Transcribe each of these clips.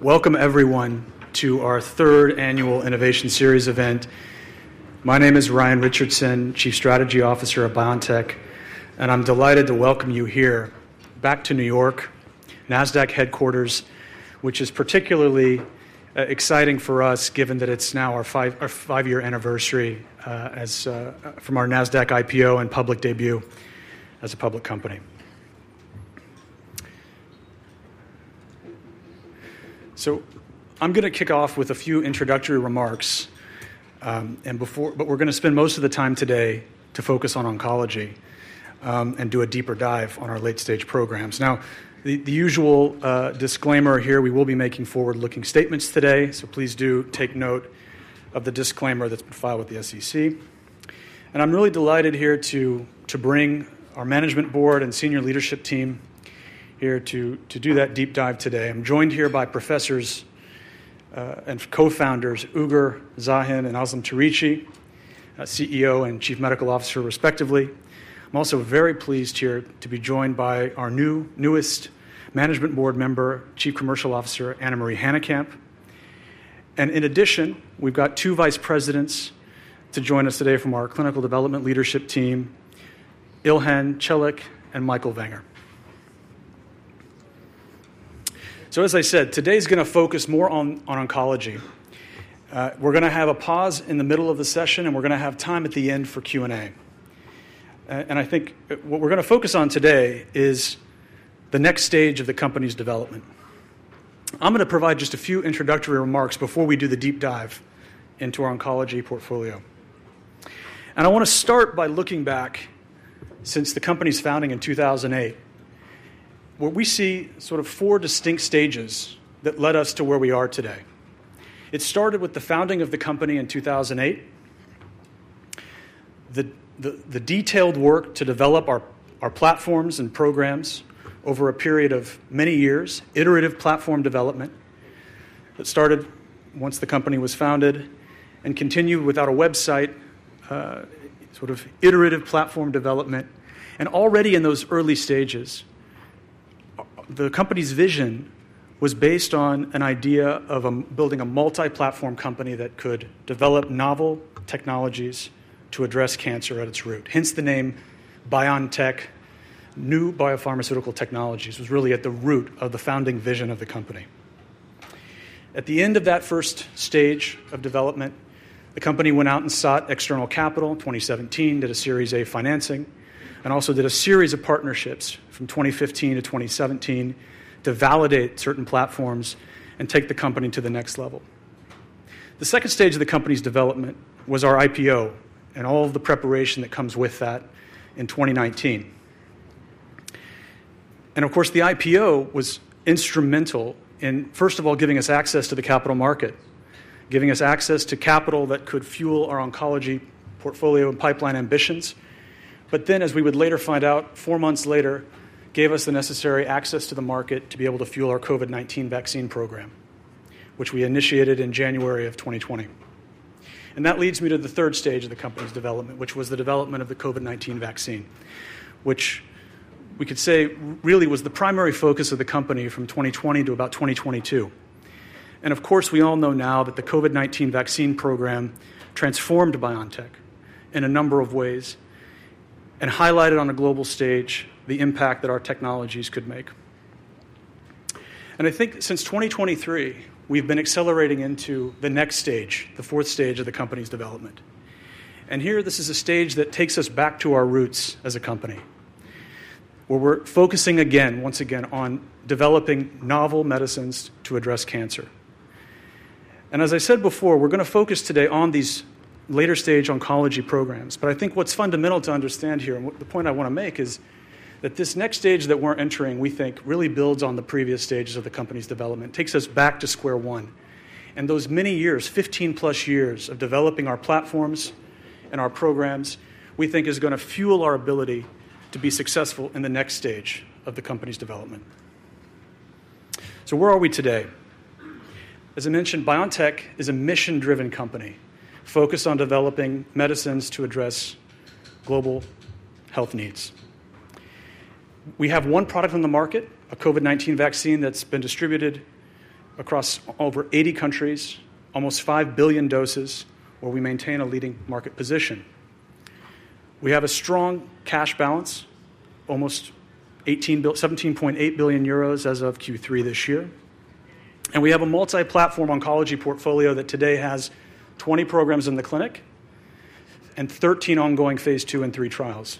Welcome, everyone, to our third annual Innovation Series event. My name is Ryan Richardson, Chief Strategy Officer at BioNTech, and I'm delighted to welcome you here back to New York, NASDAQ headquarters, which is particularly exciting for us, given that it's now our five-year anniversary from our NASDAQ IPO and public debut as a public company. So I'm going to kick off with a few introductory remarks, but we're going to spend most of the time today to focus on oncology and do a deeper dive on our late-stage programs. Now, the usual disclaimer here: we will be making forward-looking statements today, so please do take note of the disclaimer that's been filed with the SEC. I'm really delighted here to bring our management board and senior leadership team here to do that deep dive today. I'm joined here by professors and co-founders Uğur Şahin and Özlem Türeci, CEO and Chief Medical Officer, respectively. I'm also very pleased here to be joined by our newest management board member, Chief Commercial Officer Annemarie Hanekamp. And in addition, we've got two vice presidents to join us today from our clinical development leadership team, Ilhan Çelik and Michael Wenger. So, as I said, today is going to focus more on oncology. We're going to have a pause in the middle of the session, and we're going to have time at the end for Q&A. And I think what we're going to focus on today is the next stage of the company's development. I'm going to provide just a few introductory remarks before we do the deep dive into our oncology portfolio. And I want to start by looking back since the company's founding in 2008. What we see are sort of four distinct stages that led us to where we are today. It started with the founding of the company in 2008, the detailed work to develop our platforms and programs over a period of many years, iterative platform development that started once the company was founded and continued without a website, sort of iterative platform development, and already in those early stages, the company's vision was based on an idea of building a multi-platform company that could develop novel technologies to address cancer at its root. Hence the name BioNTech, New Biopharmaceutical Technologies, was really at the root of the founding vision of the company. At the end of that first stage of development, the company went out and sought external capital in 2017, did a Series A financing, and also did a series of partnerships from 2015 to 2017 to validate certain platforms and take the company to the next level. The second stage of the company's development was our IPO and all of the preparation that comes with that in 2019. And of course, the IPO was instrumental in, first of all, giving us access to the capital market, giving us access to capital that could fuel our oncology portfolio and pipeline ambitions. But then, as we would later find out, four months later, it gave us the necessary access to the market to be able to fuel our COVID-19 vaccine program, which we initiated in January of 2020. That leads me to the third stage of the company's development, which was the development of the COVID-19 vaccine, which we could say really was the primary focus of the company from 2020 to about 2022. Of course, we all know now that the COVID-19 vaccine program transformed BioNTech in a number of ways and highlighted on a global stage the impact that our technologies could make. I think since 2023, we've been accelerating into the next stage, the fourth stage of the company's development. Here, this is a stage that takes us back to our roots as a company, where we're focusing again, once again, on developing novel medicines to address cancer. As I said before, we're going to focus today on these later-stage oncology programs. I think what's fundamental to understand here, and the point I want to make, is that this next stage that we're entering, we think, really builds on the previous stages of the company's development, takes us back to square one. Those many years, 15-plus years of developing our platforms and our programs, we think is going to fuel our ability to be successful in the next stage of the company's development. Where are we today? As I mentioned, BioNTech is a mission-driven company focused on developing medicines to address global health needs. We have one product on the market, a COVID-19 vaccine that's been distributed across over 80 countries, almost 5 billion doses, where we maintain a leading market position. We have a strong cash balance, almost 17.8 billion euros as of Q3 this year. We have a multi-platform oncology portfolio that today has 20 programs in the clinic and 13 ongoing Phase II and III trials,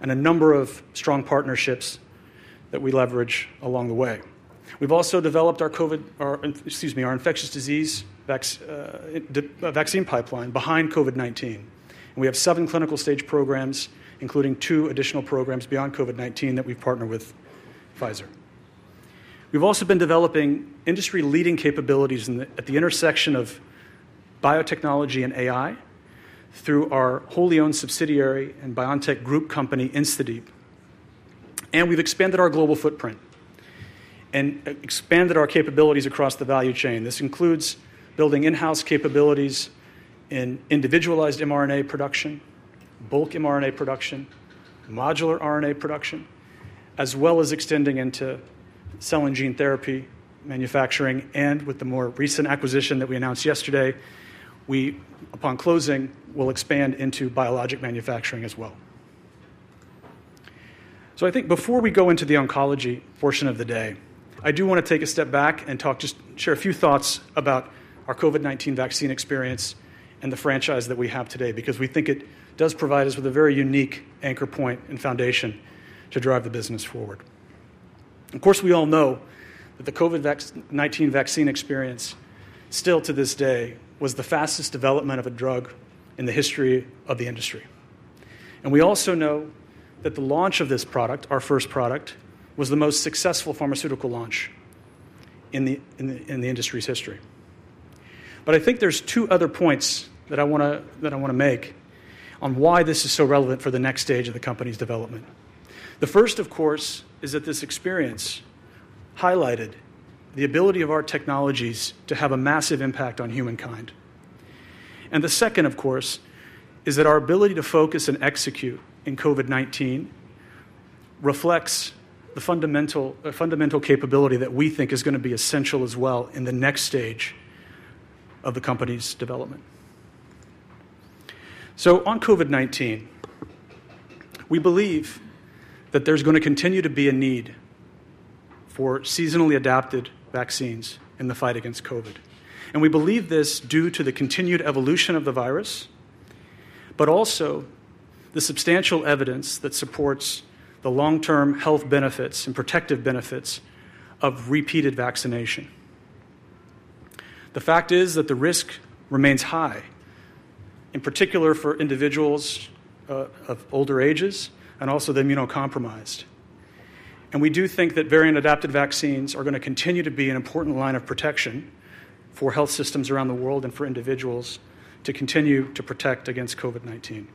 and a number of strong partnerships that we leverage along the way. We've also developed our infectious disease vaccine pipeline behind COVID-19. We have seven clinical stage programs, including two additional programs beyond COVID-19 that we've partnered with Pfizer. We've also been developing industry-leading capabilities at the intersection of biotechnology and AI through our wholly-owned subsidiary and BioNTech group company, InstaDeep. We've expanded our global footprint and expanded our capabilities across the value chain. This includes building in-house capabilities in individualized mRNA production, bulk mRNA production, modular RNA production, as well as extending into cell and gene therapy manufacturing. With the more recent acquisition that we announced yesterday, we, upon closing, will expand into biologic manufacturing as well. So I think before we go into the oncology portion of the day, I do want to take a step back and talk, just share a few thoughts about our COVID-19 vaccine experience and the franchise that we have today, because we think it does provide us with a very unique anchor point and foundation to drive the business forward. Of course, we all know that the COVID-19 vaccine experience, still to this day, was the fastest development of a drug in the history of the industry. And we also know that the launch of this product, our first product, was the most successful pharmaceutical launch in the industry's history. But I think there's two other points that I want to make on why this is so relevant for the next stage of the company's development. The first, of course, is that this experience highlighted the ability of our technologies to have a massive impact on humankind. And the second, of course, is that our ability to focus and execute in COVID-19 reflects the fundamental capability that we think is going to be essential as well in the next stage of the company's development. So on COVID-19, we believe that there's going to continue to be a need for seasonally adapted vaccines in the fight against COVID. And we believe this due to the continued evolution of the virus, but also the substantial evidence that supports the long-term health benefits and protective benefits of repeated vaccination. The fact is that the risk remains high, in particular for individuals of older ages and also the immunocompromised. We do think that variant-adapted vaccines are going to continue to be an important line of protection for health systems around the world and for individuals to continue to protect against COVID-19.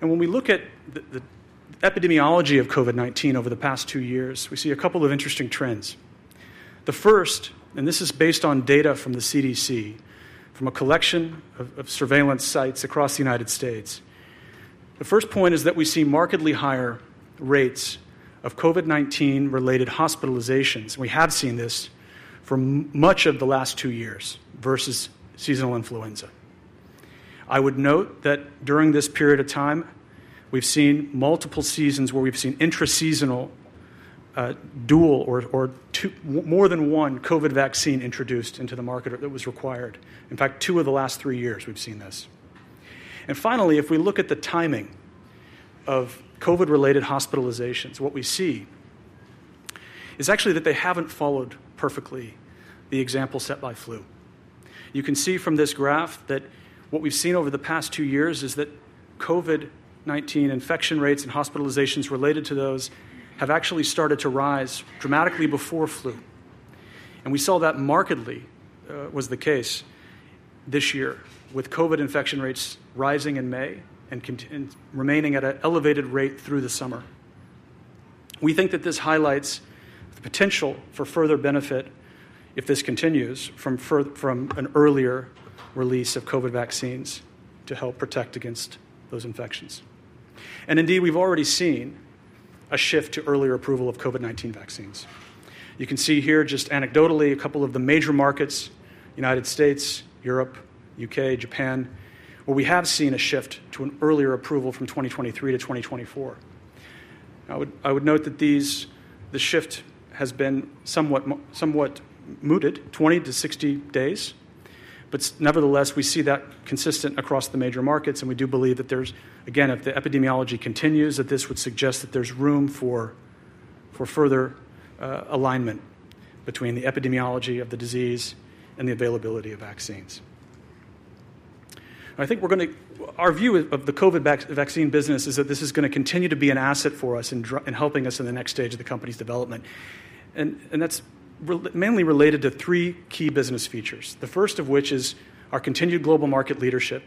When we look at the epidemiology of COVID-19 over the past two years, we see a couple of interesting trends. The first, and this is based on data from the CDC, from a collection of surveillance sites across the United States. The first point is that we see markedly higher rates of COVID-19-related hospitalizations. We have seen this for much of the last two years versus seasonal influenza. I would note that during this period of time, we've seen multiple seasons where we've seen intra-seasonal dual or more than one COVID vaccine introduced into the market that was required. In fact, two of the last three years we've seen this. Finally, if we look at the timing of COVID-related hospitalizations, what we see is actually that they haven't followed perfectly the example set by flu. You can see from this graph that what we've seen over the past two years is that COVID-19 infection rates and hospitalizations related to those have actually started to rise dramatically before flu. We saw that markedly was the case this year, with COVID infection rates rising in May and remaining at an elevated rate through the summer. We think that this highlights the potential for further benefit if this continues from an earlier release of COVID vaccines to help protect against those infections. Indeed, we've already seen a shift to earlier approval of COVID-19 vaccines. You can see here, just anecdotally, a couple of the major markets: United States, Europe, U.K., Japan, where we have seen a shift to an earlier approval from 2023 to 2024. I would note that the shift has been somewhat muted, 20-60 days. But nevertheless, we see that consistent across the major markets. And we do believe that there's, again, if the epidemiology continues, that this would suggest that there's room for further alignment between the epidemiology of the disease and the availability of vaccines. I think our view of the COVID vaccine business is that this is going to continue to be an asset for us in helping us in the next stage of the company's development. And that's mainly related to three key business features, the first of which is our continued global market leadership.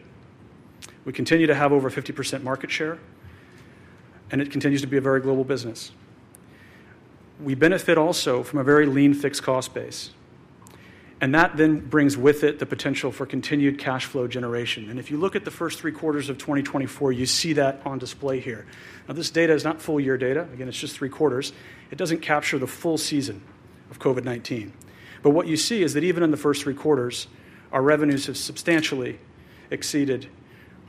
We continue to have over 50% market share, and it continues to be a very global business. We benefit also from a very lean fixed cost base, and that then brings with it the potential for continued cash flow generation, and if you look at the first three quarters of 2024, you see that on display here. Now, this data is not full-year data. Again, it's just three quarters. It doesn't capture the full season of COVID-19. But what you see is that even in the first three quarters, our revenues have substantially exceeded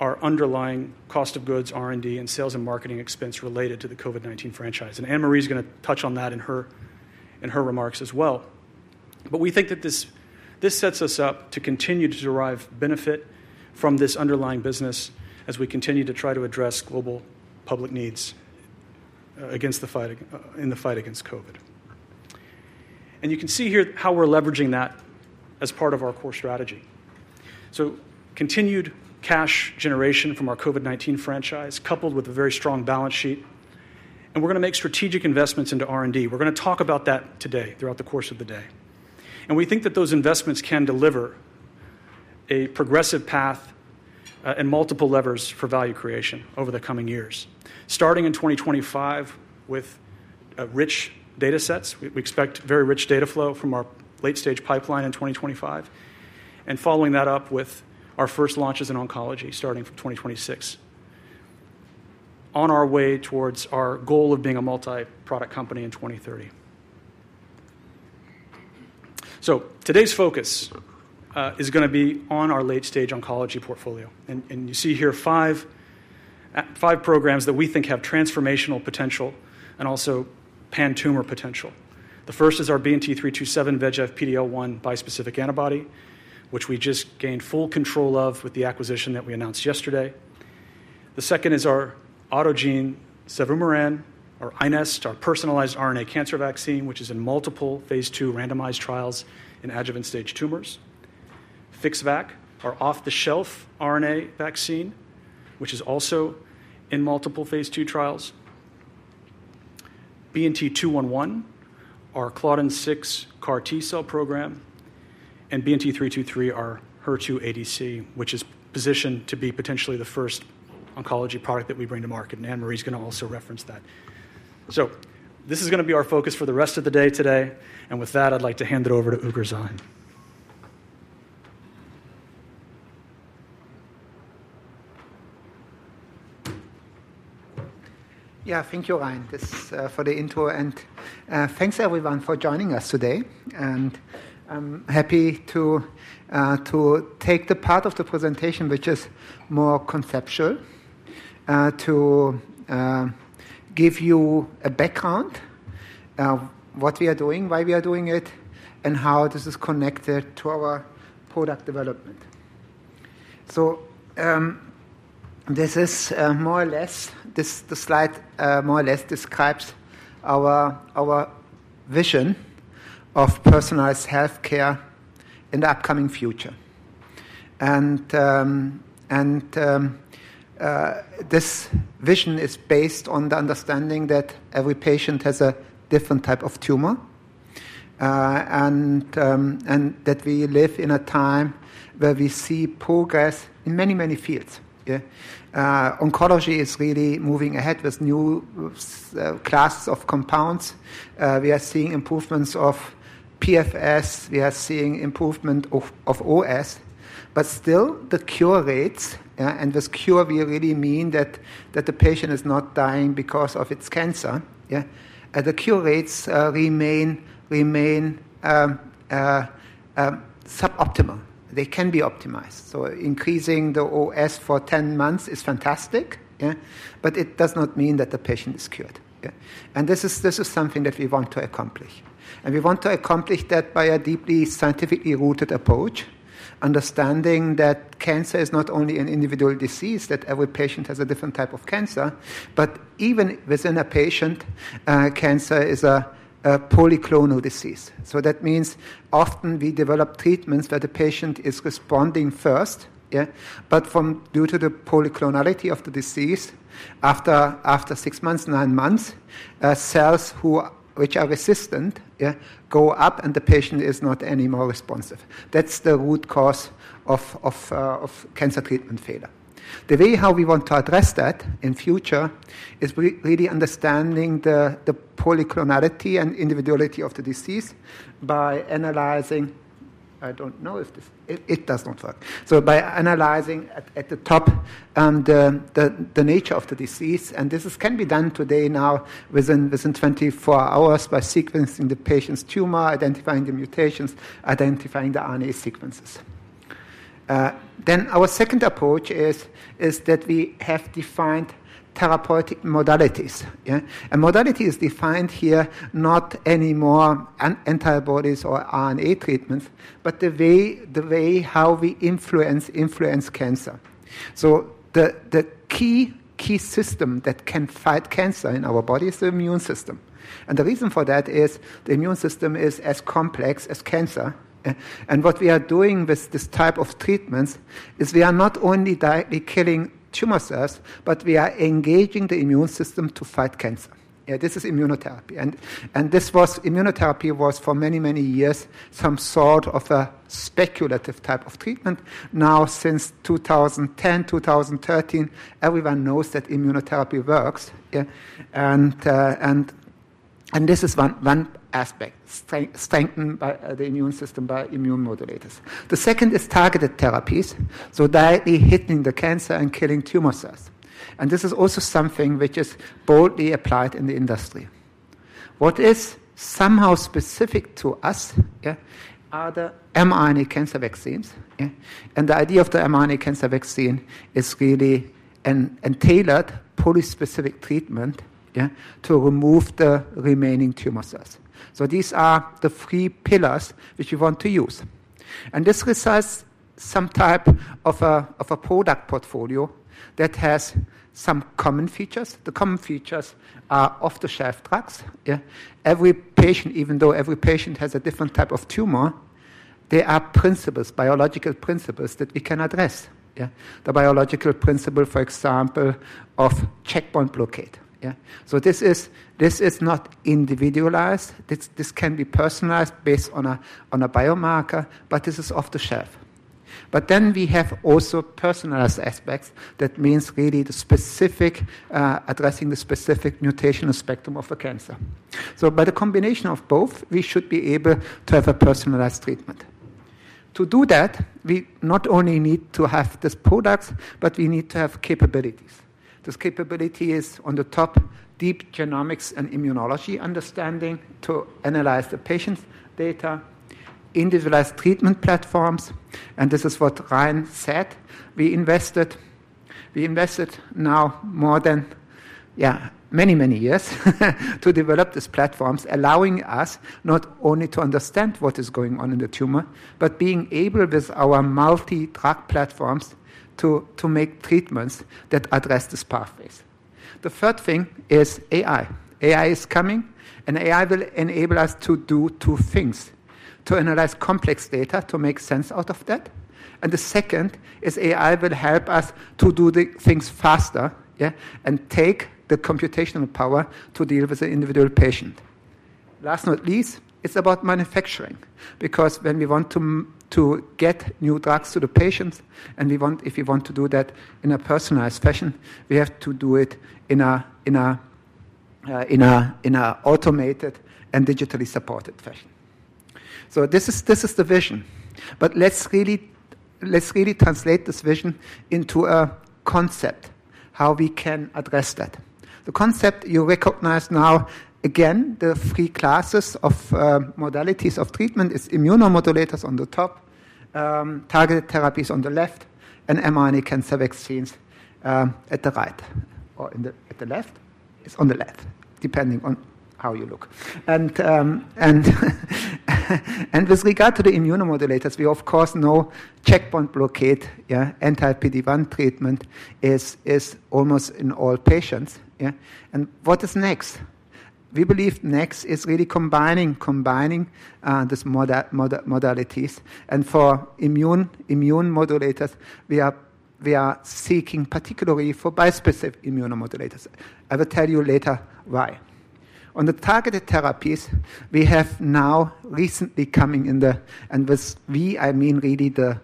our underlying cost of goods, R&D, and sales and marketing expense related to the COVID-19 franchise, and Annemarie is going to touch on that in her remarks as well. But we think that this sets us up to continue to derive benefit from this underlying business as we continue to try to address global public needs in the fight against COVID. And you can see here how we're leveraging that as part of our core strategy. So continued cash generation from our COVID-19 franchise, coupled with a very strong balance sheet. And we're going to make strategic investments into R&D. We're going to talk about that today throughout the course of the day. And we think that those investments can deliver a progressive path and multiple levers for value creation over the coming years, starting in 2025 with rich data sets. We expect very rich data flow from our late-stage pipeline in 2025, and following that up with our first launches in oncology starting from 2026, on our way towards our goal of being a multi-product company in 2030. So today's focus is going to be on our late-stage oncology portfolio. And you see here five programs that we think have transformational potential and also pan-tumor potential. The first is our BNT327 VEGF–PD-L1 bispecific antibody, which we just gained full control of with the acquisition that we announced yesterday. The second is our autogene cevumeran, our iNeST, our personalized RNA cancer vaccine, which is in multiple Phase II randomized trials in adjuvant stage tumors. FixVac, our off-the-shelf RNA vaccine, which is also in multiple Phase II trials. BNT211, our Claudin-6 CAR-T cell program. And BNT323, our HER2-ADC, which is positioned to be potentially the first oncology product that we bring to market. And Annemarie is going to also reference that. So this is going to be our focus for the rest of the day today. With that, I'd like to hand it over to Uğur Şahin. Yeah, thank you, Ryan, for the intro. Thanks, everyone, for joining us today. I'm happy to take the part of the presentation which is more conceptual to give you a background of what we are doing, why we are doing it, and how this is connected to our product development. So this is more or less the slide that describes our vision of personalized healthcare in the upcoming future. This vision is based on the understanding that every patient has a different type of tumor and that we live in a time where we see progress in many, many fields. Oncology is really moving ahead with new classes of compounds. We are seeing improvements of PFS. We are seeing improvement of OS. But still, the cure rates, and with cure, we really mean that the patient is not dying because of its cancer. The cure rates remain suboptimal. They can be optimized. So increasing the OS for 10 months is fantastic, but it does not mean that the patient is cured. And this is something that we want to accomplish. And we want to accomplish that by a deeply scientifically rooted approach, understanding that cancer is not only an individual disease, that every patient has a different type of cancer. But even within a patient, cancer is a polyclonal disease. So that means often we develop treatments where the patient is responding first. But due to the polyclonality of the disease, after six months, nine months, cells which are resistant go up, and the patient is not anymore responsive. That's the root cause of cancer treatment failure. The way how we want to address that in future is really understanding the polyclonality and individuality of the disease by analyzing at the top the nature of the disease. This can be done today now within 24 hours by sequencing the patient's tumor, identifying the mutations, identifying the RNA sequences. Our second approach is that we have defined therapeutic modalities. Modality is defined here, not anymore antibodies or RNA treatments, but the way how we influence cancer. The key system that can fight cancer in our body is the immune system. The reason for that is the immune system is as complex as cancer. What we are doing with this type of treatments is we are not only directly killing tumor cells, but we are engaging the immune system to fight cancer. This is immunotherapy. And this immunotherapy was for many, many years some sort of a speculative type of treatment. Now, since 2010, 2013, everyone knows that immunotherapy works. And this is one aspect, strengthened by the immune system by immune modulators. The second is targeted therapies, so directly hitting the cancer and killing tumor cells. And this is also something which is broadly applied in the industry. What is somehow specific to us are the mRNA cancer vaccines. And the idea of the mRNA cancer vaccine is really a tailored, fully specific treatment to remove the remaining tumor cells. So these are the three pillars which we want to use. This results in some type of a product portfolio that has some common features. The common features are off-the-shelf drugs. Every patient, even though every patient has a different type of tumor, there are principles, biological principles that we can address. The biological principle, for example, of checkpoint blockade, so this is not individualized. This can be personalized based on a biomarker, but this is off-the-shelf, but then we have also personalized aspects. That means really addressing the specific mutational spectrum of the cancer, so by the combination of both, we should be able to have a personalized treatment. To do that, we not only need to have these products, but we need to have capabilities. This capability is on the top, deep genomics and immunology understanding to analyze the patient's data, individualized treatment platforms, and this is what Ryan said. We invested now more than many, many years to develop these platforms, allowing us not only to understand what is going on in the tumor, but being able with our multi-drug platforms to make treatments that address these pathways. The third thing is AI. AI is coming, and AI will enable us to do two things: to analyze complex data to make sense out of that. And the second is AI will help us to do things faster and take the computational power to deal with the individual patient. Last but not least, it's about manufacturing. Because when we want to get new drugs to the patients, and if we want to do that in a personalized fashion, we have to do it in an automated and digitally supported fashion. So this is the vision. But let's really translate this vision into a concept, how we can address that. The concept you recognize now, again, the three classes of modalities of treatment is immunomodulators on the top, targeted therapies on the left, and mRNA cancer vaccines at the right or at the left. It's on the left, depending on how you look. And with regard to the immunomodulators, we, of course, know checkpoint blockade, anti-PD-1 treatment is almost in all patients. And what is next? We believe next is really combining these modalities. And for immune modulators, we are seeking particularly for bispecific immunomodulators. I will tell you later why. On the targeted therapies, we have now recently coming in the and with we, I mean really the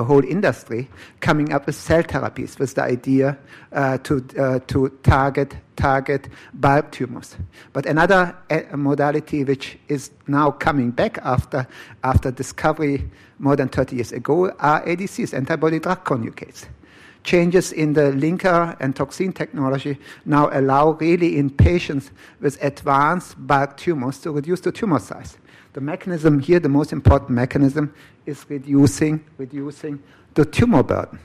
whole industry coming up with cell therapies with the idea to target solid tumors. But another modality which is now coming back after discovery more than 30 years ago are ADCs, antibody-drug conjugates. Changes in the linker and toxin technology now allow really in patients with advanced solid tumors to reduce the tumor size. The mechanism here, the most important mechanism, is reducing the tumor burden,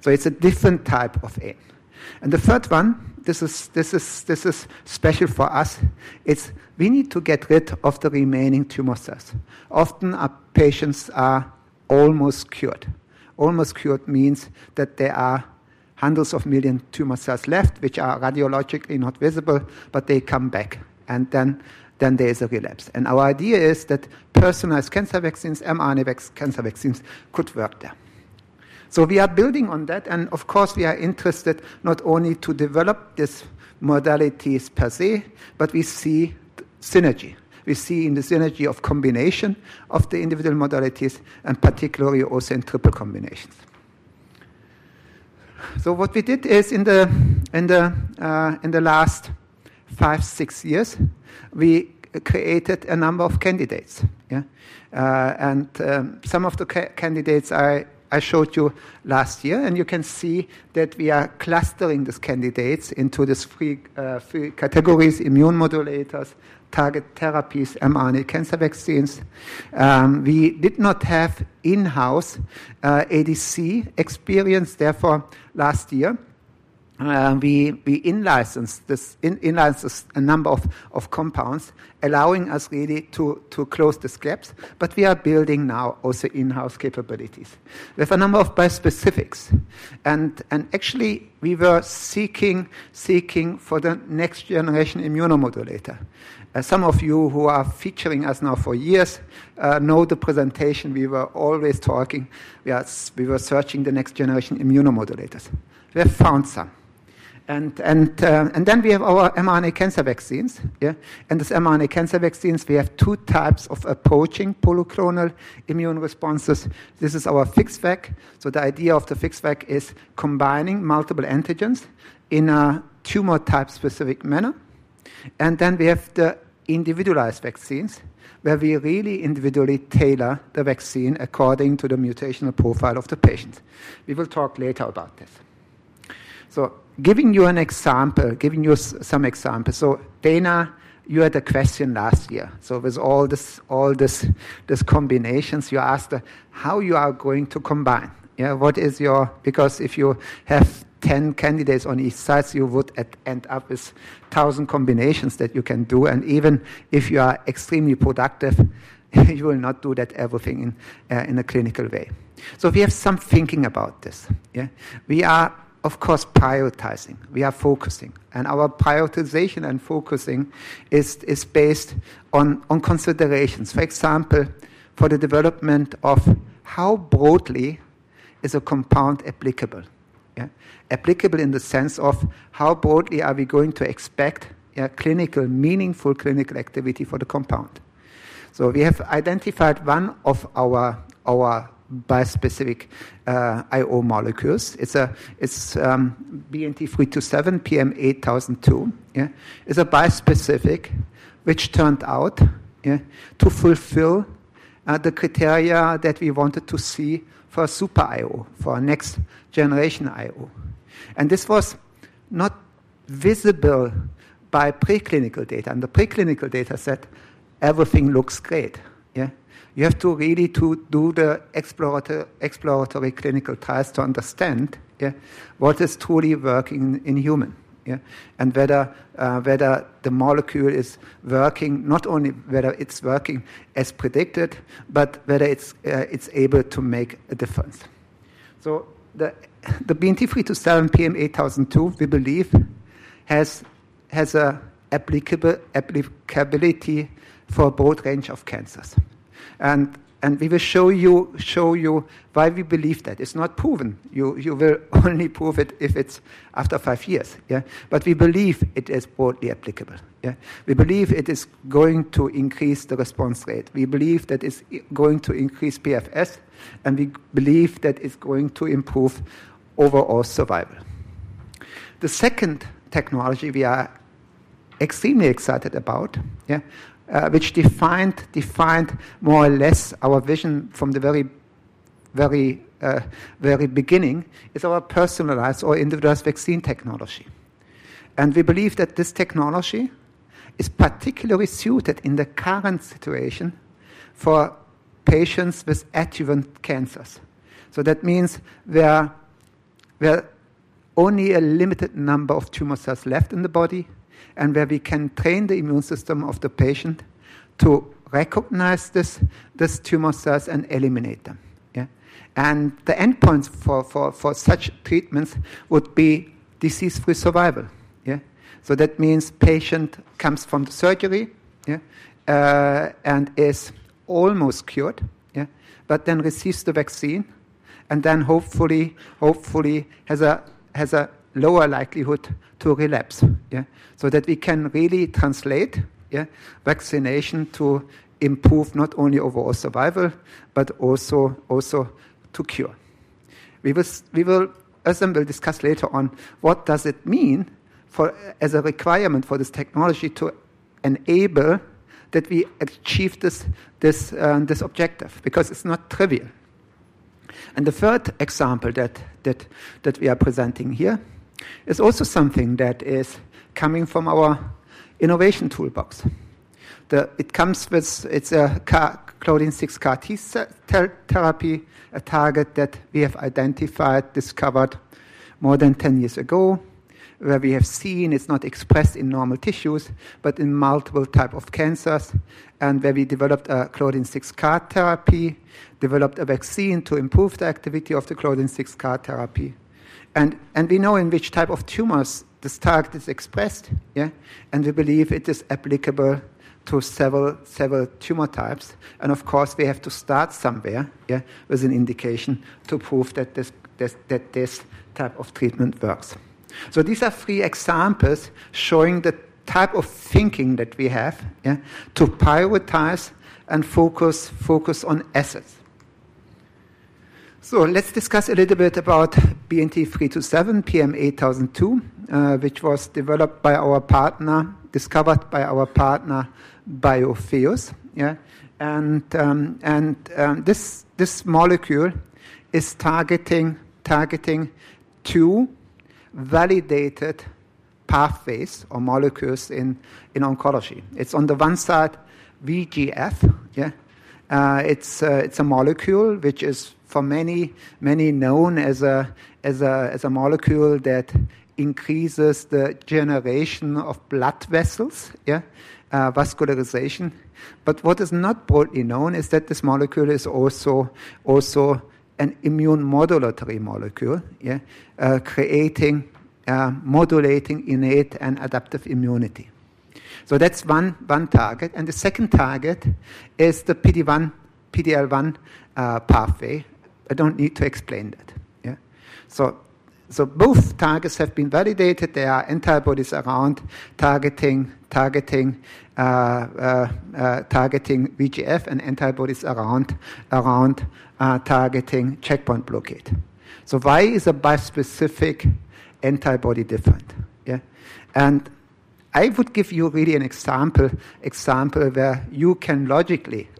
so it's a different type of ADC. And the third one, this is special for us, is we need to get rid of the remaining tumor cells. Often, our patients are almost cured. Almost cured means that there are hundreds of millions of tumor cells left which are radiologically not visible, but they come back. And then there is a relapse. And our idea is that personalized cancer vaccines, mRNA cancer vaccines could work there, so we are building on that. And of course, we are interested not only to develop these modalities per se, but we see synergy. We see in the synergy of combination of the individual modalities and particularly also in triple combinations. So what we did is in the last five, six years, we created a number of candidates. And some of the candidates I showed you last year. And you can see that we are clustering these candidates into these three categories: immune modulators, targeted therapies, mRNA cancer vaccines. We did not have in-house ADC experience. Therefore, last year, we in-licensed a number of compounds, allowing us really to close this gap. But we are building now also in-house capabilities with a number of bispecifics. And actually, we were seeking for the next generation immunomodulator. Some of you who are following us now for years know the presentation. We were always talking. We were searching the next generation immunomodulators. We have found some. And then we have our mRNA cancer vaccines. And these mRNA cancer vaccines, we have two types of approaching polyclonal immune responses. This is our FixVac. The idea of the FixVac is combining multiple antigens in a tumor-type specific manner. Then we have the individualized vaccines where we really individually tailor the vaccine according to the mutational profile of the patient. We will talk later about this. Giving you an example, giving you some examples. Daina, you had a question last year. With all these combinations, you asked how you are going to combine. Because if you have 10 candidates on each side, you would end up with 1,000 combinations that you can do. Even if you are extremely productive, you will not do that everything in a clinical way. We have some thinking about this. We are, of course, prioritizing. We are focusing. Our prioritization and focusing is based on considerations. For example, for the development of how broadly is a compound applicable? Applicable in the sense of how broadly are we going to expect meaningful clinical activity for the compound? So we have identified one of our bispecific IO molecules. It's BNT327, PM8002. It's a bispecific which turned out to fulfill the criteria that we wanted to see for a super IO, for a next generation IO. And this was not visible by preclinical data. And the preclinical data said everything looks great. You have to really do the exploratory clinical trials to understand what is truly working in humans and whether the molecule is working, not only whether it's working as predicted, but whether it's able to make a difference. So the BNT327, PM8002, we believe has applicability for a broad range of cancers. And we will show you why we believe that. It's not proven. You will only prove it if it's after five years. But we believe it is broadly applicable. We believe it is going to increase the response rate. We believe that it's going to increase PFS. And we believe that it's going to improve overall survival. The second technology we are extremely excited about, which defined more or less our vision from the very beginning, is our personalized or individualized vaccine technology. And we believe that this technology is particularly suited in the current situation for patients with adjuvant cancers. So that means there are only a limited number of tumor cells left in the body and where we can train the immune system of the patient to recognize these tumor cells and eliminate them. And the endpoints for such treatments would be disease-free survival. So that means patient comes from the surgery and is almost cured, but then receives the vaccine and then hopefully has a lower likelihood to relapse. So that we can really translate vaccination to improve not only overall survival, but also to cure. As I will discuss later on, what does it mean as a requirement for this technology to enable that we achieve this objective? Because it's not trivial. And the third example that we are presenting here is also something that is coming from our innovation toolbox. It comes with its Claudin-6 CAR-T therapy, a target that we have identified, discovered more than 10 years ago where we have seen it's not expressed in normal tissues, but in multiple types of cancers. And where we developed a Claudin-6 CAR-T therapy, developed a vaccine to improve the activity of the Claudin-6 CAR-T therapy. And we know in which type of tumors this target is expressed. And we believe it is applicable to several tumor types. Of course, we have to start somewhere with an indication to prove that this type of treatment works. These are three examples showing the type of thinking that we have to prioritize and focus on assets. Let's discuss a little bit about BNT327, PM8002, which was developed by our partner, discovered by our partner, Biotheus. This molecule is targeting two validated pathways or molecules in oncology. It's on the one side, VEGF. It's a molecule which is for many known as a molecule that increases the generation of blood vessels, vascularization. What is not broadly known is that this molecule is also an immune modulatory molecule creating, modulating innate and adaptive immunity. That's one target. The second target is the PD-L1 pathway. I don't need to explain that. Both targets have been validated. There are antibodies around targeting VEGF and antibodies around targeting checkpoint blockade. So why is a bispecific antibody different? And I would give you really an example where you can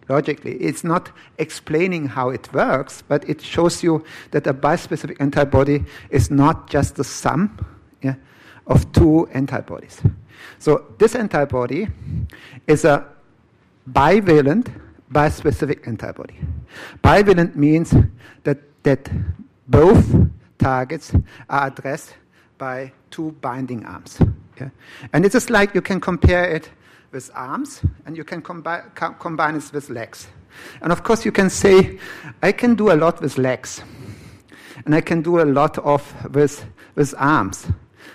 logically it's not explaining how it works, but it shows you that a bispecific antibody is not just the sum of two antibodies. So this antibody is a bivalent bispecific antibody. Bivalent means that both targets are addressed by two binding arms. And it's just like you can compare it with arms and you can combine it with legs. And of course, you can say, I can do a lot with legs. And I can do a lot with arms.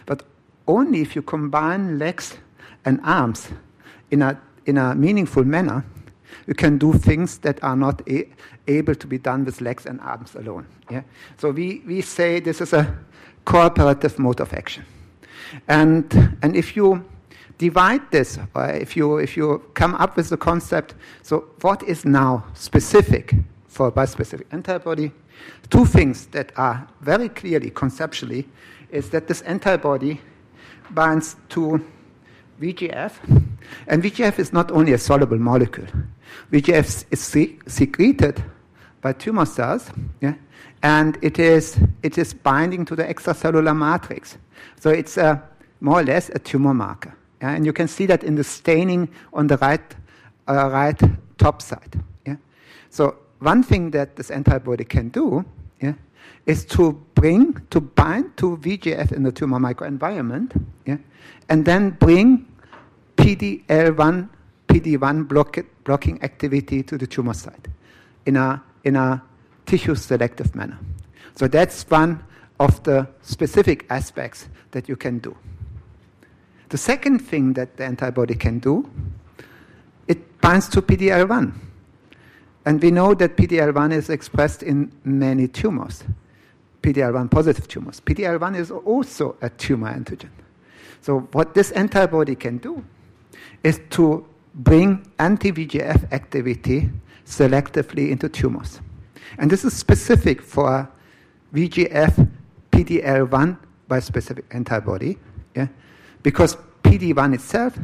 But only if you combine legs and arms in a meaningful manner, you can do things that are not able to be done with legs and arms alone. So we say this is a cooperative mode of action. If you divide this, if you come up with the concept, so what is now specific for a bispecific antibody? Two things that are very clearly conceptually is that this antibody binds to VEGF. And VEGF is not only a soluble molecule. VEGF is secreted by tumor cells. And it is binding to the extracellular matrix. So it's more or less a tumor marker. And you can see that in the staining on the right top side. So one thing that this antibody can do is to bind to VEGF in the tumor microenvironment and then bring PD-L1 blocking activity to the tumor site in a tissue-selective manner. So that's one of the specific aspects that you can do. The second thing that the antibody can do, it binds to PD-L1. And we know that PD-L1 is expressed in many tumors, PD-L1-positive tumors. PD-L1 is also a tumor antigen. So what this antibody can do is to bring anti-VEGF activity selectively into tumors. And this is specific for VEGF–PD-L1 bispecific antibody because PD-1 itself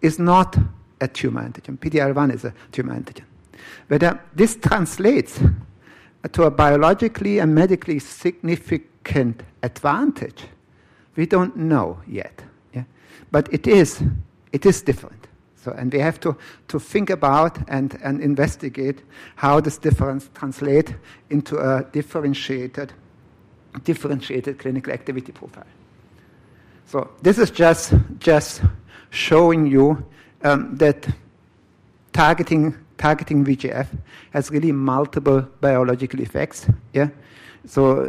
is not a tumor antigen. PD-L1 is a tumor antigen. Whether this translates to a biologically and medically significant advantage, we don't know yet. But it is different. And we have to think about and investigate how this difference translates into a differentiated clinical activity profile. So this is just showing you that targeting VEGF has really multiple biological effects. So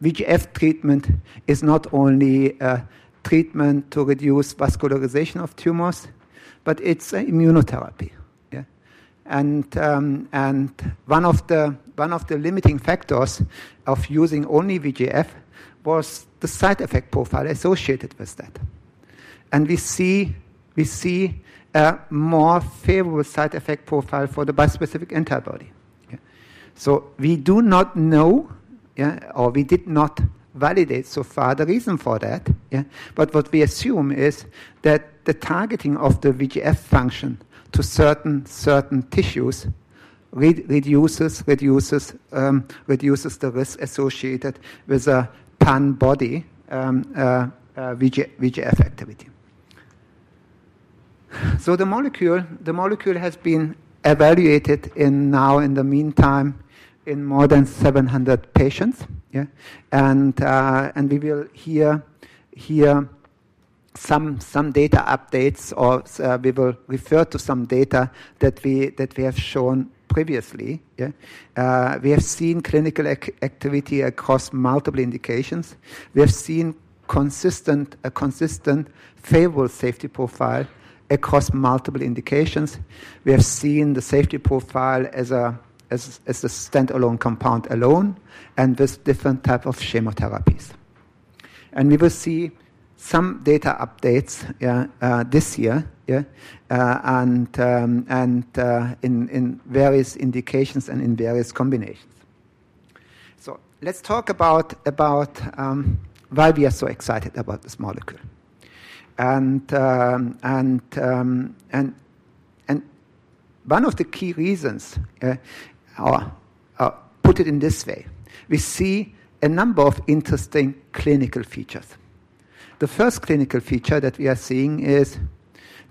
VEGF treatment is not only a treatment to reduce vascularization of tumors, but it's an immunotherapy. And one of the limiting factors of using only VEGF was the side effect profile associated with that. And we see a more favorable side effect profile for the bispecific antibody. So we do not know, or we did not validate so far the reason for that. What we assume is that the targeting of the VEGF function to certain tissues reduces the risk associated with a pan-body VEGF activity. The molecule has been evaluated now in the meantime in more than 700 patients. We will hear some data updates or we will refer to some data that we have shown previously. We have seen clinical activity across multiple indications. We have seen a consistent favorable safety profile across multiple indications. We have seen the safety profile as a standalone compound alone and with different types of chemotherapies. We will see some data updates this year and in various indications and in various combinations. Let's talk about why we are so excited about this molecule. One of the key reasons I'll put it in this way. We see a number of interesting clinical features. The first clinical feature that we are seeing is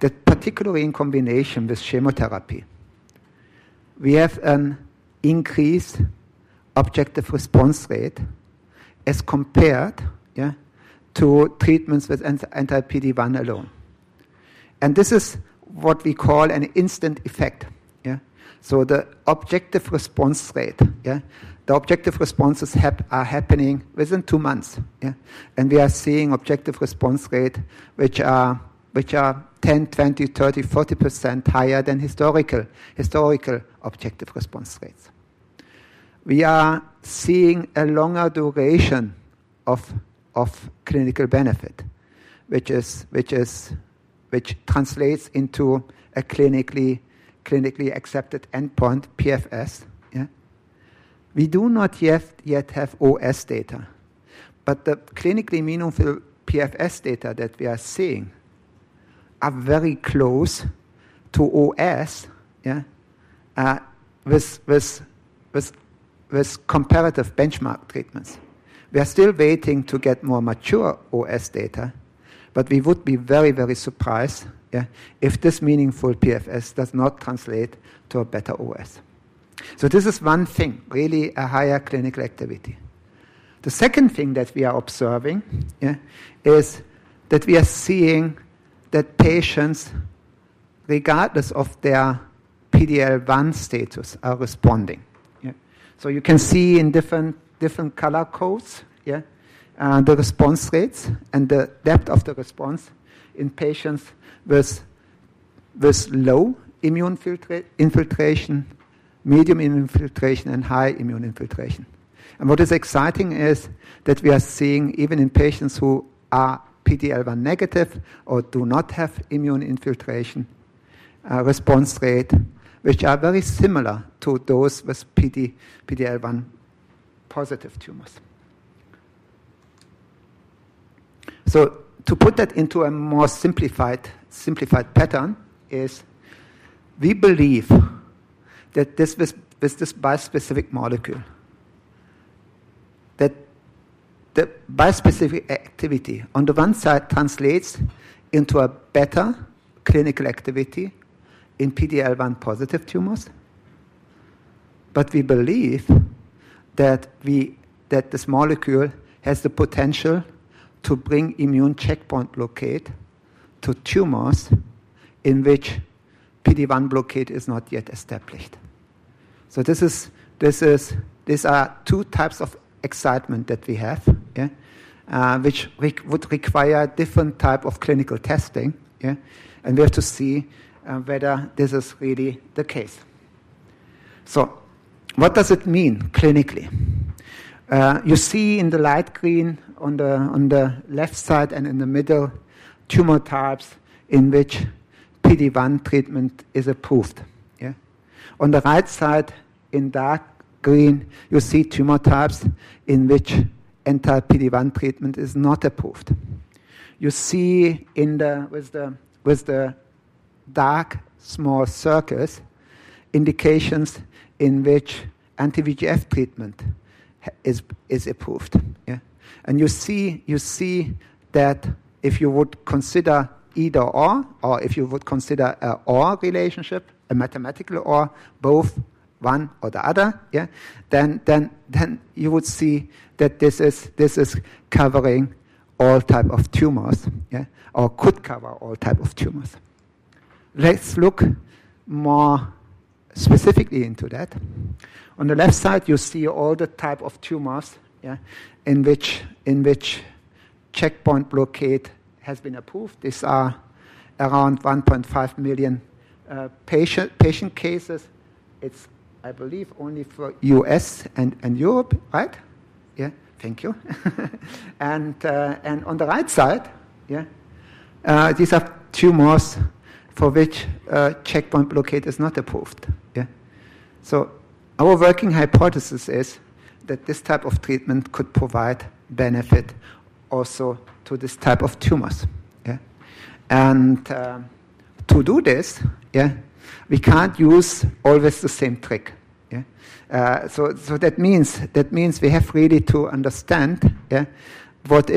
that particularly in combination with chemotherapy, we have an increased objective response rate as compared to treatments with anti-PD-1 alone. And this is what we call an instant effect. So the objective response rate, the objective responses are happening within two months. And we are seeing objective response rates which are 10%, 20%, 30%, 40% higher than historical objective response rates. We are seeing a longer duration of clinical benefit, which translates into a clinically accepted endpoint, PFS. We do not yet have OS data. But the clinically meaningful PFS data that we are seeing are very close to OS with comparative benchmark treatments. We are still waiting to get more mature OS data, but we would be very, very surprised if this meaningful PFS does not translate to a better OS. This is one thing, really a higher clinical activity. The second thing that we are observing is that we are seeing that patients, regardless of their PD-L1 status, are responding. You can see in different color codes the response rates and the depth of the response in patients with low immune infiltration, medium immune infiltration, and high immune infiltration. What is exciting is that we are seeing even in patients who are PD-L1 negative or do not have immune infiltration response rate, which are very similar to those with PD-L1 positive tumors. To put that into a more simplified pattern is we believe that this bispecific molecule, that the bispecific activity on the one side translates into a better clinical activity in PD-L1 positive tumors. But we believe that this molecule has the potential to bring immune checkpoint blockade to tumors in which PD-1 blockade is not yet established. So these are two types of excitement that we have, which would require different types of clinical testing. And we have to see whether this is really the case. So what does it mean clinically? You see in the light green on the left side and in the middle tumor types in which PD-1 treatment is approved. On the right side in dark green, you see tumor types in which anti-PD-1 treatment is not approved. You see with the dark small circles indications in which anti-VEGF treatment is approved. And you see that if you would consider either/or or if you would consider an or relationship, a mathematical or both, one or the other, then you would see that this is covering all types of tumors or could cover all types of tumors. Let's look more specifically into that. On the left side, you see all the types of tumors in which checkpoint blockade has been approved. These are around 1.5 million patient cases. It's, I believe, only for U.S. and Europe, right? Yeah, thank you. And on the right side, these are tumors for which checkpoint blockade is not approved. So our working hypothesis is that this type of treatment could provide benefit also to this type of tumors. And to do this, we can't use always the same trick. So that means we have really to understand what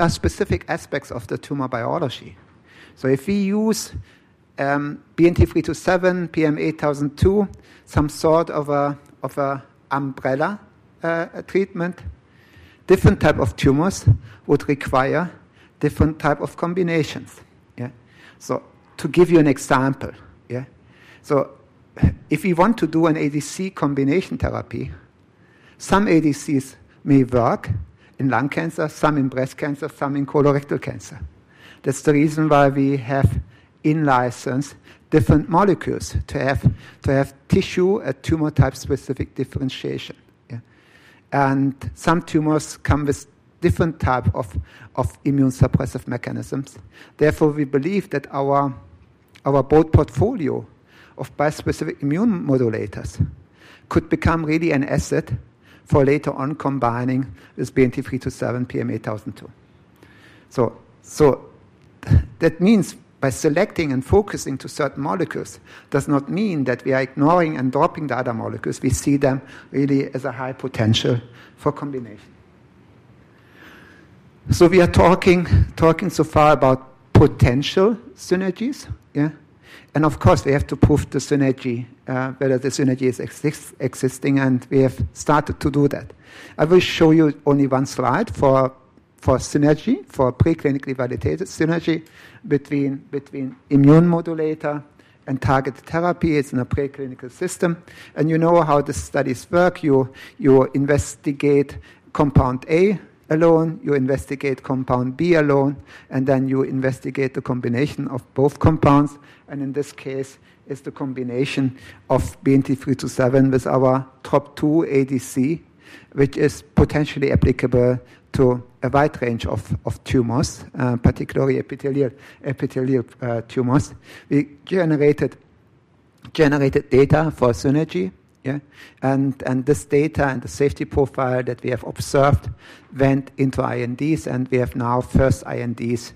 are specific aspects of the tumor biology. If we use BNT327, PM8002, some sort of an umbrella treatment, different types of tumors would require different types of combinations. To give you an example, if we want to do an ADC combination therapy, some ADCs may work in lung cancer, some in breast cancer, some in colorectal cancer. That's the reason why we have in-licensed different molecules to have tissue-agnostic tumor-type specific differentiation. Some tumors come with different types of immunosuppressive mechanisms. Therefore, we believe that our broad portfolio of bispecific immune modulators could become really an asset for later on combining with BNT327, PM8002. That means by selecting and focusing to certain molecules does not mean that we are ignoring and dropping the other molecules. We see them really as a high potential for combination. We are talking so far about potential synergies. Of course, we have to prove the synergy, whether the synergy is existing. We have started to do that. I will show you only one slide for synergy, for preclinically validated synergy between immune modulator and targeted therapy in a preclinical system. You know how the studies work. You investigate compound A alone. You investigate compound B alone. Then you investigate the combination of both compounds. In this case, it's the combination of BNT327 with our TROP2 ADC, which is potentially applicable to a wide range of tumors, particularly epithelial tumors. We generated data for synergy. This data and the safety profile that we have observed went into INDs. We have now first INDs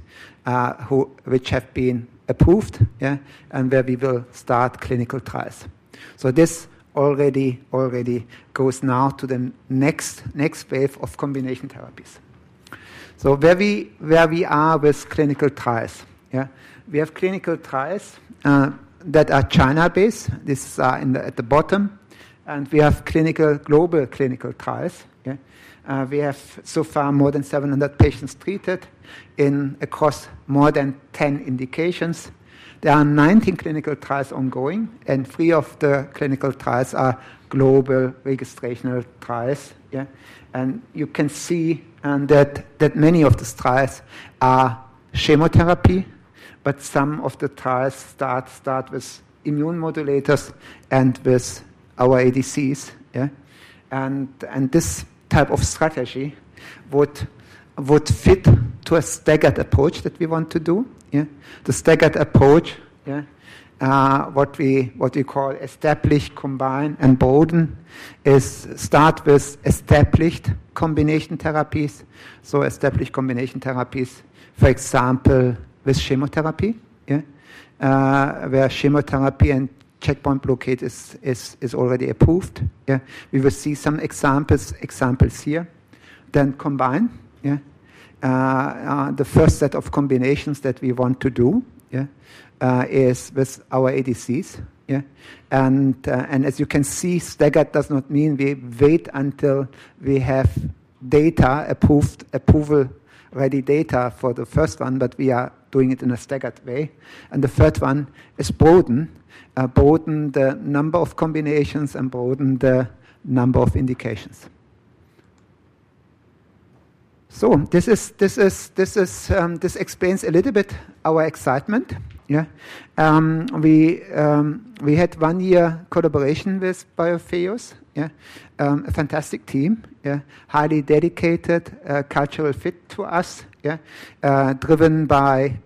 which have been approved and where we will start clinical trials. This already goes now to the next wave of combination therapies. Where we are with clinical trials, we have clinical trials that are China-based. These are at the bottom. And we have global clinical trials. We have so far more than 700 patients treated across more than 10 indications. There are 19 clinical trials ongoing. And three of the clinical trials are global registrational trials. And you can see that many of these trials are chemotherapy, but some of the trials start with immune modulators and with our ADCs. And this type of strategy would fit to a staggered approach that we want to do. The staggered approach, what we call established, combined, and broaden, is start with established combination therapies. So established combination therapies, for example, with chemotherapy, where chemotherapy and checkpoint blockade is already approved. We will see some examples here. Then combined. The first set of combinations that we want to do is with our ADCs. And as you can see, staggered does not mean we wait until we have approval-ready data for the first one, but we are doing it in a staggered way. And the third one is broaden, broaden the number of combinations and broaden the number of indications. So this explains a little bit our excitement. We had one year collaboration with Biotheus, a fantastic team, highly dedicated, culturally fit to us, driven by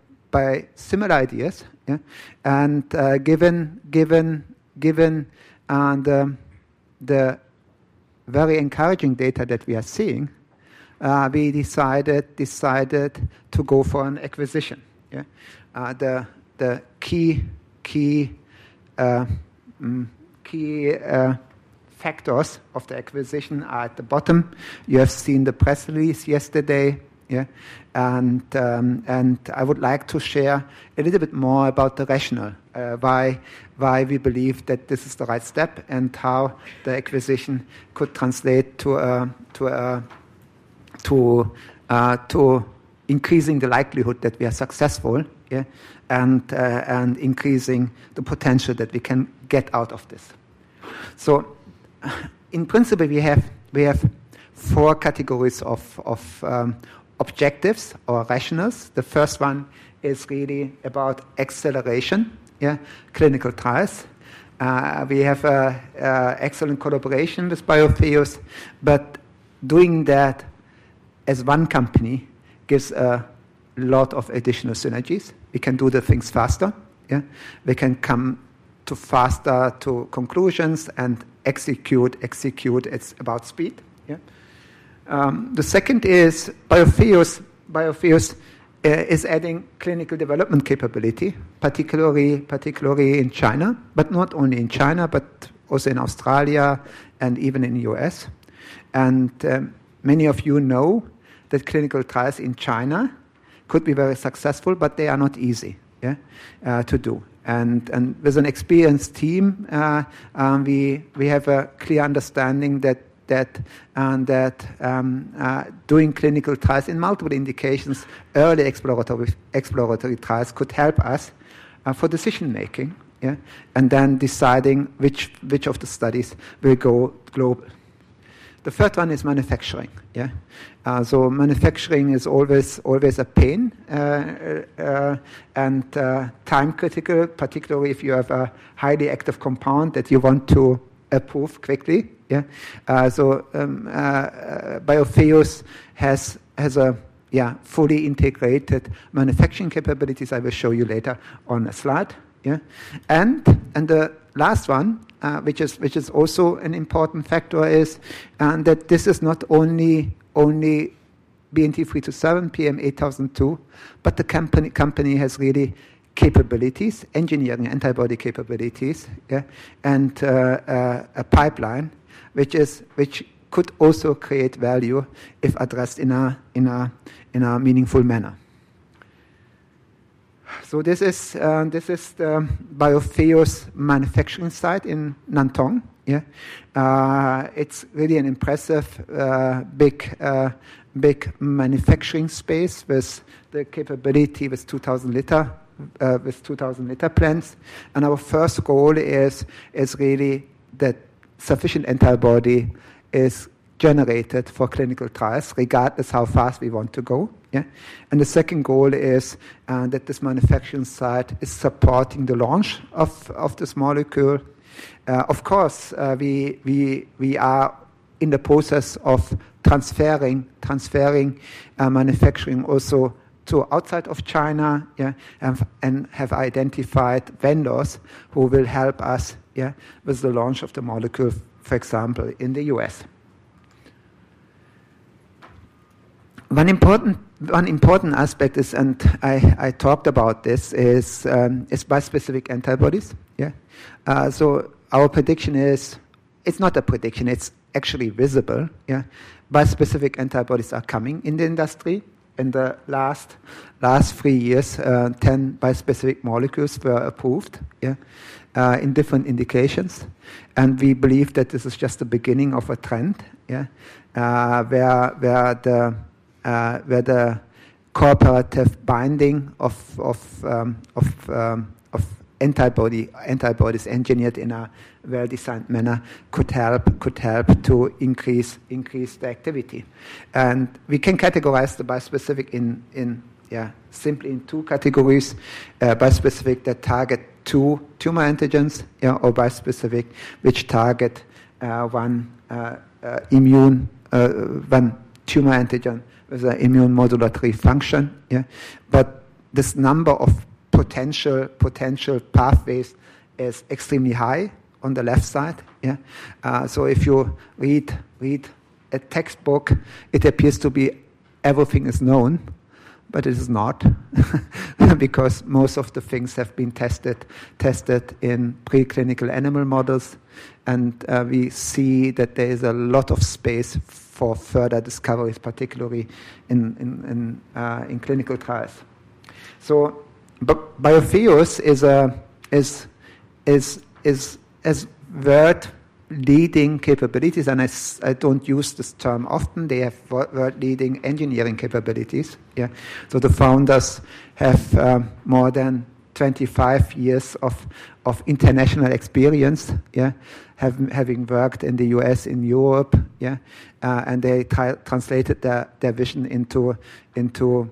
similar ideas. And given the very encouraging data that we are seeing, we decided to go for an acquisition. The key factors of the acquisition are at the bottom. You have seen the press release yesterday. I would like to share a little bit more about the rationale, why we believe that this is the right step and how the acquisition could translate to increasing the likelihood that we are successful and increasing the potential that we can get out of this. In principle, we have four categories of objectives or rationales. The first one is really about acceleration, clinical trials. We have excellent collaboration with Biotheus, but doing that as one company gives a lot of additional synergies. We can do the things faster. We can come faster to conclusions and execute. It's about speed. The second is Biotheus is adding clinical development capability, particularly in China, but not only in China, but also in Australia and even in the U.S.. Many of you know that clinical trials in China could be very successful, but they are not easy to do. With an experienced team, we have a clear understanding that doing clinical trials in multiple indications, early exploratory trials could help us for decision-making and then deciding which of the studies will go global. The third one is manufacturing. Manufacturing is always a pain and time-critical, particularly if you have a highly active compound that you want to approve quickly. Biotheus has fully integrated manufacturing capabilities I will show you later on the slide. The last one, which is also an important factor, is that this is not only BNT327, PM8002, but the company has really capabilities, engineering antibody capabilities, and a pipeline which could also create value if addressed in a meaningful manner. This is the Biotheus manufacturing site in Nantong. It's really an impressive, big manufacturing space with the capability with 2,000-liter plants. Our first goal is really that sufficient antibody is generated for clinical trials regardless of how fast we want to go. The second goal is that this manufacturing site is supporting the launch of this molecule. Of course, we are in the process of transferring manufacturing also to outside of China and have identified vendors who will help us with the launch of the molecule, for example, in the U.S.. One important aspect, and I talked about this, is bispecific antibodies. Our prediction is it's not a prediction. It's actually visible. Bispecific antibodies are coming in the industry. In the last three years, 10 bispecific molecules were approved in different indications. We believe that this is just the beginning of a trend where the cooperative binding of antibodies engineered in a well-designed manner could help to increase the activity. And we can categorize the bispecific simply in two categories. Bispecific that target two tumor antigens or bispecific which target one tumor antigen with an immune modulatory function. But this number of potential pathways is extremely high on the left side. So if you read a textbook, it appears to be everything is known, but it is not because most of the things have been tested in preclinical animal models. And we see that there is a lot of space for further discoveries, particularly in clinical trials. So Biotheus has world-leading capabilities. And I don't use this term often. They have world-leading engineering capabilities. So the founders have more than 25 years of international experience having worked in the U.S., in Europe. And they translated their vision into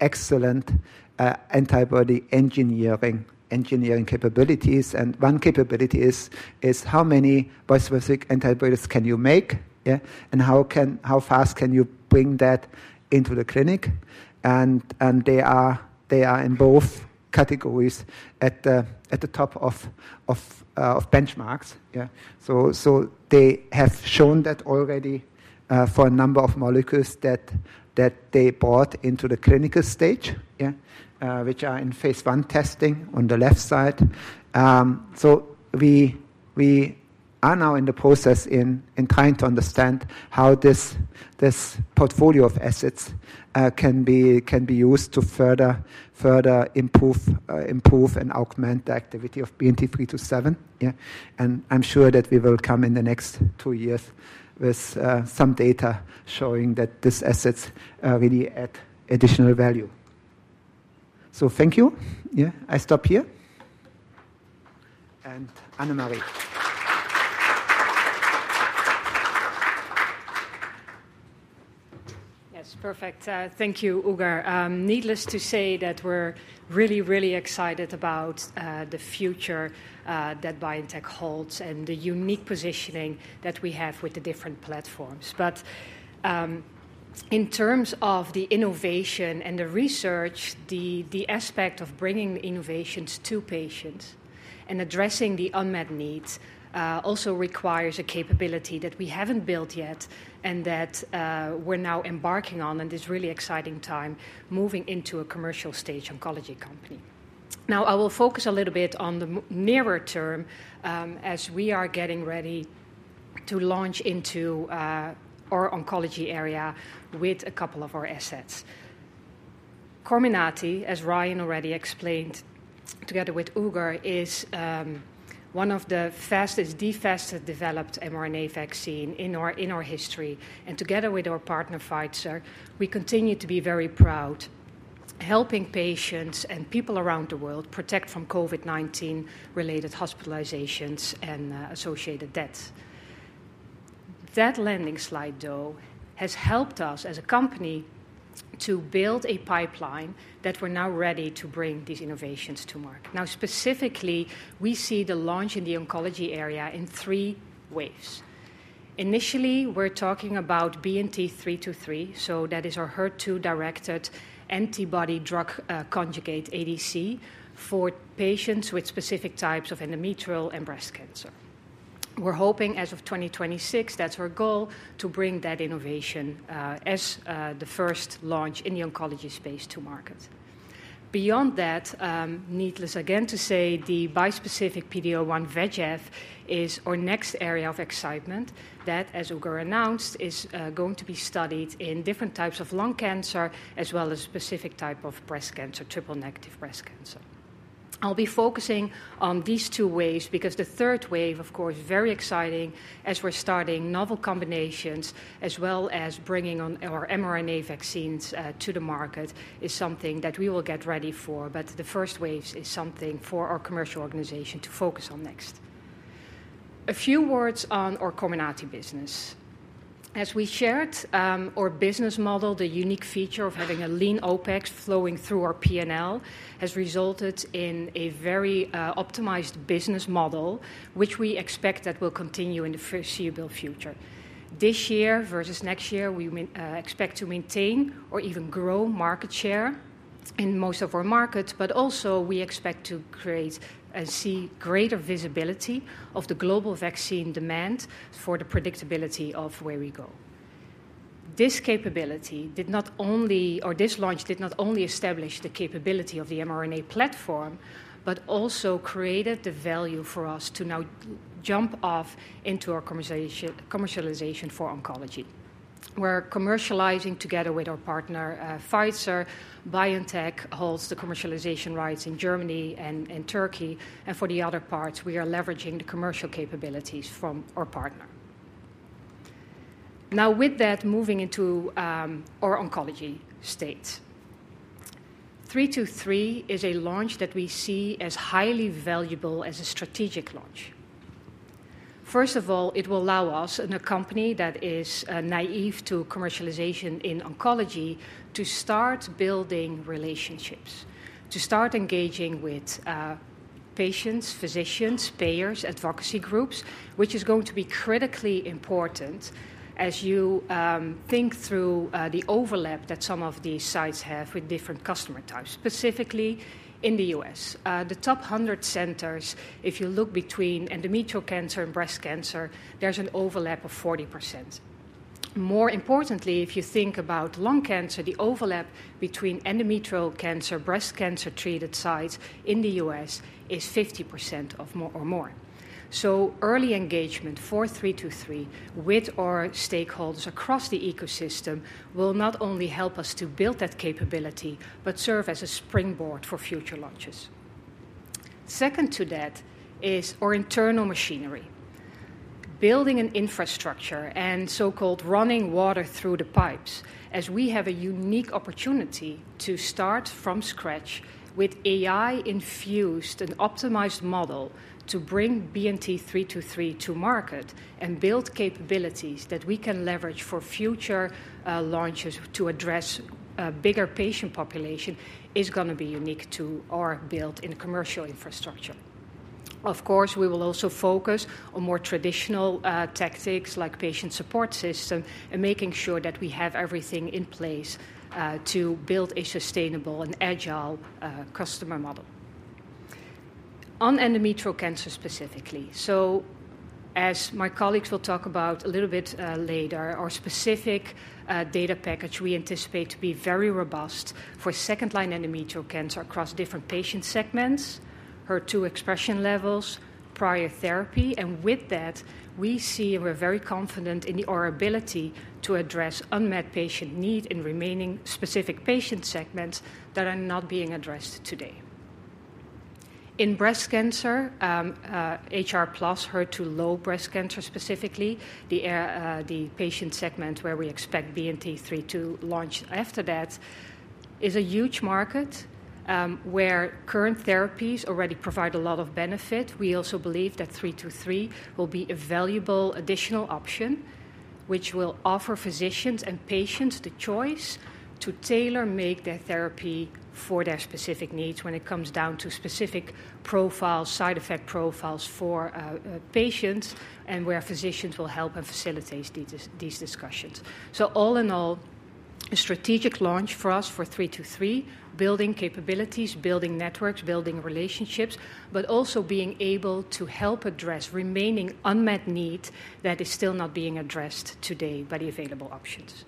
excellent antibody engineering capabilities. One capability is how many bispecific antibodies can you make and how fast can you bring that into the clinic. They are in both categories at the top of benchmarks. They have shown that already for a number of molecules that they brought into the clinical stage, which are in Phase I testing on the left side. We are now in the process in trying to understand how this portfolio of assets can be used to further improve and augment the activity of BNT327. I'm sure that we will come in the next two years with some data showing that these assets really add additional value. Thank you. I stop here. Annemarie. Yes, perfect. Thank you, Uğur. Needless to say that we're really, really excited about the future that BioNTech holds and the unique positioning that we have with the different platforms. But in terms of the innovation and the research, the aspect of bringing innovations to patients and addressing the unmet needs also requires a capability that we haven't built yet and that we're now embarking on in this really exciting time moving into a commercial stage oncology company. Now, I will focus a little bit on the nearer term as we are getting ready to launch into our oncology area with a couple of our assets. Comirnaty, as Ryan already explained together with Uğur, is one of the fastest, the fastest developed mRNA vaccine in our history. And together with our partner, Pfizer, we continue to be very proud helping patients and people around the world protect from COVID-19-related hospitalizations and associated deaths. That landslide, though, has helped us as a company to build a pipeline that we're now ready to bring these innovations to market. Now, specifically, we see the launch in the oncology area in three waves. Initially, we're talking about BNT323. So that is our HER2-directed antibody-drug conjugate ADC for patients with specific types of endometrial and breast cancer. We're hoping, as of 2026, that's our goal, to bring that innovation as the first launch in the oncology space to market. Beyond that, needless again to say, the bispecific PD-L1 VEGF is our next area of excitement that, as Uğur announced, is going to be studied in different types of lung cancer as well as specific types of breast cancer, triple-negative breast cancer. I'll be focusing on these two waves because the third wave, of course, is very exciting as we're starting novel combinations as well as bringing our mRNA vaccines to the market, is something that we will get ready for. But the first wave is something for our commercial organization to focus on next. A few words on our Comirnaty business. As we shared, our business model, the unique feature of having a lean OPEX flowing through our P&L, has resulted in a very optimized business model, which we expect that will continue in the foreseeable future. This year versus next year, we expect to maintain or even grow market share in most of our markets, but also we expect to create and see greater visibility of the global vaccine demand for the predictability of where we go. This capability did not only, or this launch did not only establish the capability of the mRNA platform, but also created the value for us to now jump off into our commercialization for oncology. We're commercializing together with our partner, Pfizer. BioNTech holds the commercialization rights in Germany and Turkey. For the other parts, we are leveraging the commercial capabilities from our partner. Now, with that, moving into our oncology slate. BNT323 is a launch that we see as highly valuable as a strategic launch. First of all, it will allow us, in a company that is naive to commercialization in oncology, to start building relationships, to start engaging with patients, physicians, payers, advocacy groups, which is going to be critically important as you think through the overlap that some of these sites have with different customer types, specifically in the U.S. The top 100 centers, if you look between endometrial cancer and breast cancer, there's an overlap of 40%. More importantly, if you think about lung cancer, the overlap between endometrial cancer, breast cancer-treated sites in the U.S. is 50% or more. Early engagement for BNT323 with our stakeholders across the ecosystem will not only help us to build that capability, but serve as a springboard for future launches. Second to that is our internal machinery. Building an infrastructure and so-called running water through the pipes as we have a unique opportunity to start from scratch with AI-infused and optimized model to bring BNT323 to market and build capabilities that we can leverage for future launches to address a bigger patient population is going to be unique to our built-in commercial infrastructure. Of course, we will also focus on more traditional tactics like patient support system and making sure that we have everything in place to build a sustainable and agile customer model. On endometrial cancer specifically, so as my colleagues will talk about a little bit later, our specific data package we anticipate to be very robust for second-line endometrial cancer across different patient segments, HER2 expression levels, prior therapy. And with that, we see and we're very confident in our ability to address unmet patient needs in remaining specific patient segments that are not being addressed today. In breast cancer, HR plus HER2 low breast cancer specifically, the patient segment where we expect BNT323 to launch after that is a huge market where current therapies already provide a lot of benefit. We also believe that 323 will be a valuable additional option which will offer physicians and patients the choice to tailor-make their therapy for their specific needs when it comes down to specific profiles, side effect profiles for patients, and where physicians will help and facilitate these discussions. So all in all, a strategic launch for us for 323, building capabilities, building networks, building relationships, but also being able to help address remaining unmet needs that are still not being addressed today by the available options.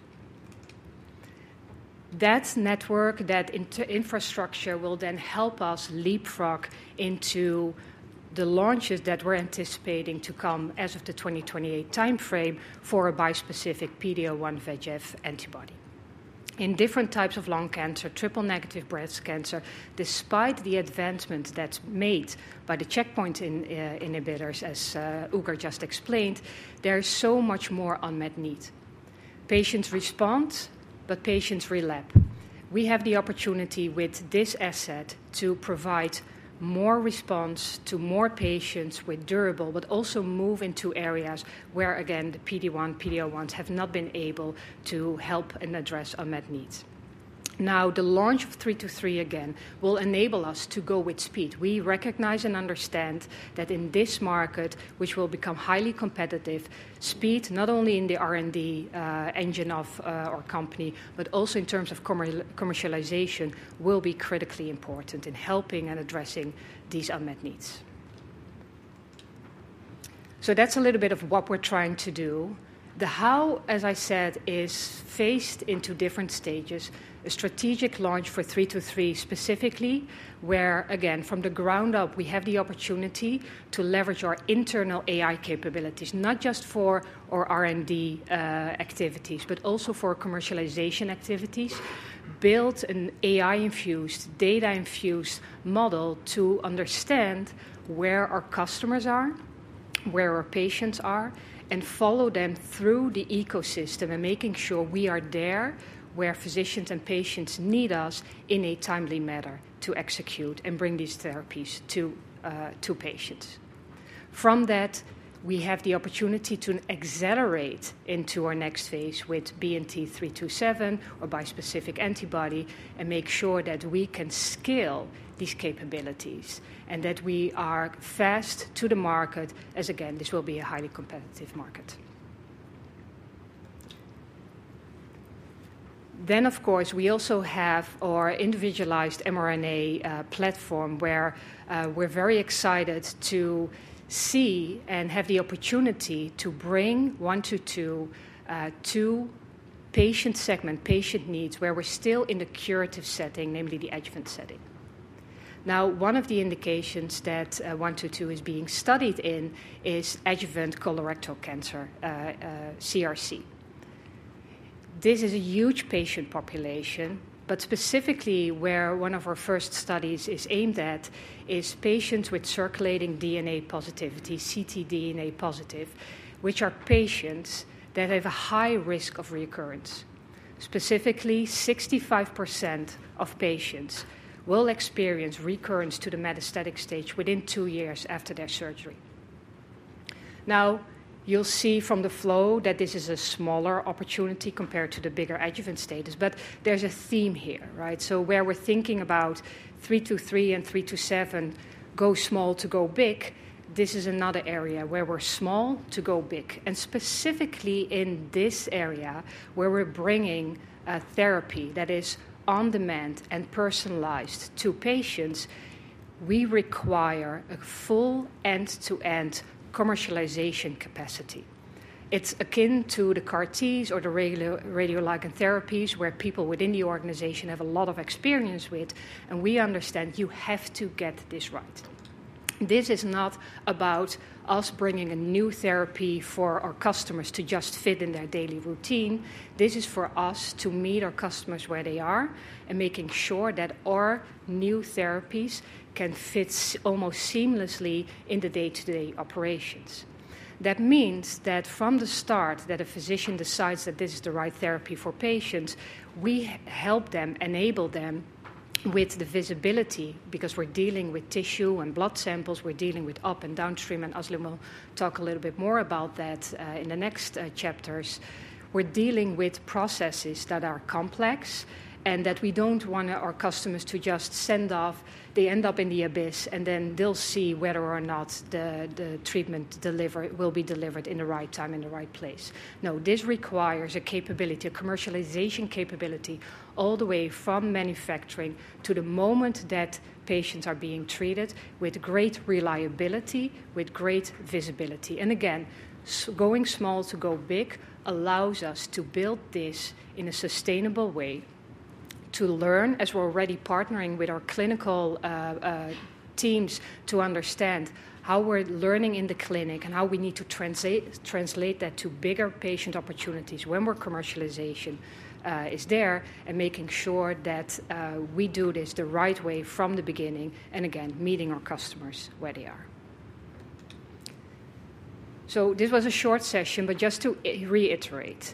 That network, that infrastructure will then help us leapfrog into the launches that we're anticipating to come as of the 2028 timeframe for a bispecific PD-1 VEGF antibody. In different types of lung cancer, triple-negative breast cancer, despite the advancements that's made by the checkpoint inhibitors, as Uğur just explained, there is so much more unmet need. Patients respond, but patients relapse. We have the opportunity with this asset to provide more response to more patients with durable, but also move into areas where, again, the PD-1, PD-1s have not been able to help and address unmet needs. Now, the launch of 323 again will enable us to go with speed. We recognize and understand that in this market, which will become highly competitive, speed not only in the R&D engine of our company, but also in terms of commercialization will be critically important in helping and addressing these unmet needs, so that's a little bit of what we're trying to do. The how, as I said, is phased into different stages. A strategic launch for 323 specifically where, again, from the ground up, we have the opportunity to leverage our internal AI capabilities, not just for our R&D activities, but also for commercialization activities, build an AI-infused, data-infused model to understand where our customers are, where our patients are, and follow them through the ecosystem and making sure we are there where physicians and patients need us in a timely manner to execute and bring these therapies to patients. From that, we have the opportunity to accelerate into our next phase with BNT327, our bispecific antibody and make sure that we can scale these capabilities and that we are fast to the market as, again, this will be a highly competitive market. Then, of course, we also have our individualized mRNA platform where we're very excited to see and have the opportunity to bring BNT122 to patient segment, patient needs where we're still in the curative setting, namely the adjuvant setting. Now, one of the indications that BNT122 is being studied in is adjuvant colorectal cancer, CRC. This is a huge patient population, but specifically where one of our first studies is aimed at is patients with circulating tumor DNA positivity, ctDNA positive, which are patients that have a high risk of recurrence. Specifically, 65% of patients will experience recurrence to the metastatic stage within two years after their surgery. Now, you'll see from the flow that this is a smaller opportunity compared to the bigger adjuvant status, but there's a theme here, right? So where we're thinking about 323 and 327 go small to go big, this is another area where we're small to go big. And specifically in this area where we're bringing a therapy that is on demand and personalized to patients, we require a full end-to-end commercialization capacity. It's akin to the CAR-Ts or the radioligand therapies where people within the organization have a lot of experience with, and we understand you have to get this right. This is not about us bringing a new therapy for our customers to just fit in their daily routine. This is for us to meet our customers where they are and making sure that our new therapies can fit almost seamlessly in the day-to-day operations. That means that from the start, that a physician decides that this is the right therapy for patients, we help them, enable them with the visibility because we're dealing with tissue and blood samples. We're dealing with up and downstream, and Özlem will talk a little bit more about that in the next chapters. We're dealing with processes that are complex and that we don't want our customers to just send off. They end up in the abyss, and then they'll see whether or not the treatment will be delivered in the right time and the right place. No, this requires a capability, a commercialization capability all the way from manufacturing to the moment that patients are being treated with great reliability, with great visibility, and again, going small to go big allows us to build this in a sustainable way to learn as we're already partnering with our clinical teams to understand how we're learning in the clinic and how we need to translate that to bigger patient opportunities when commercialization is there and making sure that we do this the right way from the beginning, and again, meeting our customers where they are, so this was a short session, but just to reiterate,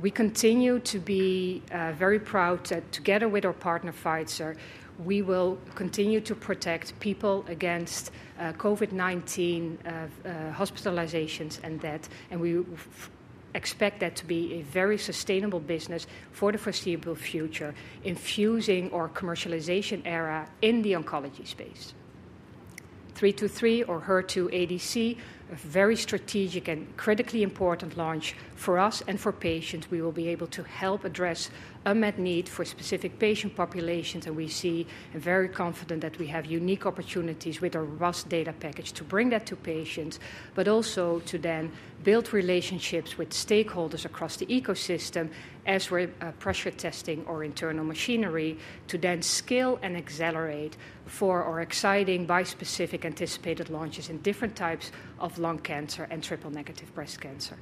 we continue to be very proud that together with our partner Pfizer, we will continue to protect people against COVID-19 hospitalizations and death. We expect that to be a very sustainable business for the foreseeable future, infusing our commercialization era in the oncology space. BNT323 or HER2-ADC, a very strategic and critically important launch for us and for patients. We will be able to help address unmet needs for specific patient populations, and we see and are very confident that we have unique opportunities with our ORR data package to bring that to patients, but also to then build relationships with stakeholders across the ecosystem as we're pressure testing our internal machinery to then scale and accelerate for our exciting bispecific anticipated launches in different types of lung cancer and triple-negative breast cancer.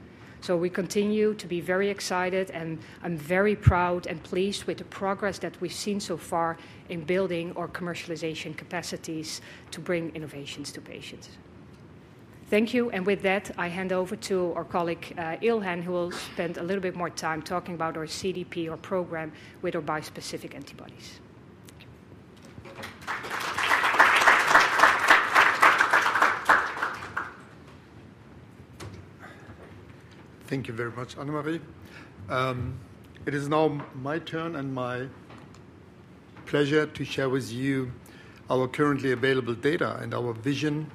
We continue to be very excited, and I'm very proud and pleased with the progress that we've seen so far in building our commercialization capacities to bring innovations to patients. Thank you. With that, I hand over to our colleague Ilhan, who will spend a little bit more time talking about our CDP, our program with our bispecific antibodies. Thank you very much, Annemarie. It is now my turn and my pleasure to share with you our currently available data and our vision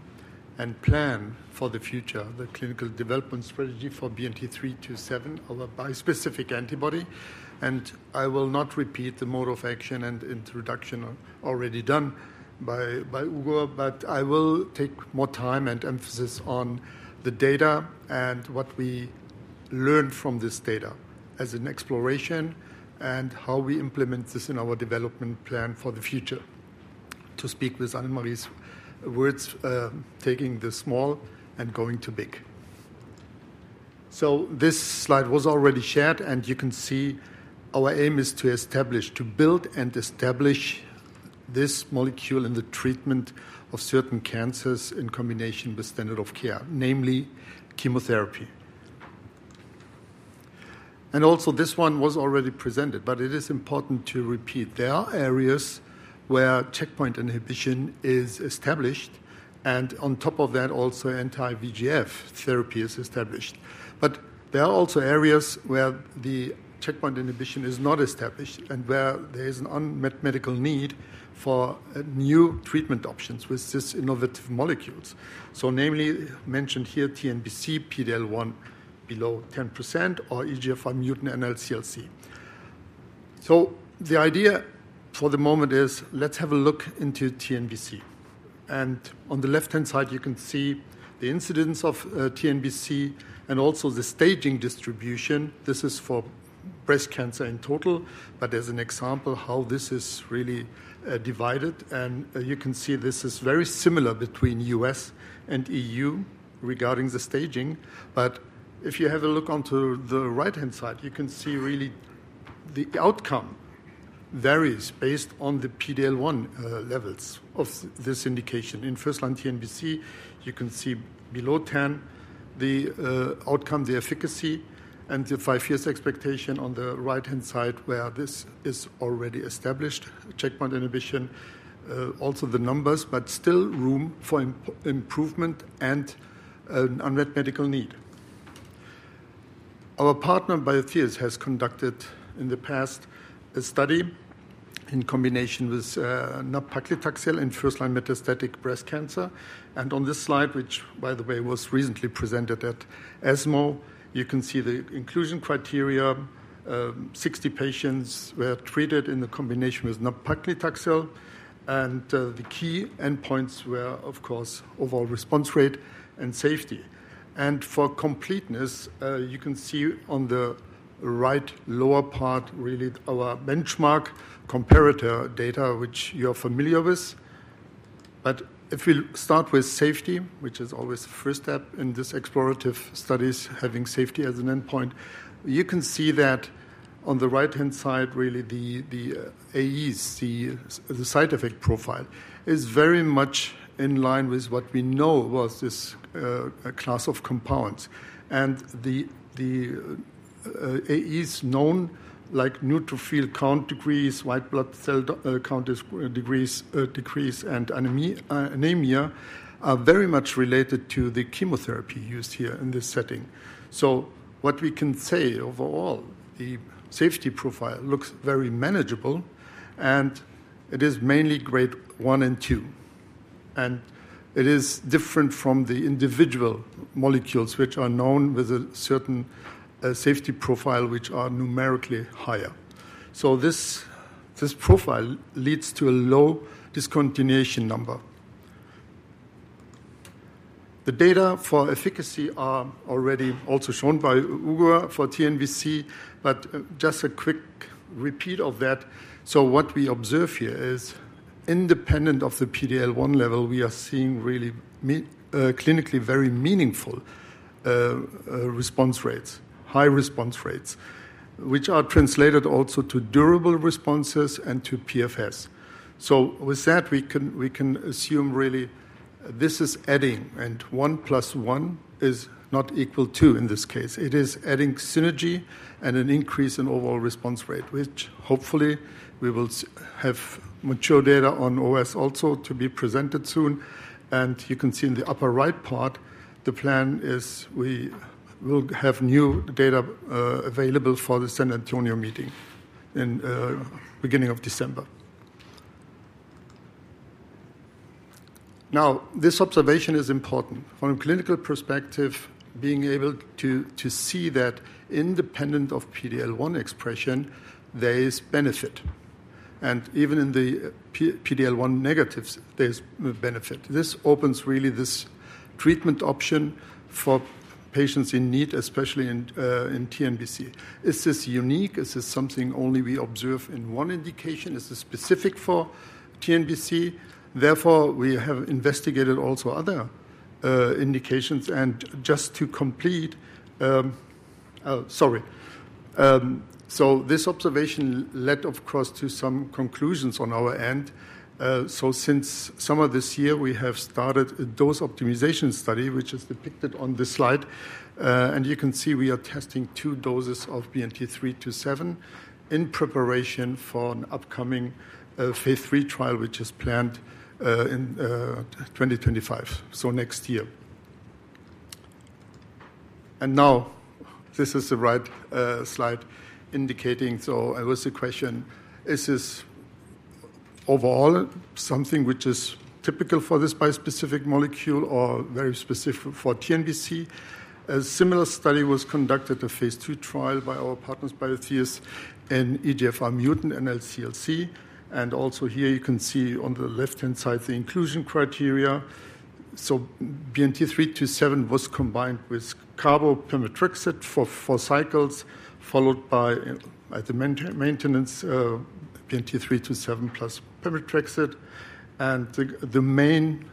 and plan for the future, the clinical development strategy for BNT327, our bispecific antibody, and I will not repeat the mode of action and introduction already done by Uğur, but I will take more time and emphasis on the data and what we learned from this data as an exploration and how we implement this in our development plan for the future, to speak with Annemarie's words, taking the small and going to big, so this slide was already shared, and you can see our aim is to establish, to build and establish this molecule in the treatment of certain cancers in combination with standard of care, namely chemotherapy, and also, this one was already presented, but it is important to repeat. There are areas where checkpoint inhibition is established, and on top of that, also anti-VEGF therapy is established. But there are also areas where the checkpoint inhibition is not established and where there is an unmet medical need for new treatment options with these innovative molecules. So namely mentioned here, TNBC, PD-L1 below 10%, or EGFR mutant NSCLC. So the idea for the moment is let's have a look into TNBC. And on the left-hand side, you can see the incidence of TNBC and also the staging distribution. This is for breast cancer in total, but as an example how this is really divided. And you can see this is very similar between U.S. and EU regarding the staging. But if you have a look onto the right-hand side, you can see really the outcome varies based on the PD-L1 levels of this indication. In first-line TNBC, you can see below 10 the outcome, the efficacy, and the five-year expectation on the right-hand side where this is already established, checkpoint inhibition, also the numbers, but still room for improvement and an unmet medical need. Our partner Biotheus has conducted in the past a study in combination with nab-paclitaxel in first-line metastatic breast cancer. On this slide, which, by the way, was recently presented at ESMO, you can see the inclusion criteria. 60 patients were treated in the combination with nab-paclitaxel. The key endpoints were, of course, overall response rate and safety. For completeness, you can see on the right lower part really our benchmark comparator data, which you're familiar with. But if we start with safety, which is always the first step in these explorative studies, having safety as an endpoint, you can see that on the right-hand side, really the AEs, the side effect profile, is very much in line with what we know of this class of compounds. And the AEs known like neutrophil count decreases, white blood cell count decrease, and anemia are very much related to the chemotherapy used here in this setting. So what we can say overall, the safety profile looks very manageable, and it is mainly grade one and two. And it is different from the individual molecules, which are known with a certain safety profile, which are numerically higher. So this profile leads to a low discontinuation number. The data for efficacy are already also shown by Uğur for TNBC, but just a quick repeat of that. What we observe here is independent of the PD-L1 level. We are seeing really clinically very meaningful response rates, high response rates, which are translated also to durable responses and to PFS. With that, we can assume really this is adding, and one plus one is not equal two in this case. It is adding synergy and an increase in overall response rate, which hopefully we will have mature data on OS also to be presented soon. You can see in the upper right part, the plan is we will have new data available for the San Antonio meeting in the beginning of December. This observation is important. From a clinical perspective, being able to see that independent of PD-L1 expression, there is benefit. Even in the PD-L1 negatives, there's benefit. This opens really this treatment option for patients in need, especially in TNBC. Is this unique? Is this something only we observe in one indication? Is this specific for TNBC? Therefore, we have investigated also other indications. And just to complete, sorry. So this observation led, of course, to some conclusions on our end. So since summer this year, we have started a dose optimization study, which is depicted on this slide. And you can see we are testing two doses of BNT327 in preparation for an upcoming Phase III trial, which is planned in 2025, so next year. And now, this is the right slide indicating. So it was the question, is this overall something which is typical for this bispecific molecule or very specific for TNBC? A similar study was conducted, a Phase II trial by our partners Biotheus and EGFR mutant NSCLC. And also here, you can see on the left-hand side the inclusion criteria. BNT327 was combined with carboplatin for four cycles, followed by the maintenance BNT327 plus pemetrexed. The main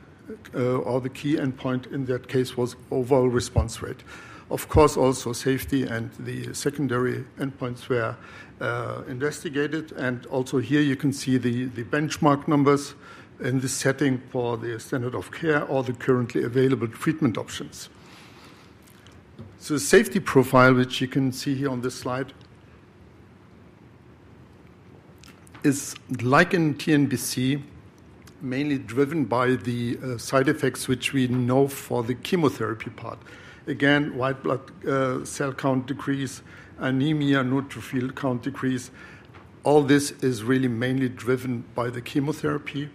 or the key endpoint in that case was overall response rate. Of course, also safety and the secondary endpoints were investigated. Also here, you can see the benchmark numbers in the setting for the standard of care or the currently available treatment options. The safety profile, which you can see here on this slide, is like in TNBC, mainly driven by the side effects, which we know for the chemotherapy part. Again, white blood cell count decrease, anemia, neutrophil count decrease. All this is really mainly driven by the chemotherapy.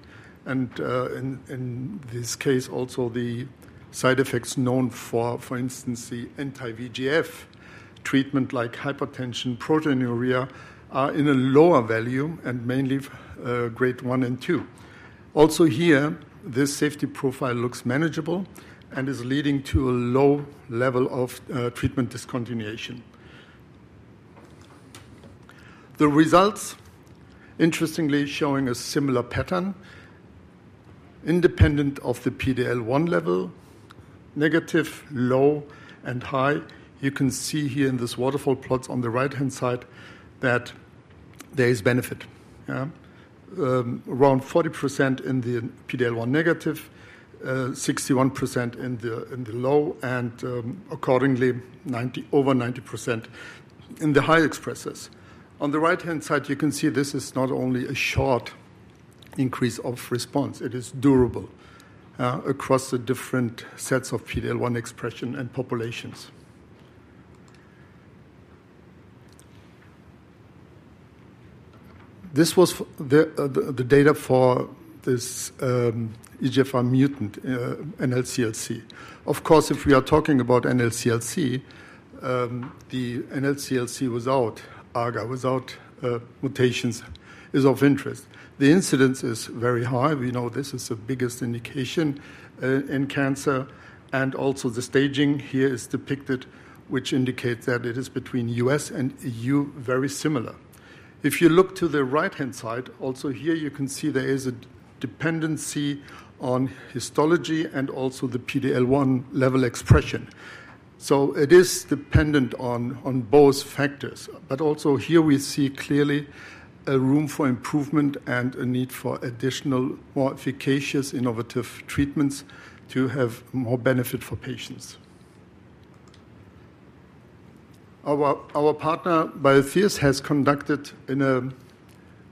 In this case, also the side effects known for, for instance, the anti-VEGF treatment like hypertension, proteinuria are in a lower value and mainly grade one and two. Also here, this safety profile looks manageable and is leading to a low level of treatment discontinuation. The results, interestingly, showing a similar pattern independent of the PD-L1 level, negative, low, and high. You can see here in this waterfall plot on the right-hand side that there is benefit. Around 40% in the PD-L1 negative, 61% in the low, and accordingly, over 90% in the high expressers. On the right-hand side, you can see this is not only a short increase of response. It is durable across the different sets of PD-L1 expression and populations. This was the data for this EGFR mutant NSCLC. Of course, if we are talking about NSCLC, the NSCLC without EGFR without mutations is of interest. The incidence is very high. We know this is the biggest indication in cancer. And also the staging here is depicted, which indicates that it is between U.S. and EU very similar. If you look to the right-hand side, also here you can see there is a dependency on histology and also the PD-L1 level expression. So it is dependent on both factors. But also here we see clearly a room for improvement and a need for additional more efficacious innovative treatments to have more benefit for patients. Our partner Biotheus has conducted an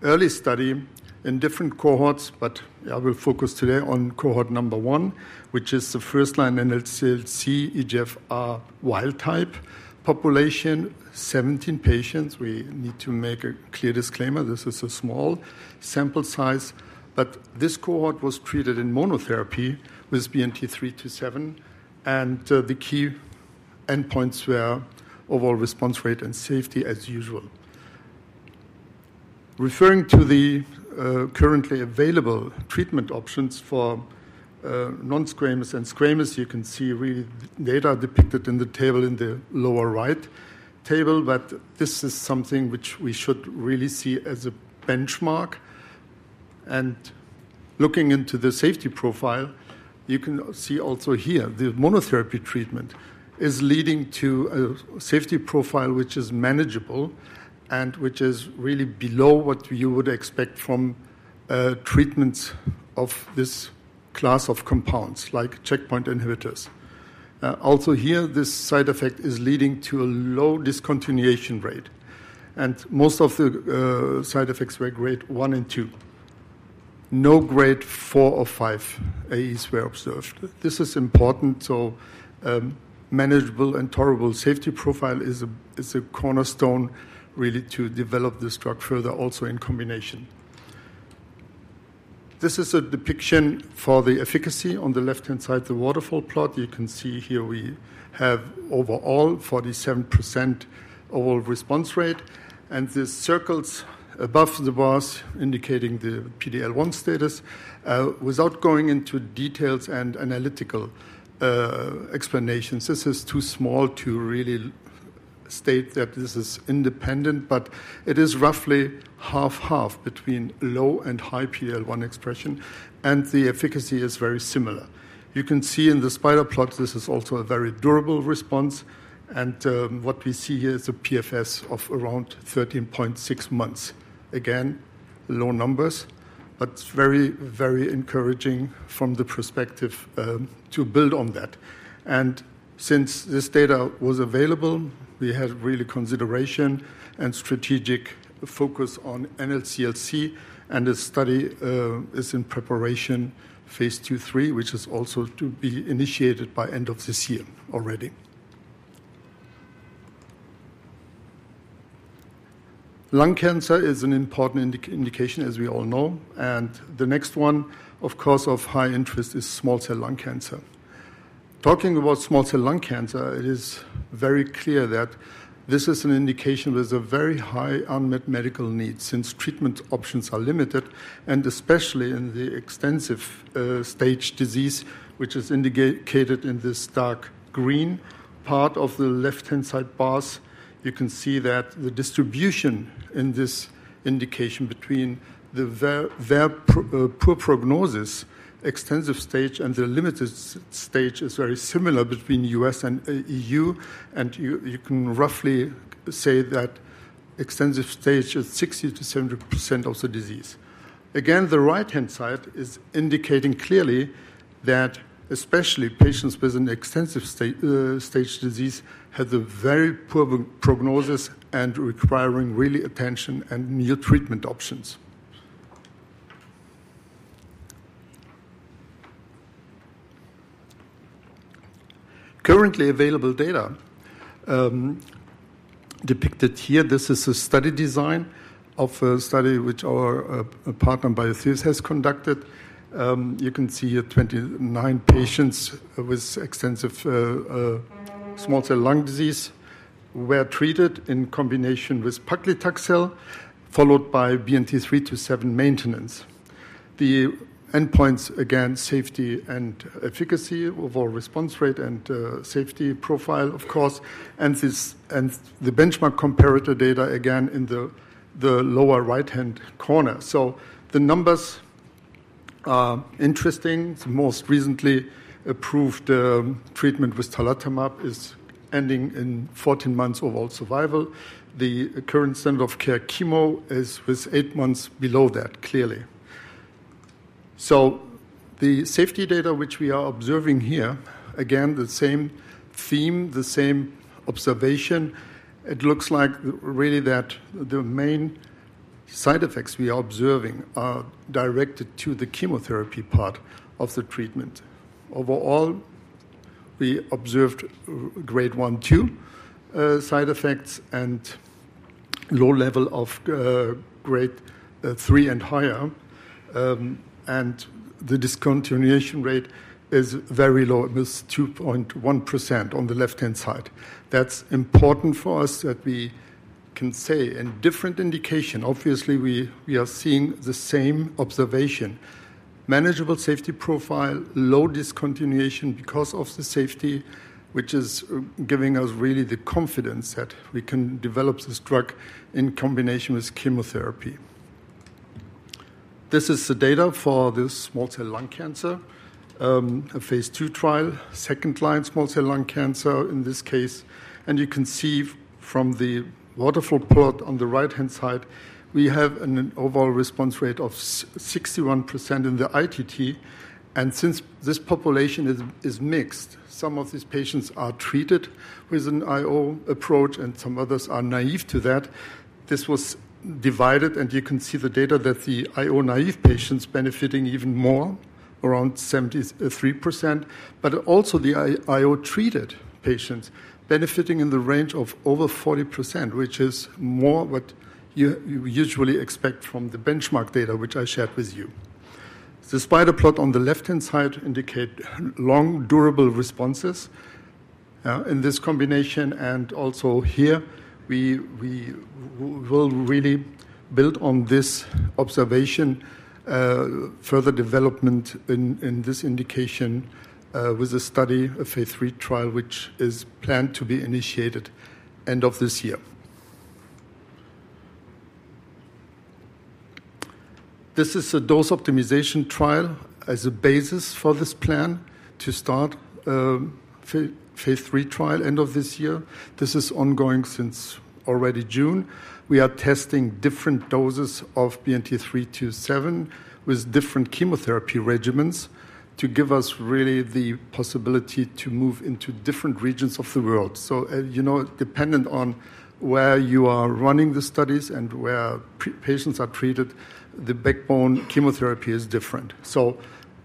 early study in different cohorts, but I will focus today on cohort number one, which is the first-line NSCLC EGFR wild type population, 17 patients. We need to make a clear disclaimer. This is a small sample size, but this cohort was treated in monotherapy with BNT327. And the key endpoints were overall response rate and safety as usual. Referring to the currently available treatment options for non-squamous and squamous, you can see really data depicted in the table in the lower right table, but this is something which we should really see as a benchmark. Looking into the safety profile, you can see also here the monotherapy treatment is leading to a safety profile which is manageable and which is really below what you would expect from treatments of this class of compounds like checkpoint inhibitors. Also here, this side effect is leading to a low discontinuation rate. Most of the side effects were grade one and two. No grade four or five AEs were observed. This is important. Manageable and tolerable safety profile is a cornerstone really to develop the structure further also in combination. This is a depiction for the efficacy on the left-hand side, the waterfall plot. You can see here, we have overall 47% overall response rate, and the circles above the bars indicating the PD-L1 status. Without going into details and analytical explanations, this is too small to really state that this is independent, but it is roughly half-half between low and high PD-L1 expression, and the efficacy is very similar. You can see in the spider plot this is also a very durable response, and what we see here is a PFS of around 13.6 months. Again, low numbers, but very, very encouraging from the perspective to build on that, and since this data was available, we had really consideration and strategic focus on NSCLC, and this study is in preparation Phase II/III, which is also to be initiated by end of this year already. Lung cancer is an important indication, as we all know. The next one, of course, of high interest is small cell lung cancer. Talking about small cell lung cancer, it is very clear that this is an indication with a very high unmet medical need since treatment options are limited, and especially in the extensive stage disease, which is indicated in this dark green part of the left-hand side bars. You can see that the distribution in this indication between the poor prognosis, extensive stage, and the limited stage is very similar between U.S. and EU. And you can roughly say that extensive stage is 60%-70% of the disease. Again, the right-hand side is indicating clearly that especially patients with an extensive stage disease have the very poor prognosis and requiring really attention and new treatment options. Currently available data depicted here. This is a study design of a study which our partner Biotheus has conducted. You can see here 29 patients with extensive small cell lung cancer were treated in combination with pemetrexed, followed by BNT327 maintenance. The endpoints, again, safety and efficacy of our response rate and safety profile, of course, and the benchmark comparator data again in the lower right-hand corner, so the numbers are interesting. The most recently approved treatment with tarlatamab is ending in 14 months overall survival. The current standard of care chemo is with eight months below that clearly, so the safety data which we are observing here, again, the same theme, the same observation. It looks like really that the main side effects we are observing are directed to the chemotherapy part of the treatment. Overall, we observed grade 1-2 side effects and low level of grade 3 and higher, and the discontinuation rate is very low, it was 2.1% on the left-hand side. That's important for us that we can say in different indications. Obviously, we are seeing the same observation. Manageable safety profile, low discontinuation because of the safety, which is giving us really the confidence that we can develop this drug in combination with chemotherapy. This is the data for this small cell lung cancer, a Phase II trial, second-line small cell lung cancer in this case. And you can see from the waterfall plot on the right-hand side, we have an overall response rate of 61% in the ITT. And since this population is mixed, some of these patients are treated with an IO approach and some others are naive to that. This was divided and you can see the data that the IO naive patients benefiting even more around 73%, but also the IO treated patients benefiting in the range of over 40%, which is more what you usually expect from the benchmark data which I shared with you. The spider plot on the left-hand side indicates long durable responses in this combination. Also here, we will really build on this observation further development in this indication with a study, a Phase III trial, which is planned to be initiated end of this year. This is a dose optimization trial as a basis for this plan to start Phase III trial end of this year. This is ongoing since already June. We are testing different doses of BNT327 with different chemotherapy regimens to give us really the possibility to move into different regions of the world. So dependent on where you are running the studies and where patients are treated, the backbone chemotherapy is different. So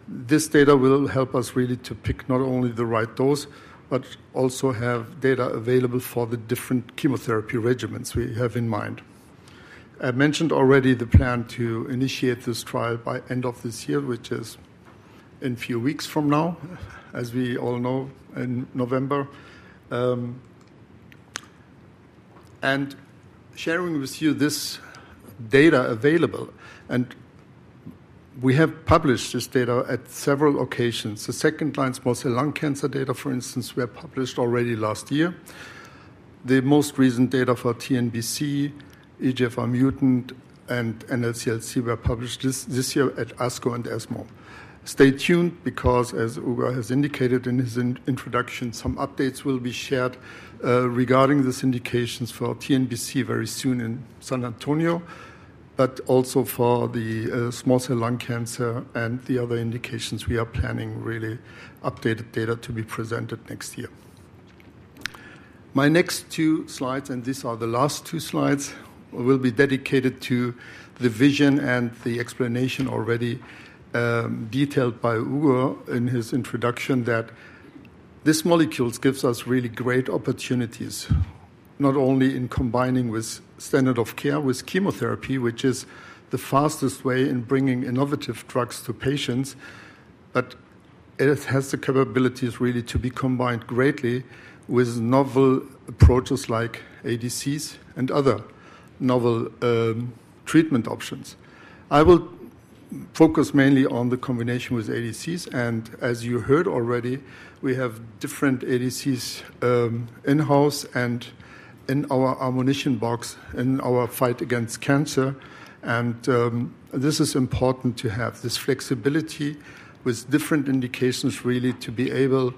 this data will help us really to pick not only the right dose, but also have data available for the different chemotherapy regimens we have in mind. I mentioned already the plan to initiate this trial by end of this year, which is in a few weeks from now, as we all know, in November. And sharing with you this data available, and we have published this data at several occasions. The second line small cell lung cancer data, for instance, were published already last year. The most recent data for TNBC, EGFR mutant, and NSCLC were published this year at ASCO and ESMO. Stay tuned because, as Uğur has indicated in his introduction, some updates will be shared regarding these indications for TNBC very soon in San Antonio, but also for the small cell lung cancer and the other indications we are planning really updated data to be presented next year. My next two slides, and these are the last two slides, will be dedicated to the vision and the explanation already detailed by Uğur in his introduction that this molecule gives us really great opportunities, not only in combining with standard of care with chemotherapy, which is the fastest way in bringing innovative drugs to patients, but it has the capabilities really to be combined greatly with novel approaches like ADCs and other novel treatment options. I will focus mainly on the combination with ADCs. As you heard already, we have different ADCs in-house and in our ammunition box in our fight against cancer. This is important to have this flexibility with different indications really to be able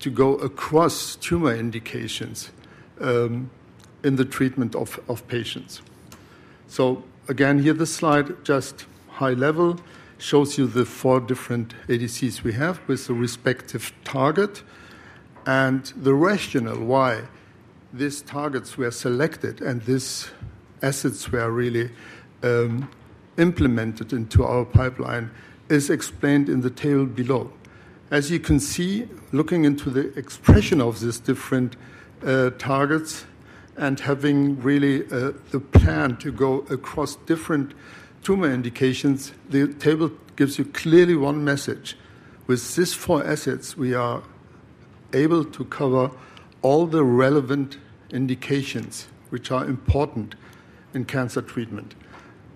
to go across tumor indications in the treatment of patients. Again, here this slide just high level shows you the four different ADCs we have with the respective target. The rationale why these targets were selected and these assets were really implemented into our pipeline is explained in the table below. As you can see, looking into the expression of these different targets and having really the plan to go across different tumor indications, the table gives you clearly one message. With these four assets, we are able to cover all the relevant indications which are important in cancer treatment.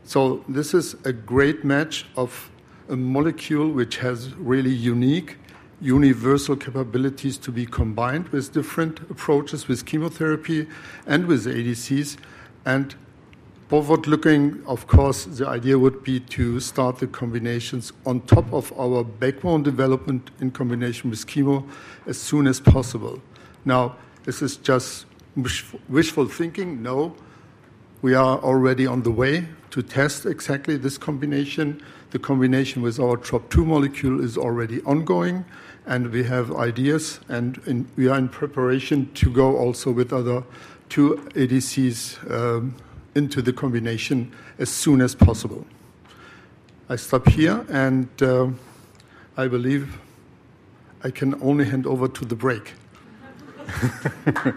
So this is a great match of a molecule which has really unique universal capabilities to be combined with different approaches with chemotherapy and with ADCs. And forward looking, of course, the idea would be to start the combinations on top of our backbone development in combination with chemo as soon as possible. Now, is this just wishful thinking? No. We are already on the way to test exactly this combination. The combination with our TROP2 molecule is already ongoing, and we have ideas, and we are in preparation to go also with other two ADCs into the combination as soon as possible. I stop here, and I believe I can only hand over to the break. Thank you.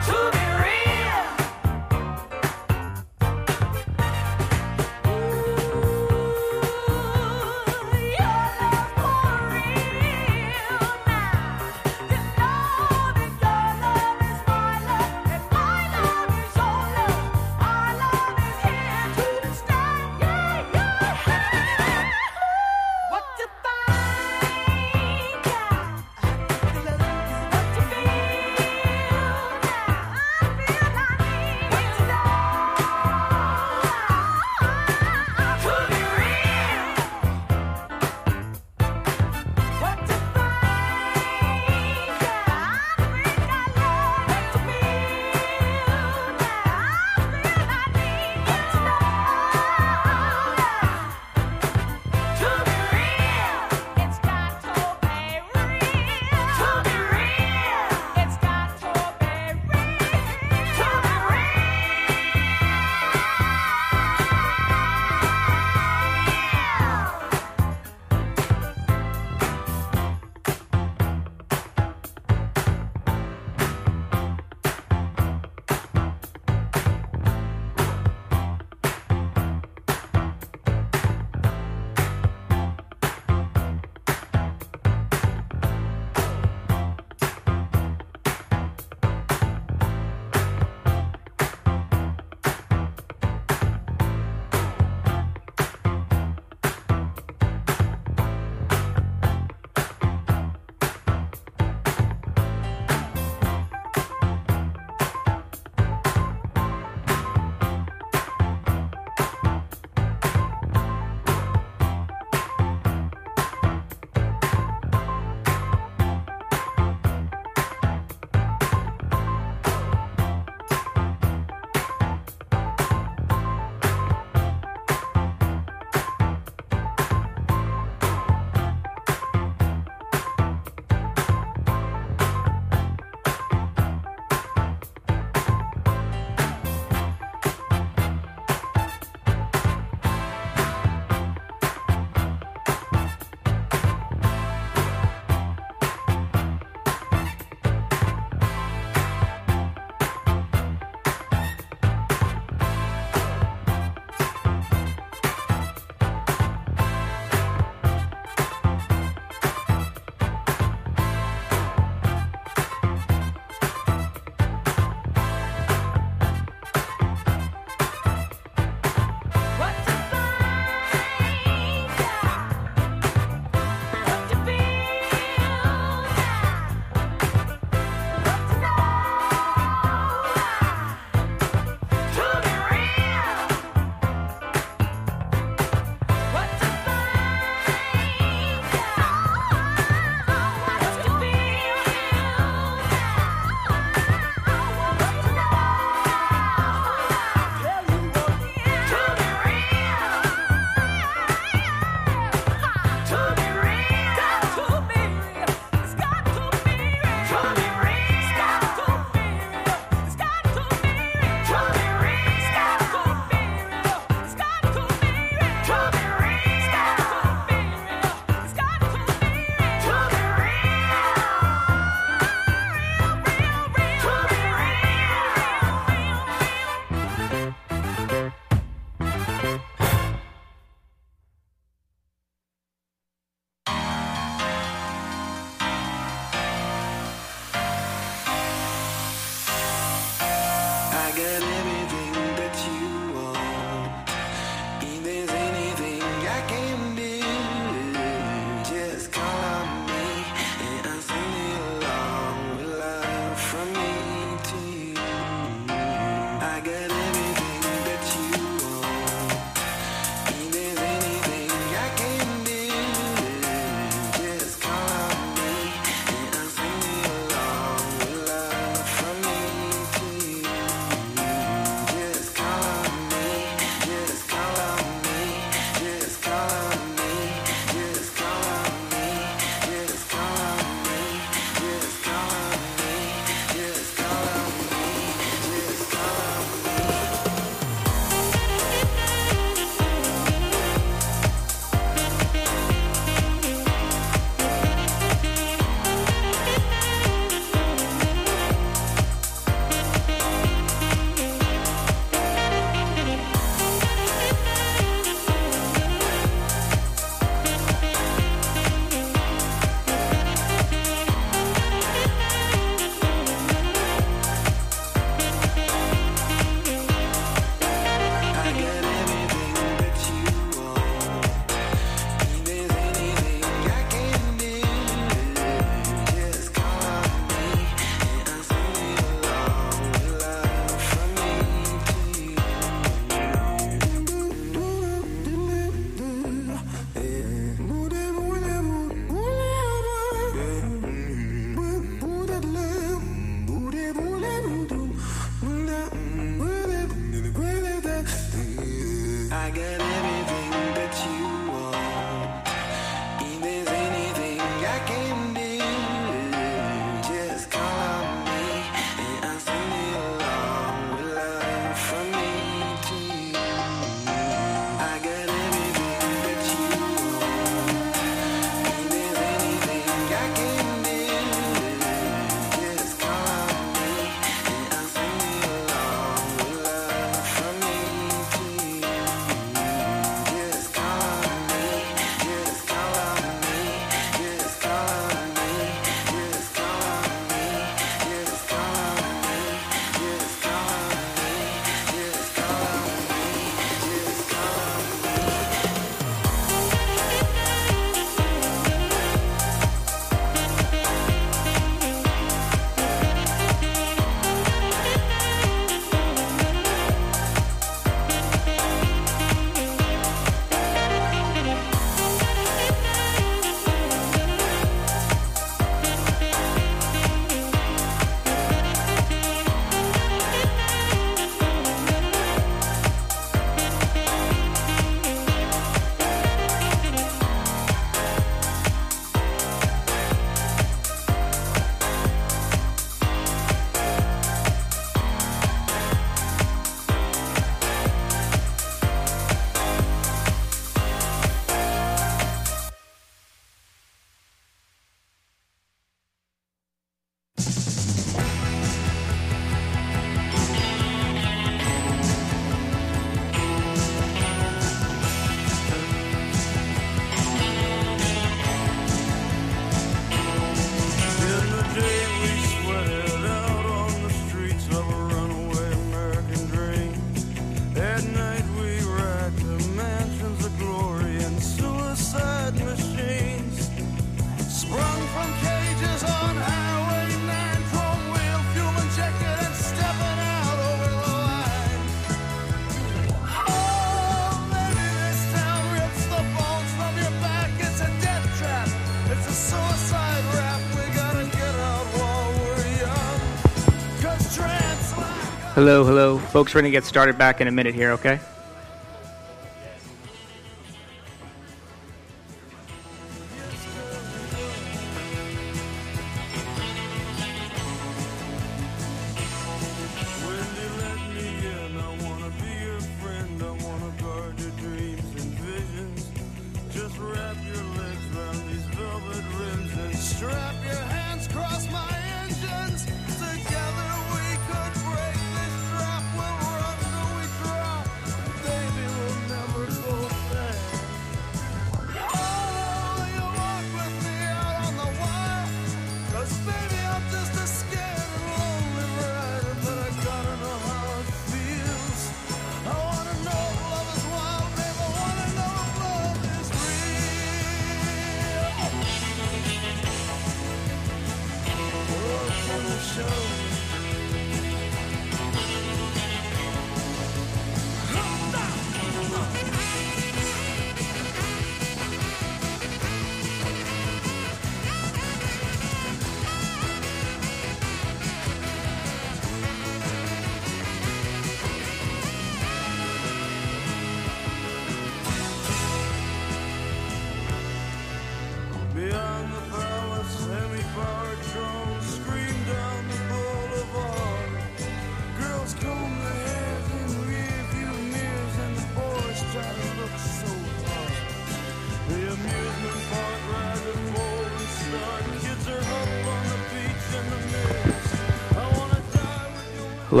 All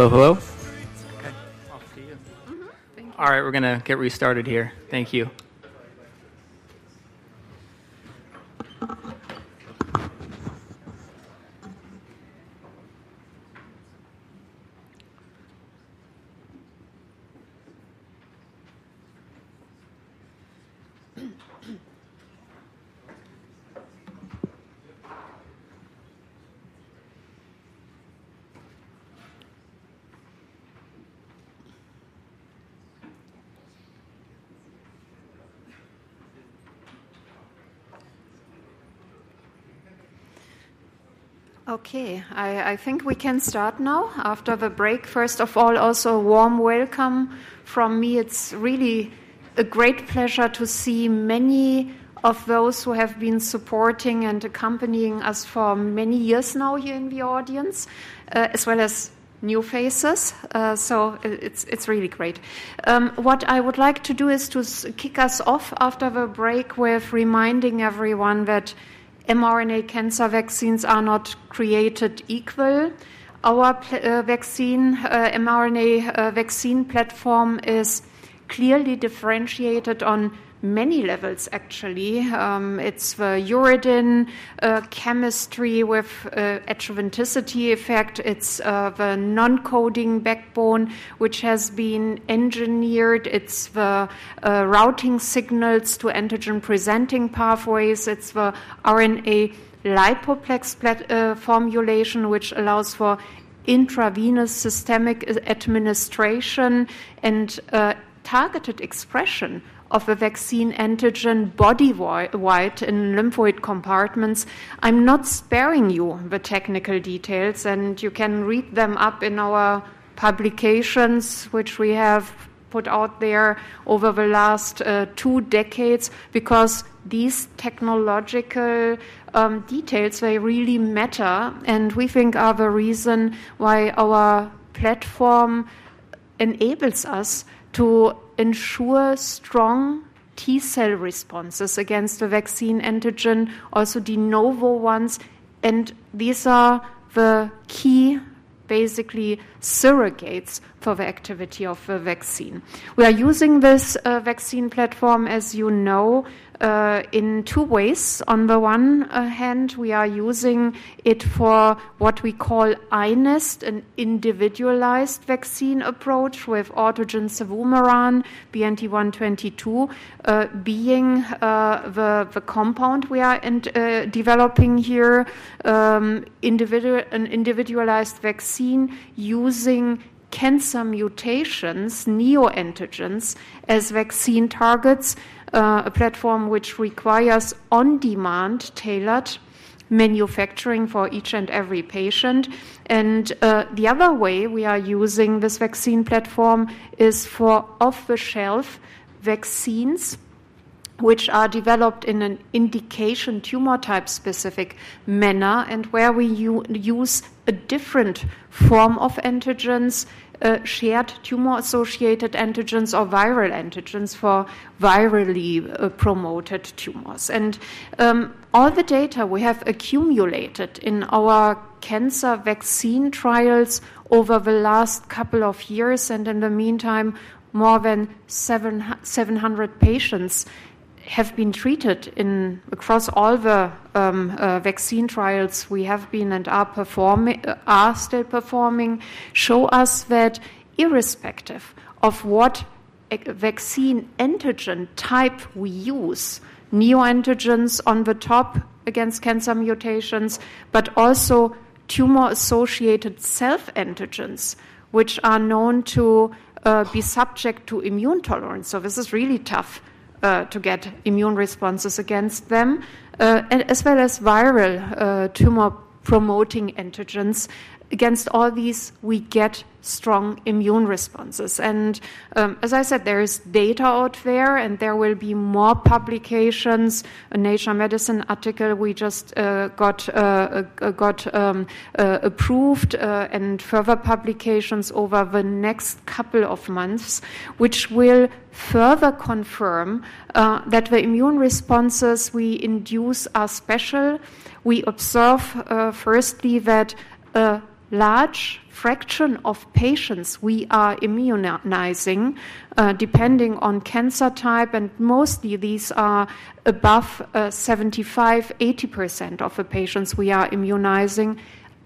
right, we're gonna get restarted here. Thank you. Okay, I think we can start now after the break. First of all, also a warm welcome from me. It's really a great pleasure to see many of those who have been supporting and accompanying us for many years now here in the audience, as well as new faces. So it's really great. What I would like to do is to kick us off after the break with reminding everyone that mRNA cancer vaccines are not created equal. Our vaccine, mRNA vaccine platform, is clearly differentiated on many levels, actually. It's the uridine chemistry with adjuvanticity effect. It's the non-coding backbone, which has been engineered. It's the routing signals to antigen presenting pathways. It's the RNA lipoplex formulation, which allows for intravenous systemic administration and targeted expression of the vaccine antigen body wide in lymphoid compartments. I'm not sparing you the technical details, and you can read them up in our publications, which we have put out there over the last two decades because these technological details really matter and we think are the reason why our platform enables us to ensure strong T cell responses against the vaccine antigen, also the novel ones, and these are the key, basically, surrogates for the activity of the vaccine. We are using this vaccine platform, as you know, in two ways. On the one hand, we are using it for what we call iNeST, an individualized vaccine approach with autogene cevumeran, BNT122 being the compound we are developing here. An individualized vaccine using cancer mutations, neoantigens as vaccine targets, a platform which requires on-demand tailored manufacturing for each and every patient, and the other way we are using this vaccine platform is for off-the-shelf vaccines, which are developed in an indication tumor type specific manner and where we use a different form of antigens, shared tumor associated antigens or viral antigens for virally promoted tumors, and all the data we have accumulated in our cancer vaccine trials over the last couple of years, and in the meantime, more than 700 patients have been treated across all the vaccine trials we have been and are still performing, show us that irrespective of what vaccine antigen type we use, neoantigens on the top against cancer mutations, but also tumor associated self antigens, which are known to be subject to immune tolerance. So this is really tough to get immune responses against them, as well as viral tumor promoting antigens. Against all these, we get strong immune responses. And as I said, there is data out there, and there will be more publications. A Nature Medicine article we just got approved and further publications over the next couple of months, which will further confirm that the immune responses we induce are special. We observe, firstly, that a large fraction of patients we are immunizing, depending on cancer type, and mostly these are above 75%-80% of the patients we are immunizing,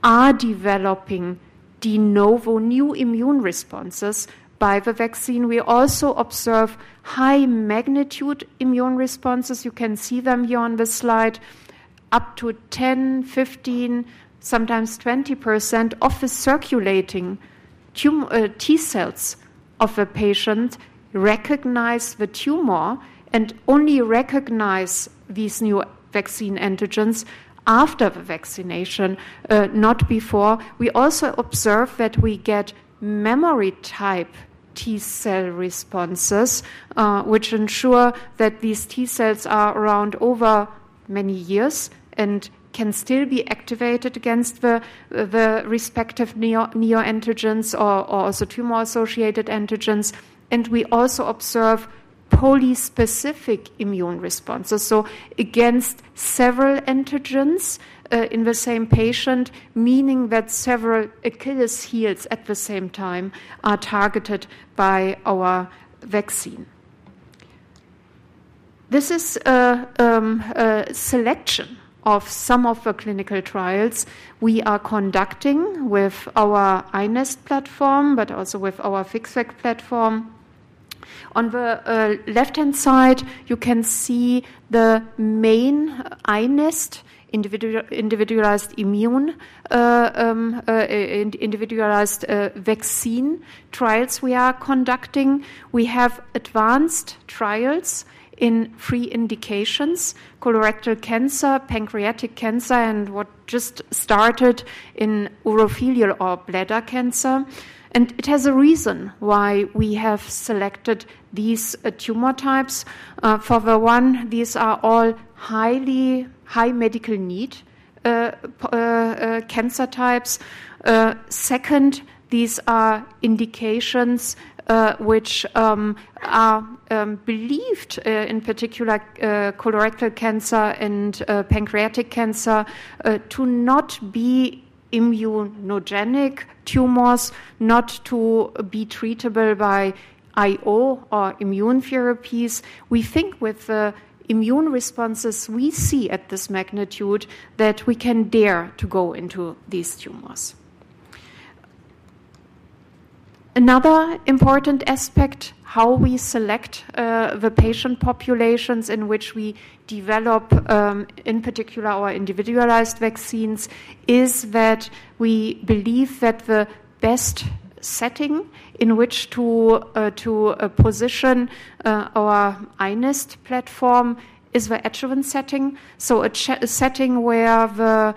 are developing de novo immune responses by the vaccine. We also observe high magnitude immune responses. You can see them here on the slide, up to 10%, 15%, sometimes 20% of the circulating T cells of a patient recognize the tumor and only recognize these new vaccine antigens after the vaccination, not before. We also observe that we get memory type T cell responses, which ensure that these T cells are around over many years and can still be activated against the respective neoantigens or the tumor associated antigens. We also observe polyspecific immune responses, so against several antigens in the same patient, meaning that several Achilles heels at the same time are targeted by our vaccine. This is a selection of some of the clinical trials we are conducting with our iNeST platform, but also with our FixVac platform. On the left-hand side, you can see the main iNeST individualized vaccine trials we are conducting. We have advanced trials in pre-indications, colorectal cancer, pancreatic cancer, and what just started in urothelial or bladder cancer. It has a reason why we have selected these tumor types. For one, these are all high medical need cancer types. Second, these are indications which are believed, in particular colorectal cancer and pancreatic cancer, to not be immunogenic tumors, not to be treatable by IO or immune therapies. We think with the immune responses we see at this magnitude that we can dare to go into these tumors. Another important aspect, how we select the patient populations in which we develop, in particular, our individualized vaccines, is that we believe that the best setting in which to position our iNeST platform is the adjuvant setting. So a setting where the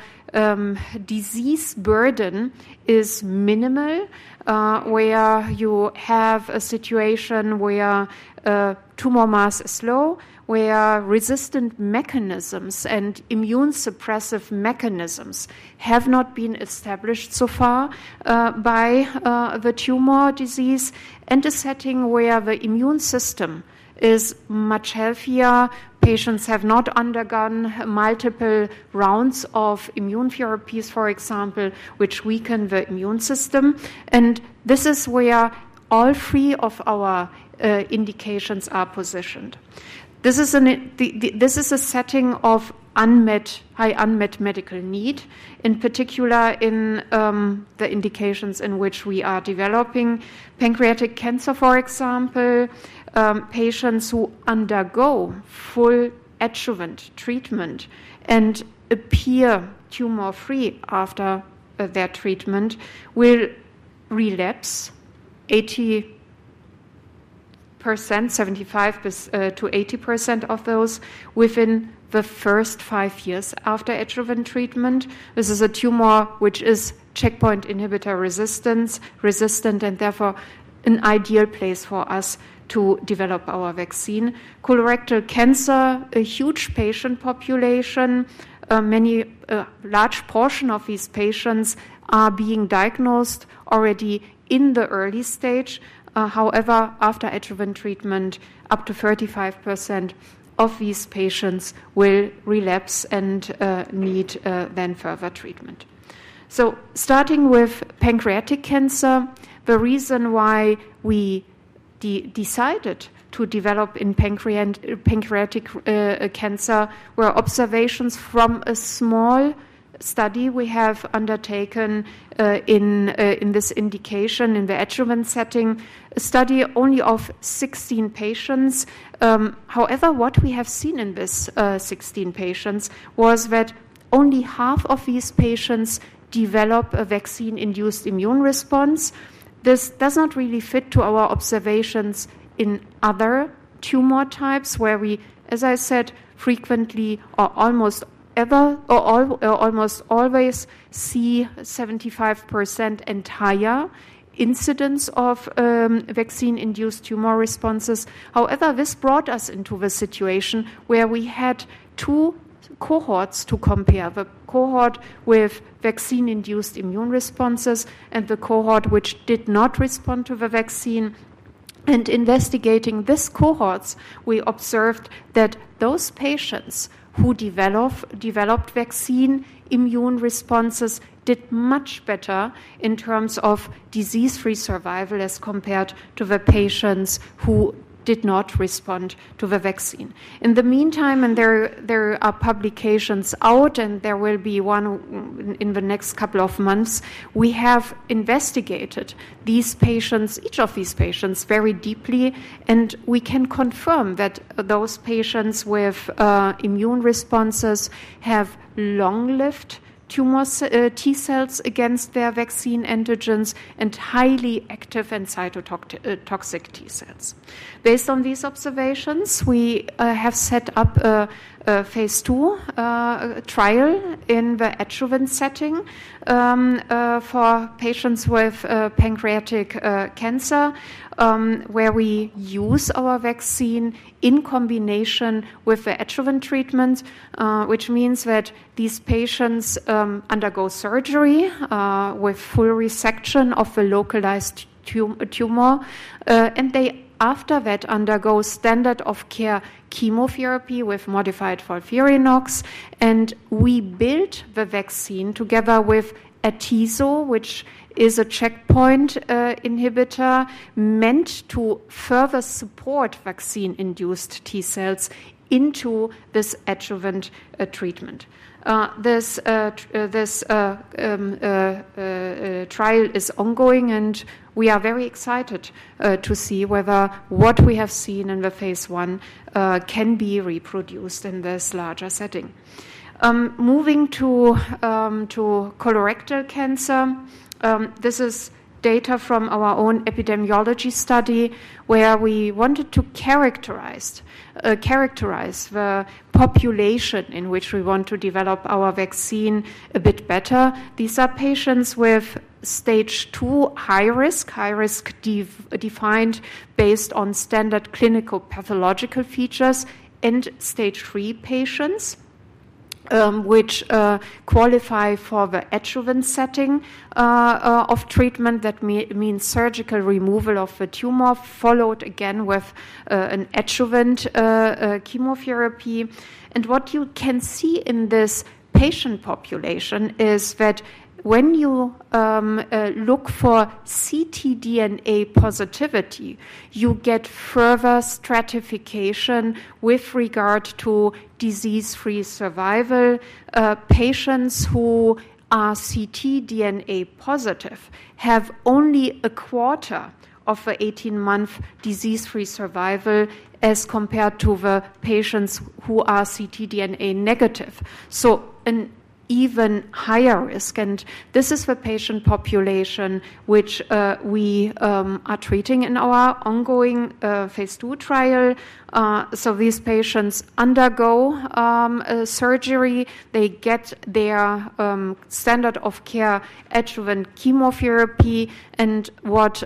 disease burden is minimal, where you have a situation where tumor mass is low, where resistant mechanisms and immune suppressive mechanisms have not been established so far by the tumor disease, and a setting where the immune system is much healthier. Patients have not undergone multiple rounds of immune therapies, for example, which weaken the immune system. And this is where all three of our indications are positioned. This is a setting of high unmet medical need, in particular in the indications in which we are developing pancreatic cancer, for example. Patients who undergo full adjuvant treatment and appear tumor-free after their treatment will relapse 80%, 75%-80% of those within the first five years after adjuvant treatment. This is a tumor which is checkpoint inhibitor resistant, and therefore an ideal place for us to develop our vaccine. Colorectal cancer, a huge patient population. Many large portions of these patients are being diagnosed already in the early stage. However, after adjuvant treatment, up to 35% of these patients will relapse and need then further treatment. So starting with pancreatic cancer, the reason why we decided to develop in pancreatic cancer were observations from a small study we have undertaken in this indication in the adjuvant setting, a study only of 16 patients. However, what we have seen in these 16 patients was that only half of these patients develop a vaccine-induced immune response. This does not really fit to our observations in other tumor types where we, as I said, frequently or almost ever or almost always see 75% and higher incidence of vaccine-induced tumor responses. However, this brought us into the situation where we had two cohorts to compare: the cohort with vaccine-induced immune responses and the cohort which did not respond to the vaccine, and investigating these cohorts, we observed that those patients who developed vaccine immune responses did much better in terms of disease-free survival as compared to the patients who did not respond to the vaccine. In the meantime, and there are publications out, and there will be one in the next couple of months, we have investigated these patients, each of these patients, very deeply, and we can confirm that those patients with immune responses have long-lived tumor T cells against their vaccine antigens and highly active and cytotoxic T cells. Based on these observations, we have set up a Phase II trial in the adjuvant setting for patients with pancreatic cancer where we use our vaccine in combination with the adjuvant treatment, which means that these patients undergo surgery with full resection of the localized tumor, and they after that undergo standard of care chemotherapy with modified FOLFIRINOX, and we built the vaccine together with atezo, which is a checkpoint inhibitor meant to further support vaccine-induced T cells into this adjuvant treatment. This trial is ongoing, and we are very excited to see whether what we have seen in the Phase I can be reproduced in this larger setting. Moving to colorectal cancer, this is data from our own epidemiology study where we wanted to characterize the population in which we want to develop our vaccine a bit better. These are patients with stage two high risk, high risk defined based on standard clinical pathological features, and stage three patients which qualify for the adjuvant setting of treatment. That means surgical removal of the tumor followed again with an adjuvant chemotherapy. What you can see in this patient population is that when you look for ctDNA positivity, you get further stratification with regard to disease-free survival. Patients who are ctDNA positive have only a quarter of the 18-month disease-free survival as compared to the patients who are ctDNA negative, so an even higher risk. This is the patient population which we are treating in our ongoing Phase II trial. These patients undergo surgery. They get their standard of care adjuvant chemotherapy. What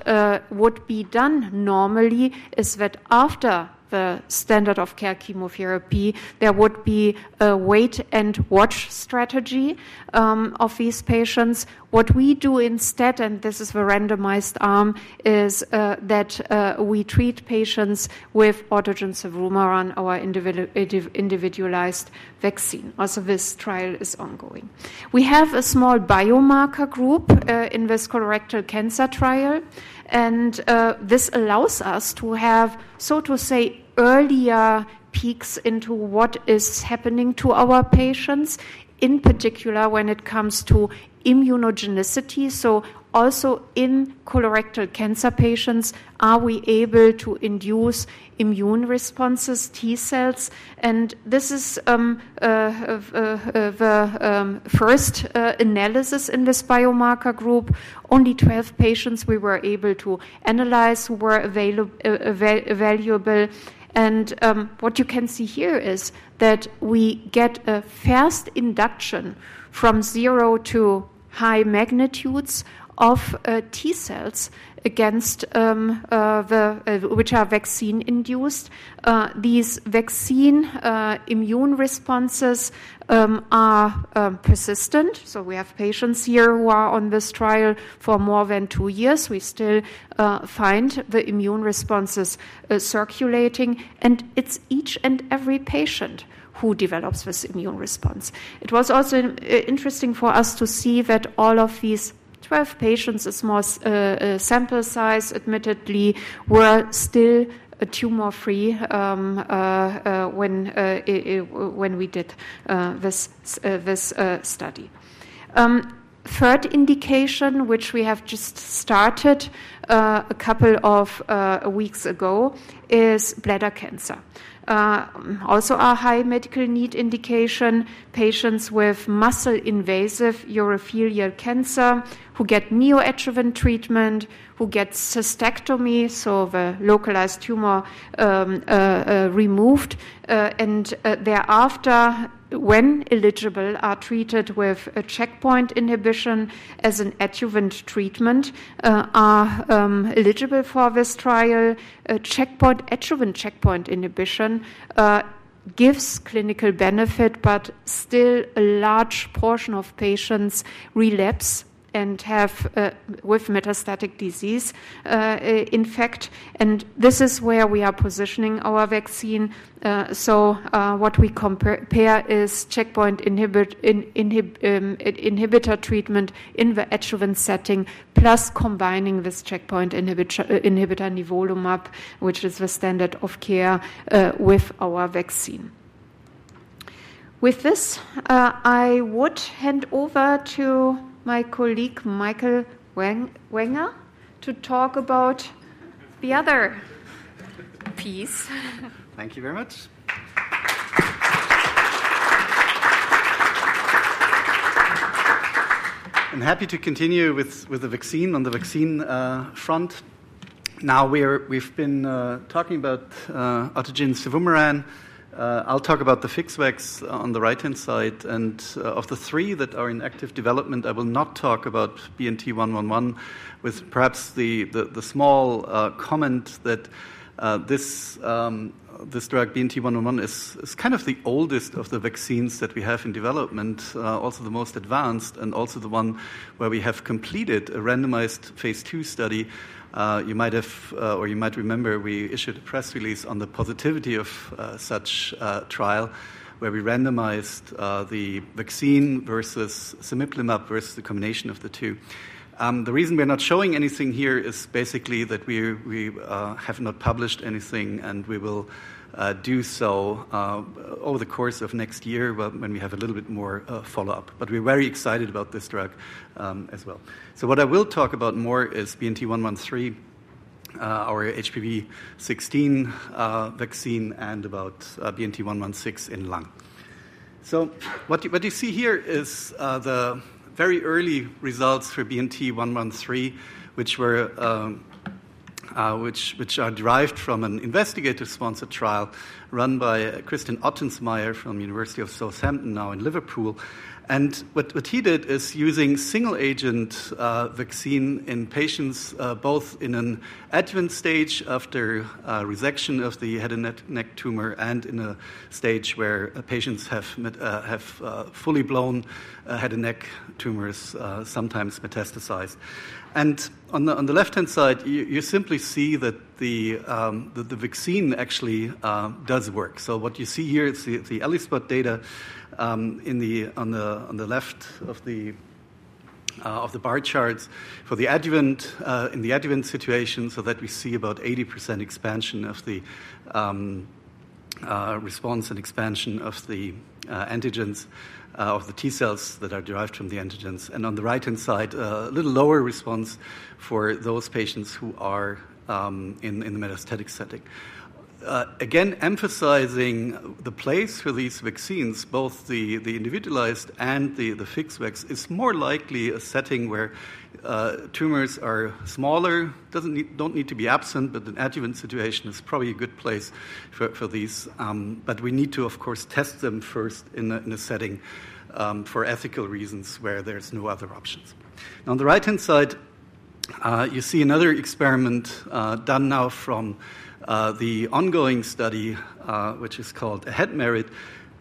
would be done normally is that after the standard of care chemotherapy, there would be a wait and watch strategy for these patients. What we do instead, and this is the randomized arm, is that we treat patients with autogene cevumeran, our individualized vaccine. Also, this trial is ongoing. We have a small biomarker group in this colorectal cancer trial, and this allows us to have, so to say, earlier peeks into what is happening to our patients, in particular when it comes to immunogenicity. So also in colorectal cancer patients, are we able to induce immune responses, T cells? And this is the first analysis in this biomarker group. Only 12 patients we were able to analyze who were evaluable. And what you can see here is that we get a fast induction from zero to high magnitudes of T cells against the neoantigens, which are vaccine-induced. These vaccine immune responses are persistent. So we have patients here who are on this trial for more than two years. We still find the immune responses circulating, and it's each and every patient who develops this immune response. It was also interesting for us to see that all of these 12 patients, a small sample size admittedly, were still tumor-free when we did this study. Third indication, which we have just started a couple of weeks ago, is bladder cancer. Also a high medical need indication, patients with muscle invasive urothelial cancer who get neoadjuvant treatment, who get cystectomy, so the localized tumor removed, and thereafter, when eligible, are treated with a checkpoint inhibition as an adjuvant treatment, are eligible for this trial. Adjuvant checkpoint inhibition gives clinical benefit, but still a large portion of patients relapse and have metastatic disease. In fact. This is where we are positioning our vaccine. What we compare is checkpoint inhibitor treatment in the adjuvant setting, plus combining this checkpoint inhibitor nivolumab, which is the standard of care with our vaccine. With this, I would hand over to my colleague Michael Wenger to talk about the other piece. Thank you very much. I'm happy to continue with the vaccine on the vaccine front. Now we've been talking about autogene cevumeran. I'll talk about the FixVac on the right-hand side. Of the three that are in active development, I will not talk about BNT111, with perhaps the small comment that this drug, BNT111, is kind of the oldest of the vaccines that we have in development, also the most advanced, and also the one where we have completed a randomized Phase II study. You might have, or you might remember, we issued a press release on the positivity of such a trial where we randomized the vaccine versus cemiplimab versus the combination of the two. The reason we're not showing anything here is basically that we have not published anything, and we will do so over the course of next year when we have a little bit more follow-up. But we're very excited about this drug as well. So what I will talk about more is BNT113, our HPV16 vaccine, and about BNT116 in lung. So what you see here is the very early results for BNT113, which are derived from an investigator-sponsored trial run by Christian Ottensmeier from the University of Southampton, now in Liverpool. What he did is using single-agent vaccine in patients both in an adjuvant stage after resection of the head and neck tumor and in a stage where patients have full-blown head and neck tumors, sometimes metastasized. On the left-hand side, you simply see that the vaccine actually does work. What you see here is the ELISpot data on the left of the bar charts for the adjuvant in the adjuvant situation, so that we see about 80% expansion of the response and expansion of the antigens of the T cells that are derived from the antigens. On the right-hand side, a little lower response for those patients who are in the metastatic setting. Again, emphasizing the place for these vaccines, both the individualized and the FixVac, is more likely a setting where tumors are smaller, don't need to be absent, but the adjuvant situation is probably a good place for these. But we need to, of course, test them first in a setting for ethical reasons where there's no other options. On the right-hand side, you see another experiment done now from the ongoing study, which is called AHEAD-MERIT.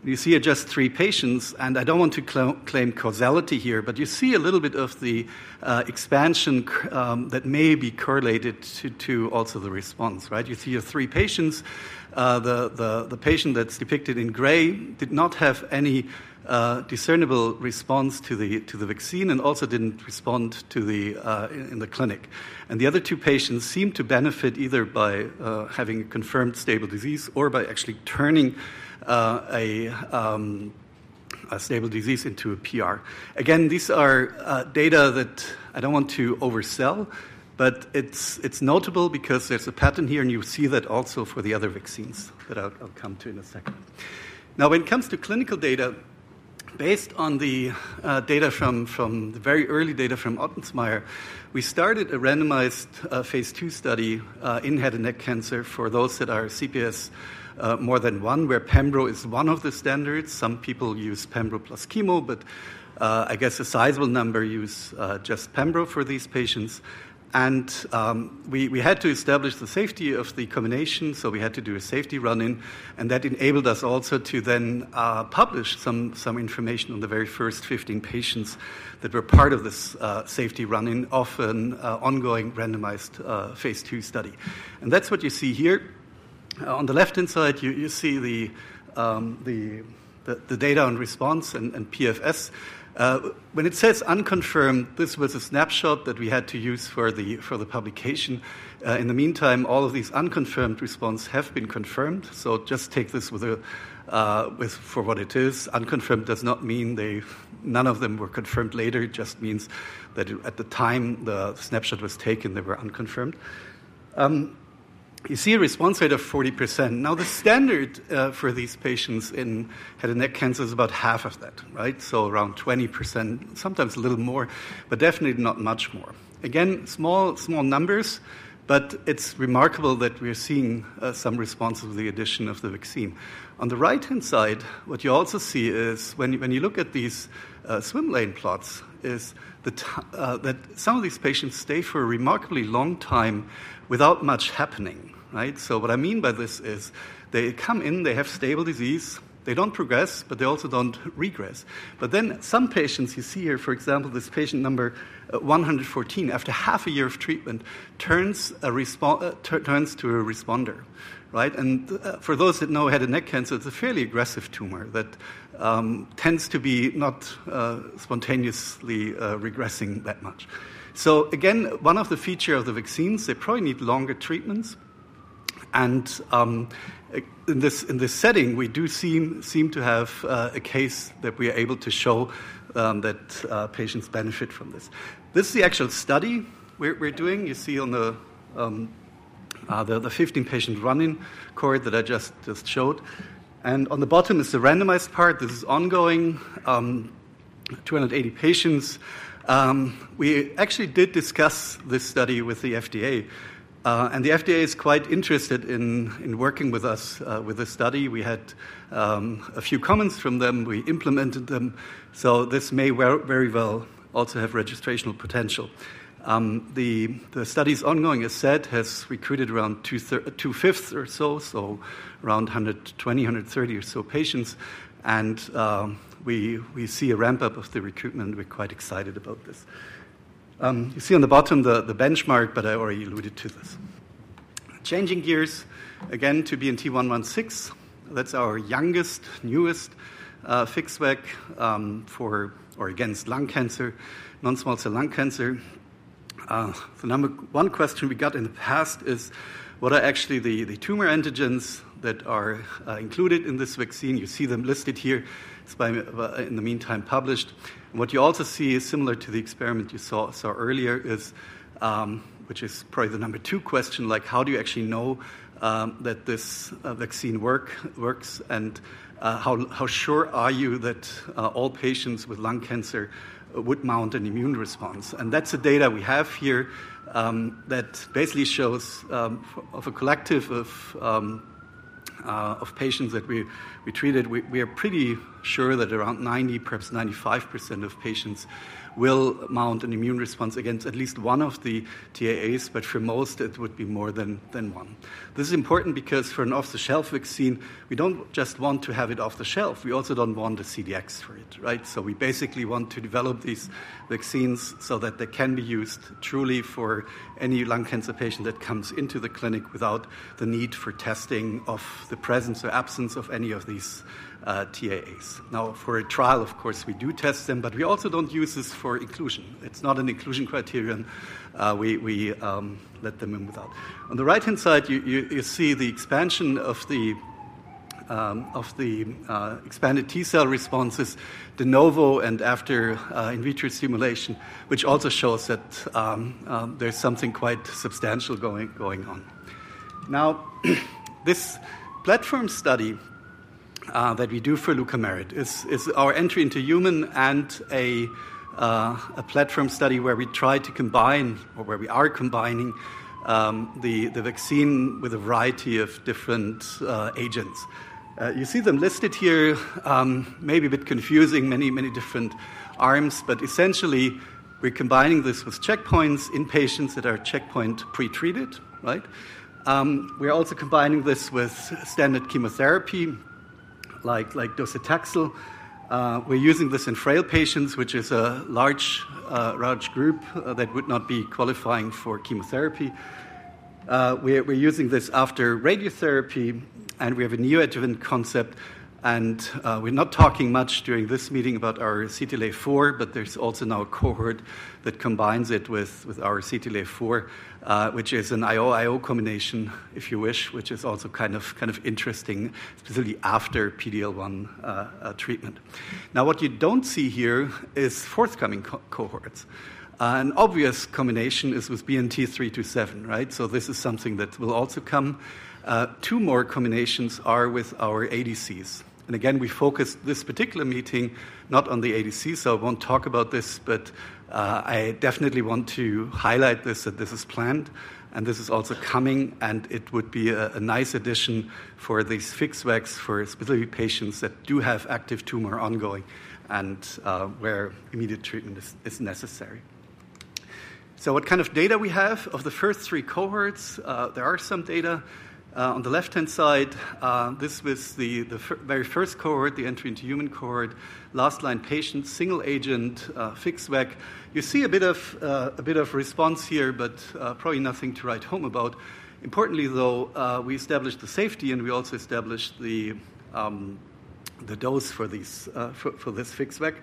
You see just three patients, and I don't want to claim causality here, but you see a little bit of the expansion that may be correlated to also the response, right? You see three patients. The patient that's depicted in gray did not have any discernible response to the vaccine and also didn't respond in the clinic. The other two patients seem to benefit either by having confirmed stable disease or by actually turning a stable disease into a PR. Again, these are data that I don't want to oversell, but it's notable because there's a pattern here, and you see that also for the other vaccines that I'll come to in a second. Now, when it comes to clinical data, based on the data from the very early data from Ottensmeier, we started a randomized Phase II study in head and neck cancer for those that are CPS more than one, where Pembro is one of the standards. Some people use Pembro plus chemo, but I guess a sizable number use just Pembro for these patients. We had to establish the safety of the combination, so we had to do a safety run-in, and that enabled us also to then publish some information on the very first 15 patients that were part of this safety run-in, our then-ongoing randomized Phase II study. That's what you see here. On the left-hand side, you see the data on response and PFS. When it says unconfirmed, this was a snapshot that we had to use for the publication. In the meantime, all of these unconfirmed responses have been confirmed. Just take this for what it is. Unconfirmed does not mean none of them were confirmed later. It just means that at the time the snapshot was taken, they were unconfirmed. You see a response rate of 40%. Now, the standard for these patients in head and neck cancer is about half of that, right? So around 20%, sometimes a little more, but definitely not much more. Again, small numbers, but it's remarkable that we're seeing some response with the addition of the vaccine. On the right-hand side, what you also see is when you look at these swim lane plots, is that some of these patients stay for a remarkably long time without much happening, right? So what I mean by this is they come in, they have stable disease, they don't progress, but they also don't regress. But then some patients you see here, for example, this patient number 114, after half a year of treatment, turns to a responder, right? And for those that know head and neck cancer, it's a fairly aggressive tumor that tends to be not spontaneously regressing that much. So again, one of the features of the vaccines, they probably need longer treatments. In this setting, we do seem to have a case that we are able to show that patients benefit from this. This is the actual study we're doing. You see on the 15-patient run-in cohort that I just showed. On the bottom is the randomized part. This is ongoing, 280 patients. We actually did discuss this study with the FDA, and the FDA is quite interested in working with us with this study. We had a few comments from them. We implemented them. This may very well also have registrational potential. The study is ongoing, as said, has recruited around two-fifths or so, so around 120, 130 or so patients. We see a ramp-up of the recruitment. We're quite excited about this. You see on the bottom the benchmark, but I already alluded to this. Changing gears, again, to BNT116. That's our youngest, newest FixVac for advanced lung cancer, non-small cell lung cancer. The number one question we got in the past is, what are actually the tumor antigens that are included in this vaccine? You see them listed here. It's in the meantime published. What you also see, similar to the experiment you saw earlier, which is probably the number two question, like, how do you actually know that this vaccine works? How sure are you that all patients with lung cancer would mount an immune response? That's the data we have here that basically shows of a collective of patients that we treated, we are pretty sure that around 90%, perhaps 95% of patients will mount an immune response against at least one of the TAAs, but for most, it would be more than one. This is important because for an off-the-shelf vaccine, we don't just want to have it off the shelf. We also don't want the CDx for it, right? So we basically want to develop these vaccines so that they can be used truly for any lung cancer patient that comes into the clinic without the need for testing of the presence or absence of any of these TAAs. Now, for a trial, of course, we do test them, but we also don't use this for inclusion. It's not an inclusion criterion. We let them in without. On the right-hand side, you see the expansion of the expanded T cell responses, de novo and after in vitro stimulation, which also shows that there's something quite substantial going on. Now, this platform study that we do for LuCa-MERIT is our entry into human and a platform study where we try to combine, or where we are combining, the vaccine with a variety of different agents. You see them listed here, maybe a bit confusing, many different arms, but essentially, we're combining this with checkpoints in patients that are checkpoint pretreated, right? We're also combining this with standard chemotherapy, like docetaxel. We're using this in frail patients, which is a large group that would not be qualifying for chemotherapy. We're using this after radiotherapy, and we have a neoadjuvant concept, and we're not talking much during this meeting about our CTLA-4, but there's also now a cohort that combines it with our CTLA-4, which is an IO-IO combination, if you wish, which is also kind of interesting, specifically after PD-L1 treatment. Now, what you don't see here is forthcoming cohorts. An obvious combination is with BNT327, right? So this is something that will also come. Two more combinations are with our ADCs. And again, we focused this particular meeting not on the ADC, so I won't talk about this, but I definitely want to highlight this that this is planned, and this is also coming, and it would be a nice addition for these FixVacs for specific patients that do have active tumor ongoing and where immediate treatment is necessary. So what kind of data we have of the first three cohorts? There are some data. On the left-hand side, this was the very first cohort, the entry into human cohort, last-line patient, single-agent FixVac. You see a bit of response here, but probably nothing to write home about. Importantly, though, we established the safety, and we also established the dose for this FixVac.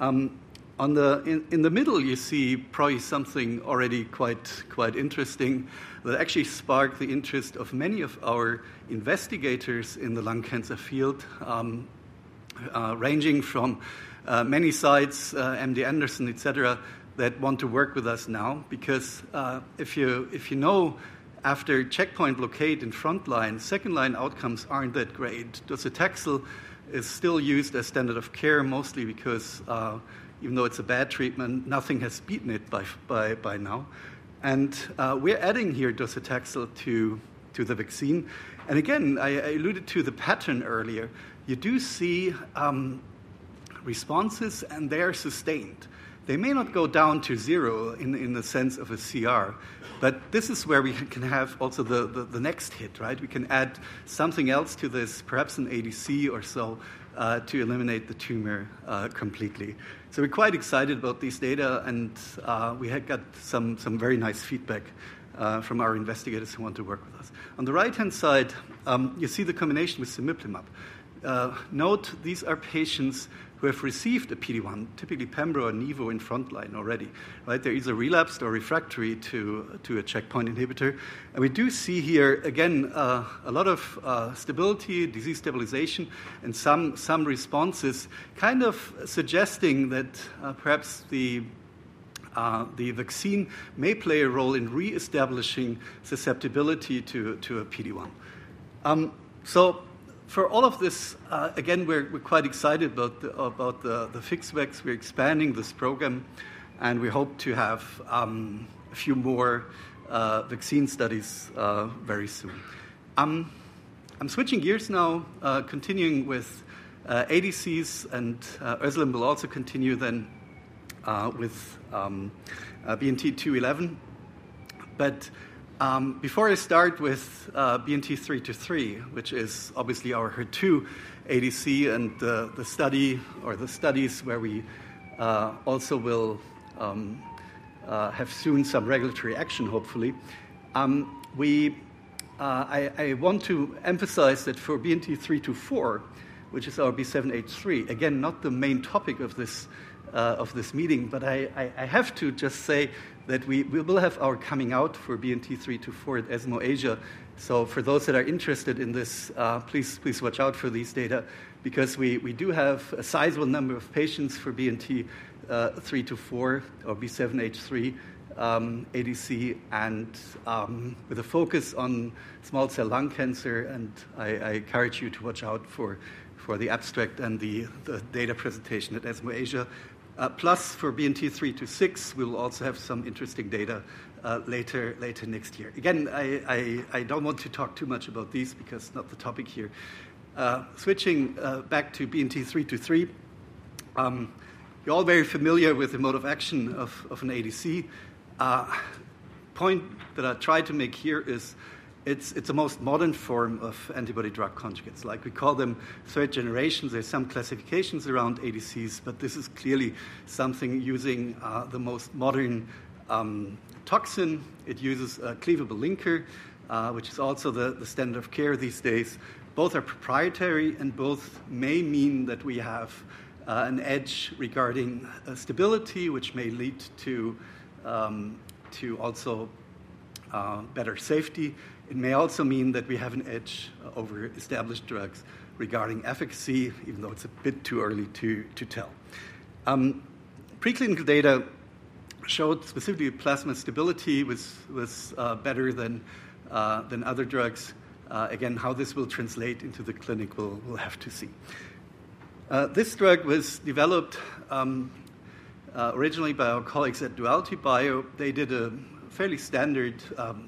In the middle, you see probably something already quite interesting that actually sparked the interest of many of our investigators in the lung cancer field, ranging from many sites, MD Anderson, etc., that want to work with us now, because if you know after checkpoint blockade in frontline, second-line outcomes aren't that great. Docetaxel is still used as standard of care, mostly because even though it's a bad treatment, nothing has beaten it by now. And we're adding here docetaxel to the vaccine. And again, I alluded to the pattern earlier. You do see responses, and they are sustained. They may not go down to zero in the sense of a CR, but this is where we can have also the next hit, right? We can add something else to this, perhaps an ADC or so, to eliminate the tumor completely. So we're quite excited about these data, and we had got some very nice feedback from our investigators who want to work with us. On the right-hand side, you see the combination with sugemalimab. Note, these are patients who have received a PD-1, typically Pembro or Nivo in frontline already, right? They're either relapsed or refractory to a checkpoint inhibitor. And we do see here, again, a lot of stability, disease stabilization, and some responses kind of suggesting that perhaps the vaccine may play a role in reestablishing susceptibility to a PD-1. So for all of this, again, we're quite excited about the FixVac. We're expanding this program, and we hope to have a few more vaccine studies very soon. I'm switching gears now, continuing with ADCs, and Özlem will also continue then with BNT211. But before I start with BNT323, which is obviously our HER2 ADC and the study or the studies where we also will have soon some regulatory action, hopefully, I want to emphasize that for BNT324, which is our B7-H3, again, not the main topic of this meeting, but I have to just say that we will have our coming out for BNT324 at ESMO Asia. So for those that are interested in this, please watch out for these data, because we do have a sizable number of patients for BNT324 or B7-H3 ADC, and with a focus on small cell lung cancer. And I encourage you to watch out for the abstract and the data presentation at ESMO Asia. Plus, for BNT326, we will also have some interesting data later next year. Again, I don't want to talk too much about these because it's not the topic here. Switching back to BNT323, you're all very familiar with the mode of action of an ADC. The point that I tried to make here is it's the most modern form of antibody drug conjugates. Like we call them third generations, there's some classifications around ADCs, but this is clearly something using the most modern toxin. It uses a cleavable linker, which is also the standard of care these days. Both are proprietary, and both may mean that we have an edge regarding stability, which may lead to also better safety. It may also mean that we have an edge over established drugs regarding efficacy, even though it's a bit too early to tell. Preclinical data showed specifically plasma stability was better than other drugs. Again, how this will translate into the clinic we'll have to see. This drug was developed originally by our colleagues at DualityBio. They did a fairly standard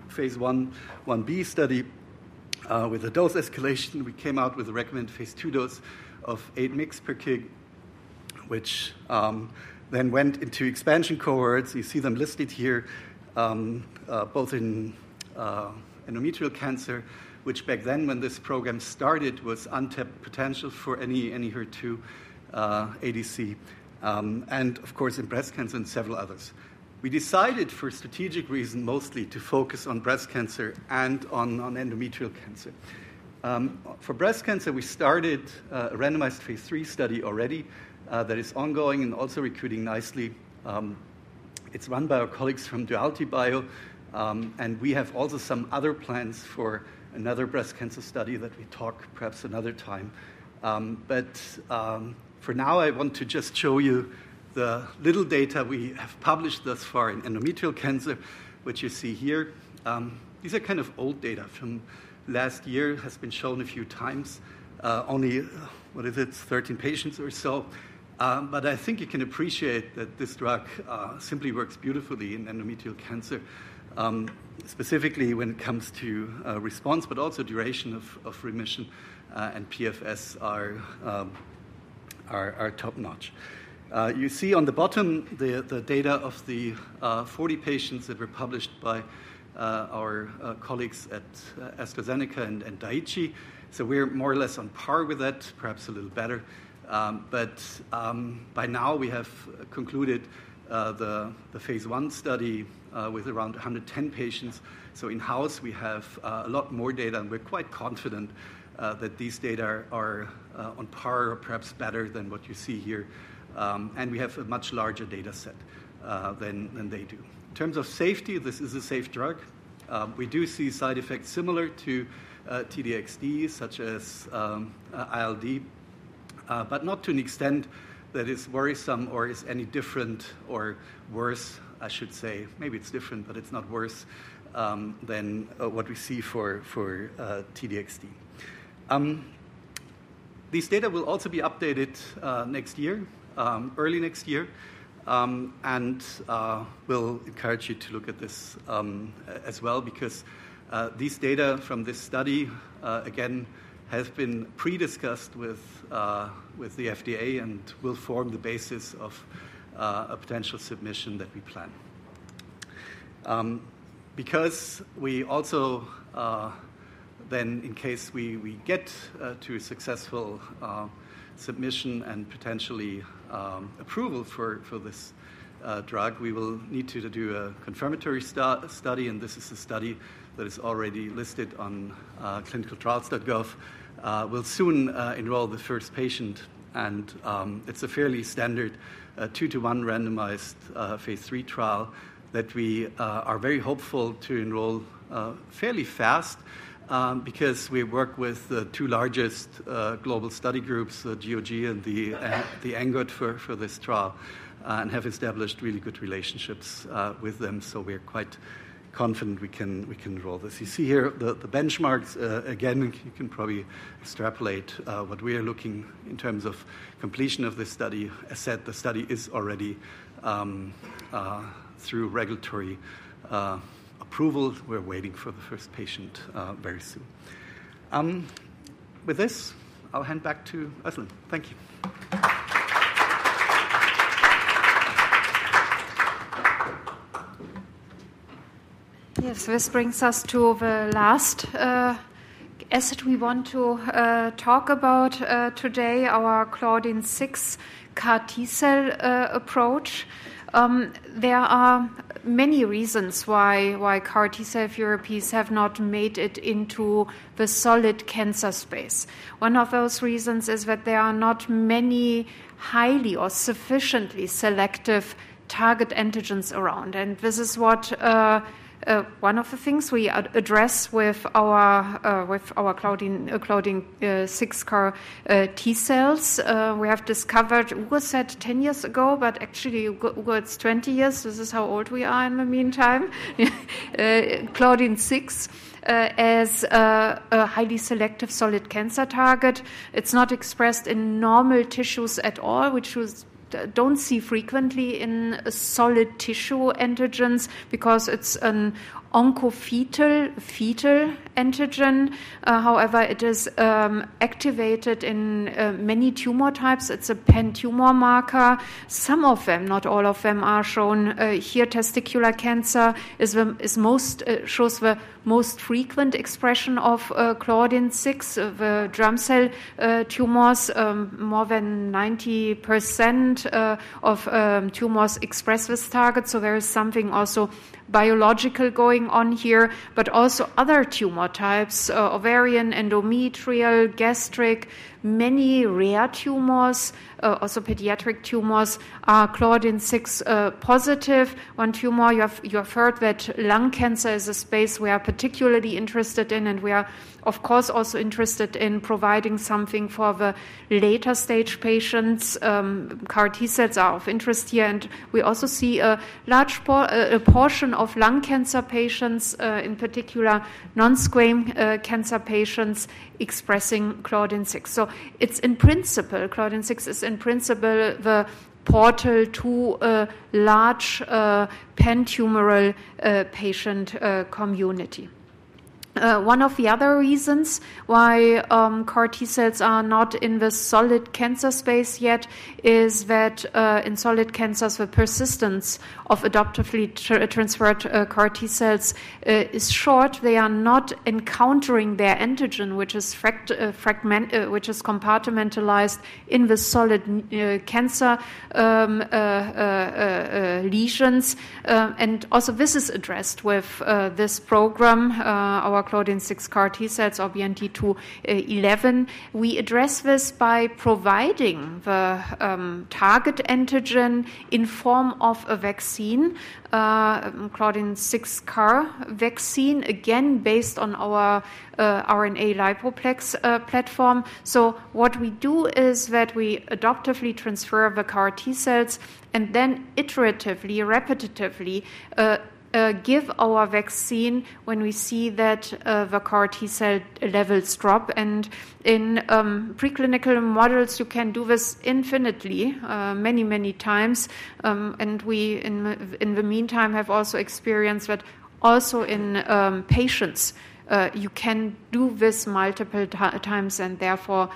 Phase I/1B study with a dose escalation. We came out with a recommended Phase II dose of 8 mg per kg, which then went into expansion cohorts. You see them listed here, both in endometrial cancer, which back then when this program started was untapped potential for any HER2 ADC, and of course in breast cancer and several others. We decided for strategic reason mostly to focus on breast cancer and on endometrial cancer. For breast cancer, we started a randomized Phase III study already that is ongoing and also recruiting nicely. It's run by our colleagues from DualityBio, and we have also some other plans for another breast cancer study that we talk perhaps another time. But for now, I want to just show you the little data we have published thus far in endometrial cancer, which you see here. These are kind of old data from last year, has been shown a few times, only, what is it, 13 patients or so. But I think you can appreciate that this drug simply works beautifully in endometrial cancer, specifically when it comes to response, but also duration of remission and PFS are top notch. You see on the bottom the data of the 40 patients that were published by our colleagues at AstraZeneca and Daiichi Sankyo. So we're more or less on par with that, perhaps a little better. But by now, we have concluded the Phase I study with around 110 patients. In-house, we have a lot more data, and we're quite confident that these data are on par or perhaps better than what you see here. We have a much larger data set than they do. In terms of safety, this is a safe drug. We do see side effects similar to T-DXd, such as ILD, but not to an extent that is worrisome or is any different or worse, I should say. Maybe it's different, but it's not worse than what we see for T-DXd. These data will also be updated next year, early next year, and we'll encourage you to look at this as well, because these data from this study, again, have been pre-discussed with the FDA and will form the basis of a potential submission that we plan. Because we also then, in case we get to a successful submission and potentially approval for this drug, we will need to do a confirmatory study, and this is a study that is already listed on clinicaltrials.gov. We'll soon enroll the first patient, and it's a fairly standard 2 to 1 randomized Phase III trial that we are very hopeful to enroll fairly fast, because we work with the two largest global study groups, the GOG and the ENGOT, for this trial and have established really good relationships with them. So we're quite confident we can enroll this. You see here the benchmarks. Again, you can probably extrapolate what we are looking in terms of completion of this study. As I said, the study is already through regulatory approval. We're waiting for the first patient very soon. With this, I'll hand back to Uğur. Thank you. Yes, this brings us to the last asset we want to talk about today, our Claudin-6 CAR-T cell approach. There are many reasons why CAR-T cell therapies have not made it into the solid cancer space. One of those reasons is that there are not many highly or sufficiently selective target antigens around. And this is one of the things we address with our Claudin-6 CAR-T cells. We have discovered it 10 years ago, but actually 20 years. This is how old we are in the meantime. Claudin-6 as a highly selective solid cancer target. It's not expressed in normal tissues at all, which we don't see frequently in solid tissue antigens because it's an oncofetal antigen. However, it is activated in many tumor types. It's a pan-tumor marker. Some of them, not all of them, are shown here. Testicular cancer shows the most frequent expression of Claudin-6, germ cell tumors. More than 90% of tumors express this target. So there is something also biological going on here, but also other tumor types, ovarian, endometrial, gastric, many rare tumors, also pediatric tumors. Claudin-6 positive. One tumor, you have heard that lung cancer is a space we are particularly interested in, and we are, of course, also interested in providing something for the later stage patients. CAR-T cells are of interest here, and we also see a large portion of lung cancer patients, in particular non-squamous cancer patients, expressing Claudin-6. So it's in principle, Claudin-6 is in principle the portal to a large pan-tumoral patient community. One of the other reasons why CAR-T cells are not in the solid cancer space yet is that in solid cancers, the persistence of adaptively transferred CAR-T cells is short. They are not encountering their antigen, which is compartmentalized in the solid cancer lesions, and also this is addressed with this program, our Claudin-6 CAR-T cells or BNT211. We address this by providing the target antigen in form of a vaccine, Claudin-6 CAR vaccine, again, based on our RNA lipoplex platform, so what we do is that we adaptively transfer the CAR-T cells and then iteratively, repetitively give our vaccine when we see that the CAR-T cell levels drop, and in preclinical models, you can do this infinitely, many, many times. And we in the meantime have also experienced that also in patients, you can do this multiple times and therefore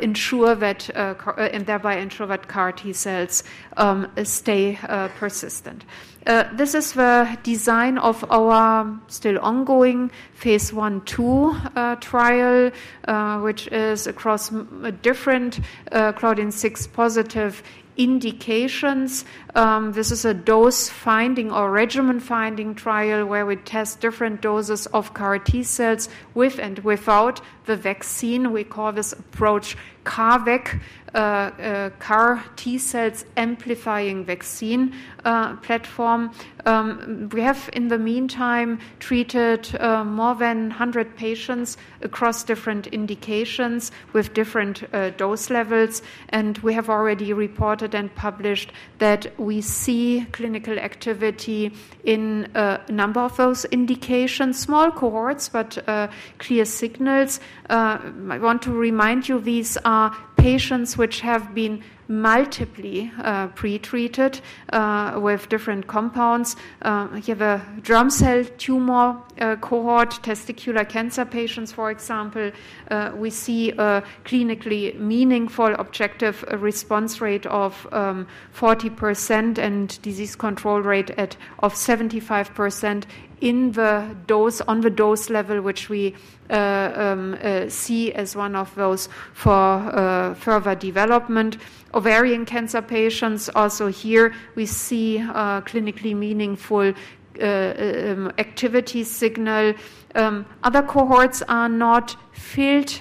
ensure that and thereby ensure that CAR-T cells stay persistent. This is the design of our still ongoing Phase I/II trial, which is across different Claudin-6 positive indications. This is a dose finding or regimen finding trial where we test different doses of CAR-T cells with and without the vaccine. We call this approach CARVac, CAR-T cells amplifying vaccine platform. We have in the meantime treated more than 100 patients across different indications with different dose levels. And we have already reported and published that we see clinical activity in a number of those indications, small cohorts, but clear signals. I want to remind you, these are patients which have been multiply pretreated with different compounds. Here the germ cell tumor cohort, testicular cancer patients, for example, we see a clinically meaningful objective response rate of 40% and disease control rate of 75% on the dose level, which we see as one of those for further development. Ovarian cancer patients, also here we see clinically meaningful activity signal. Other cohorts are not filled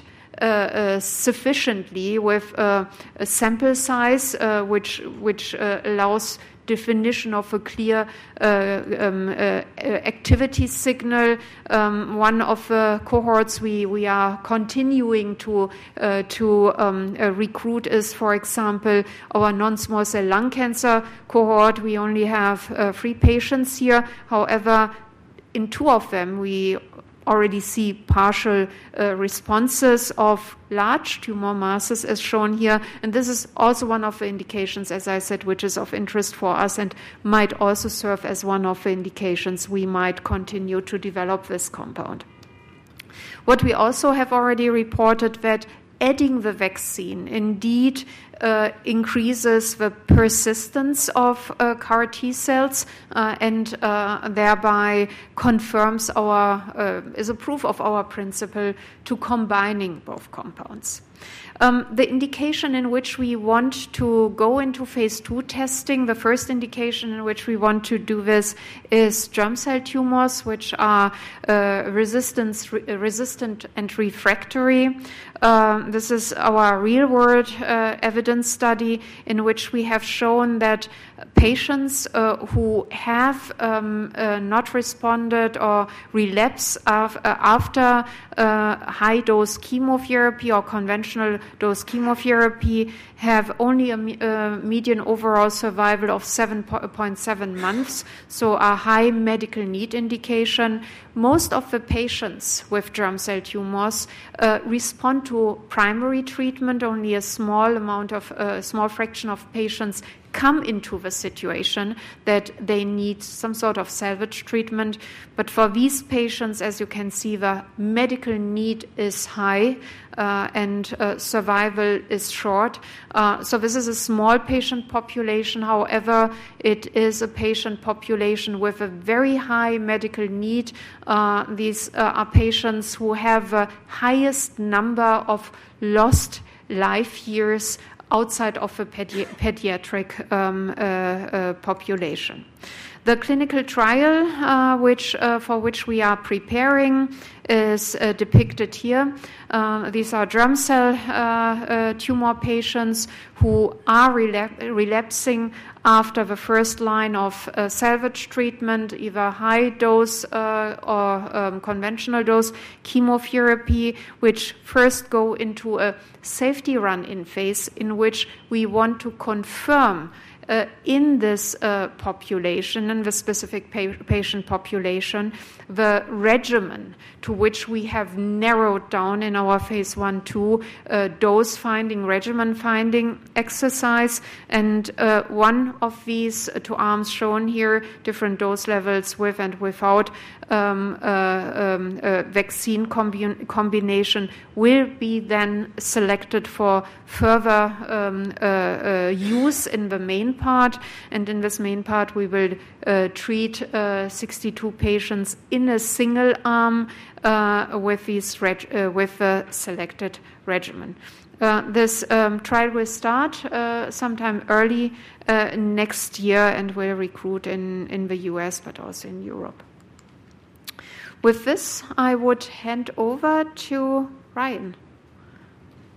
sufficiently with a sample size, which allows definition of a clear activity signal. One of the cohorts we are continuing to recruit is, for example, our non-small cell lung cancer cohort. We only have three patients here. However, in two of them, we already see partial responses of large tumor masses, as shown here, and this is also one of the indications, as I said, which is of interest for us and might also serve as one of the indications we might continue to develop this compound. What we also have already reported that adding the vaccine indeed increases the persistence of CAR-T cells and thereby confirms our is a proof of our principle to combining both compounds. The indication in which we want to go into Phase II testing, the first indication in which we want to do this is germ cell tumors, which are resistant and refractory. This is our real-world evidence study in which we have shown that patients who have not responded or relapse after high-dose chemotherapy or conventional dose chemotherapy have only a median overall survival of 7.7 months. So a high medical need indication. Most of the patients with germ cell tumors respond to primary treatment. Only a small fraction of patients come into the situation that they need some sort of salvage treatment. But for these patients, as you can see, the medical need is high and survival is short. So this is a small patient population. However, it is a patient population with a very high medical need. These are patients who have the highest number of lost life years outside of the pediatric population. The clinical trial for which we are preparing is depicted here. These are germ cell tumor patients who are relapsing after the first-line of salvage treatment, either high dose or conventional dose chemotherapy, which first go into a safety run in phase in which we want to confirm in this population and the specific patient population the regimen to which we have narrowed down in our Phase I/II dose finding, regimen finding exercise. And one of these two arms shown here, different dose levels with and without vaccine combination, will be then selected for further use in the main part. And in this main part, we will treat 62 patients in a single arm with the selected regimen. This trial will start sometime early next year and will recruit in the U.S., but also in Europe. With this, I would hand over to Ryan.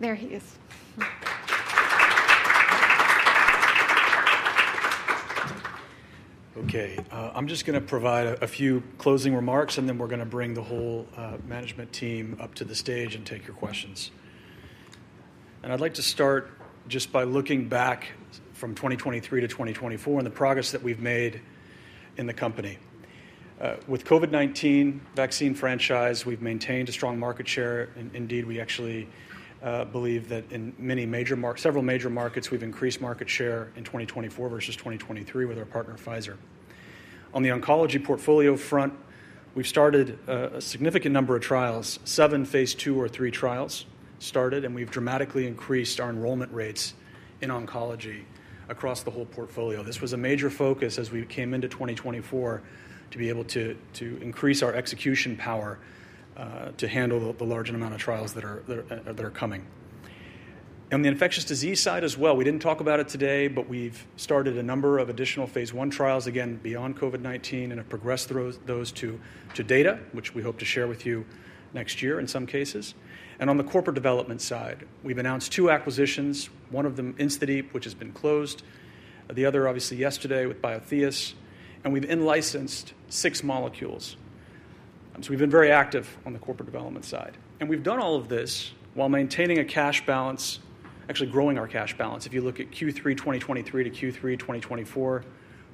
There he is. Okay. I'm just going to provide a few closing remarks, and then we're going to bring the whole management team up to the stage and take your questions. And I'd like to start just by looking back from 2023 to 2024 and the progress that we've made in the company. With COVID-19 vaccine franchise, we've maintained a strong market share. Indeed, we actually believe that in several major markets, we've increased market share in 2024 versus 2023 with our partner Pfizer. On the oncology portfolio front, we've started a significant number of trials, seven Phase II or III trials started, and we've dramatically increased our enrollment rates in oncology across the whole portfolio. This was a major focus as we came into 2024 to be able to increase our execution power to handle the large amount of trials that are coming. On the infectious disease side as well, we didn't talk about it today, but we've started a number of additional Phase I trials, again, beyond COVID-19, and have progressed through those to data, which we hope to share with you next year in some cases. And on the corporate development side, we've announced two acquisitions, one of them InstaDeep, which has been closed, the other obviously yesterday with Biotheus. And we've in-licensed six molecules. So we've been very active on the corporate development side. And we've done all of this while maintaining a cash balance, actually growing our cash balance. If you look at Q3 2023 to Q3 2024,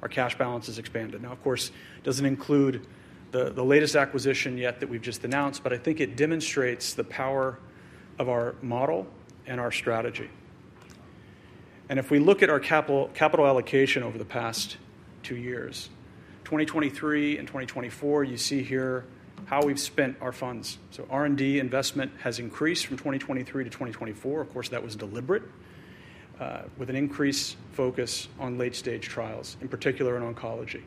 our cash balance has expanded. Now, of course, it doesn't include the latest acquisition yet that we've just announced, but I think it demonstrates the power of our model and our strategy. And if we look at our capital allocation over the past two years, 2023 and 2024, you see here how we've spent our funds. So R&D investment has increased from 2023 to 2024. Of course, that was deliberate with an increased focus on late-stage trials, in particular in oncology.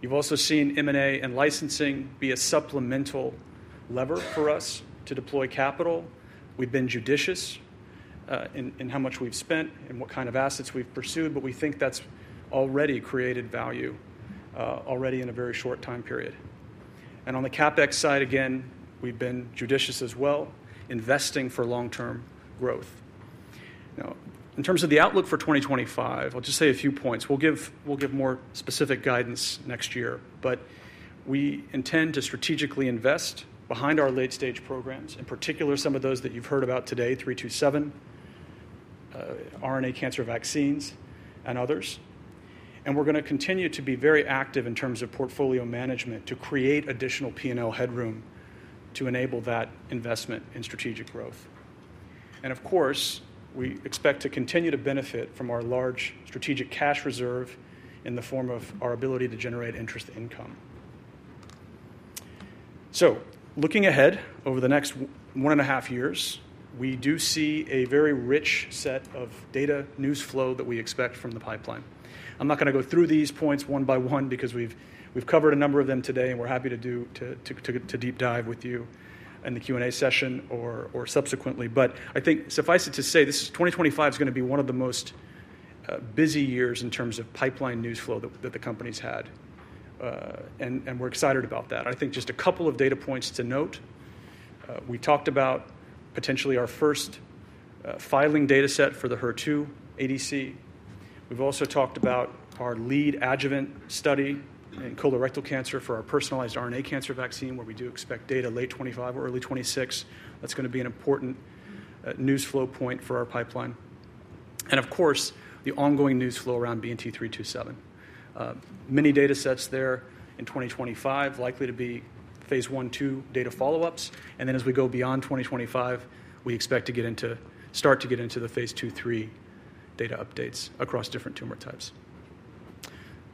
You've also seen M&A and licensing be a supplemental lever for us to deploy capital. We've been judicious in how much we've spent and what kind of assets we've pursued, but we think that's already created value in a very short time period. On the CapEx side, again, we've been judicious as well, investing for long-term growth. Now, in terms of the outlook for 2025, I'll just say a few points. We'll give more specific guidance next year, but we intend to strategically invest behind our late-stage programs, in particular some of those that you've heard about today, 327, RNA cancer vaccines, and others. We're going to continue to be very active in terms of portfolio management to create additional P&L headroom to enable that investment in strategic growth. And of course, we expect to continue to benefit from our large strategic cash reserve in the form of our ability to generate interest income. So looking ahead over the next one and a half years, we do see a very rich set of data news flow that we expect from the pipeline. I'm not going to go through these points one by one because we've covered a number of them today, and we're happy to deep dive with you in the Q&A session or subsequently. But I think suffice it to say this 2025 is going to be one of the most busy years in terms of pipeline news flow that the company's had, and we're excited about that. I think just a couple of data points to note. We talked about potentially our first filing data set for the HER2 ADC. We've also talked about our lead adjuvant study in colorectal cancer for our personalized RNA cancer vaccine, where we do expect data late 2025 or early 2026. That's going to be an important news flow point for our pipeline. And of course, the ongoing news flow around BNT327. Many data sets there in 2025, likely to be Phase I, two data follow-ups. And then as we go beyond 2025, we expect to start to get into the Phase II/III data updates across different tumor types.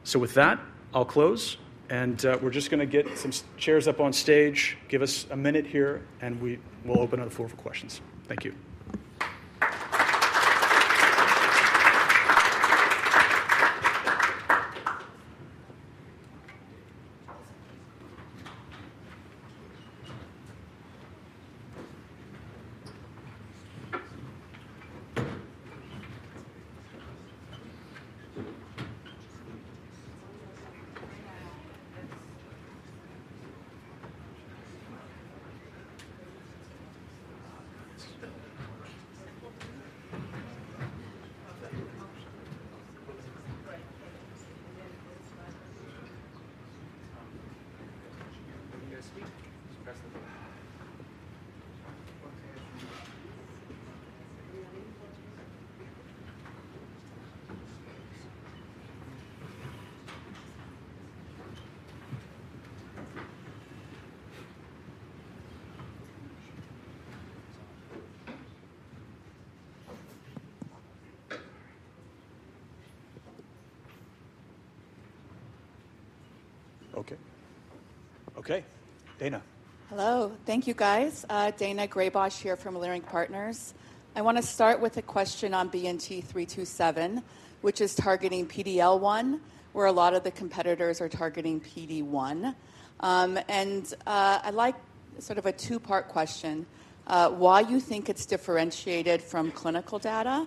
So with that, I'll close, and we're just going to get some chairs up on stage. Give us a minute here, and we will open up the floor for questions. Thank you. Okay. Okay. Daina. Hello. Thank you, guys. Daina Graybosch here from Leerink Partners. I want to start with a question on BNT327, which is targeting PD-L1, where a lot of the competitors are targeting PD-1. And I like sort of a two-part question, why you think it's differentiated from clinical data.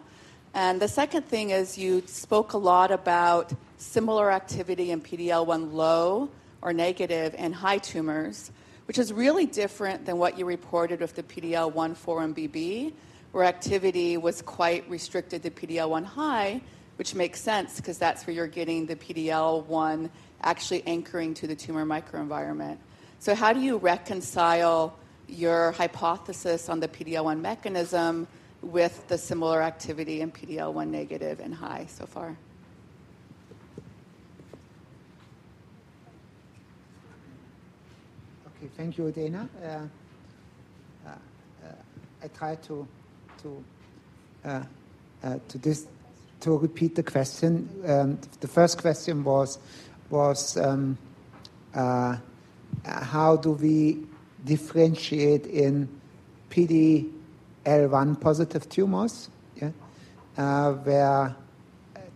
And the second thing is you spoke a lot about similar activity in PD-L1 low or negative and high tumors, which is really different than what you reported with the PD-1 and PD-L1, where activity was quite restricted to PD-L1 high, which makes sense because that's where you're getting the PD-L1 actually anchoring to the tumor microenvironment. So how do you reconcile your hypothesis on the PD-L1 mechanism with the similar activity in PD-L1 negative and high so far? Okay. Thank you, Daina. I tried to repeat the question. The first question was, how do we differentiate in PD-L1 positive tumors where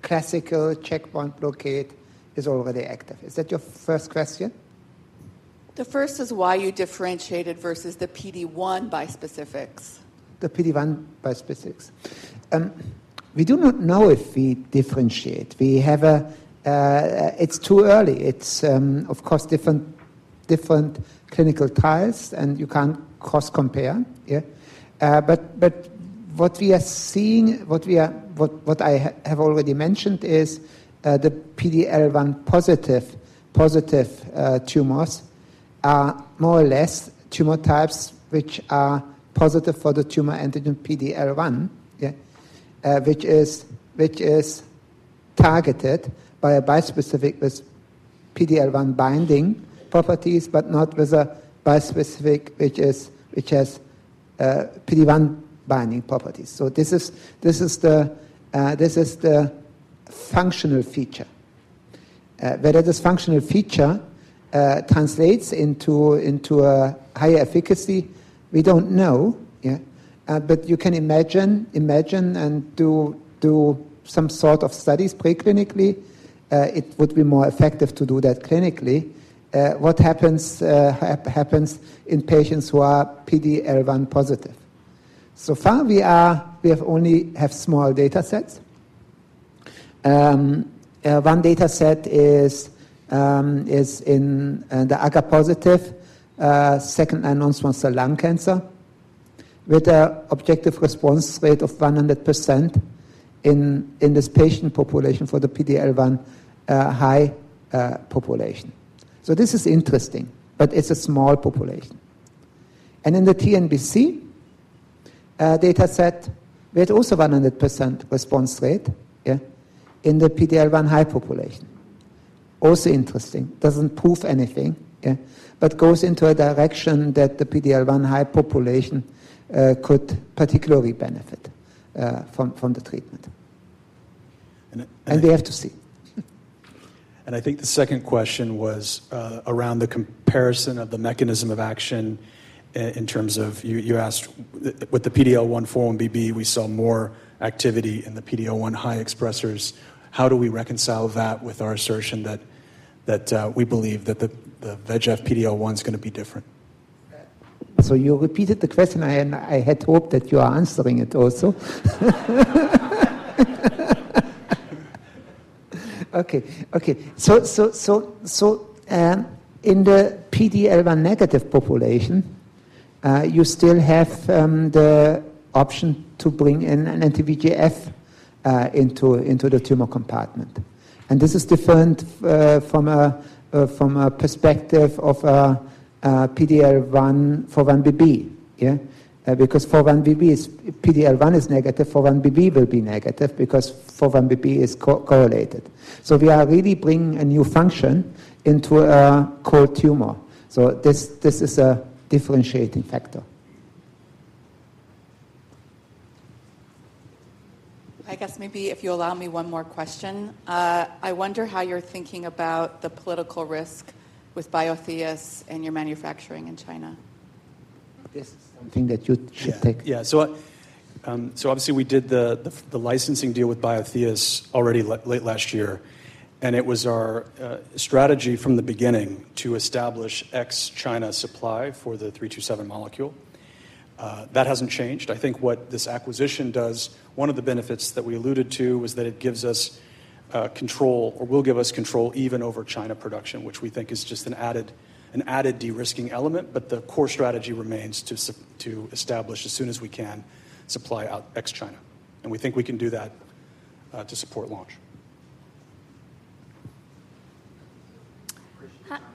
classical checkpoint blockade is already active? Is that your first question? The first is why you differentiated versus the PD-1 bispecifics. The PD-1 bispecifics. We do not know if we differentiate. It's too early. It's, of course, different clinical trials, and you can't cross-compare. But what we are seeing, what I have already mentioned, is the PD-L1-positive tumors are more or less tumor types which are positive for the tumor antigen PD-L1, which is targeted by a bispecific with PD-L1 binding properties, but not with a bispecific which has PD-1 binding properties. So this is the functional feature. Whether this functional feature translates into a higher efficacy, we don't know. But you can imagine and do some sort of studies preclinically. It would be more effective to do that clinically. What happens in patients who are PD-L1 positive? So far, we have only small data sets. One data set is in the EGFR-positive second-line advanced NSCLC with an objective response rate of 100% in this patient population for the PD-L1 high population, so this is interesting, but it's a small population, and in the TNBC data set, we had also 100% response rate in the PD-L1 high population, also interesting, doesn't prove anything, but goes into a direction that the PD-L1 high population could particularly benefit from the treatment, and we have to see. And I think the second question was around the comparison of the mechanism of action in terms of you asked, with the PD-L1 and VEGF, we saw more activity in the PD-L1 high expressors. How do we reconcile that with our assertion that we believe that the VEGF–PD-L1 is going to be different, so you repeated the question, and I had hoped that you are answering it also. Okay. Okay. In the PD-L1 negative population, you still have the option to bring in an anti-VEGF into the tumor compartment. And this is different from a perspective of a PD-L1 for 4-1BB, because for 4-1BB, PD-L1 is negative. For 4-1BB, it will be negative because for 4-1BB, it is correlated. So we are really bringing a new function into a cold tumor. So this is a differentiating factor. I guess maybe if you allow me one more question, I wonder how you're thinking about the political risk with Biotheus and your manufacturing in China. This is something that you should take. Yeah. So obviously, we did the licensing deal with Biotheus already late last year, and it was our strategy from the beginning to establish ex-China supply for the 327 molecule. That hasn't changed. I think what this acquisition does, one of the benefits that we alluded to was that it gives us control or will give us control even over China production, which we think is just an added de-risking element. But the core strategy remains to establish, as soon as we can, supply ex-China, and we think we can do that to support launch.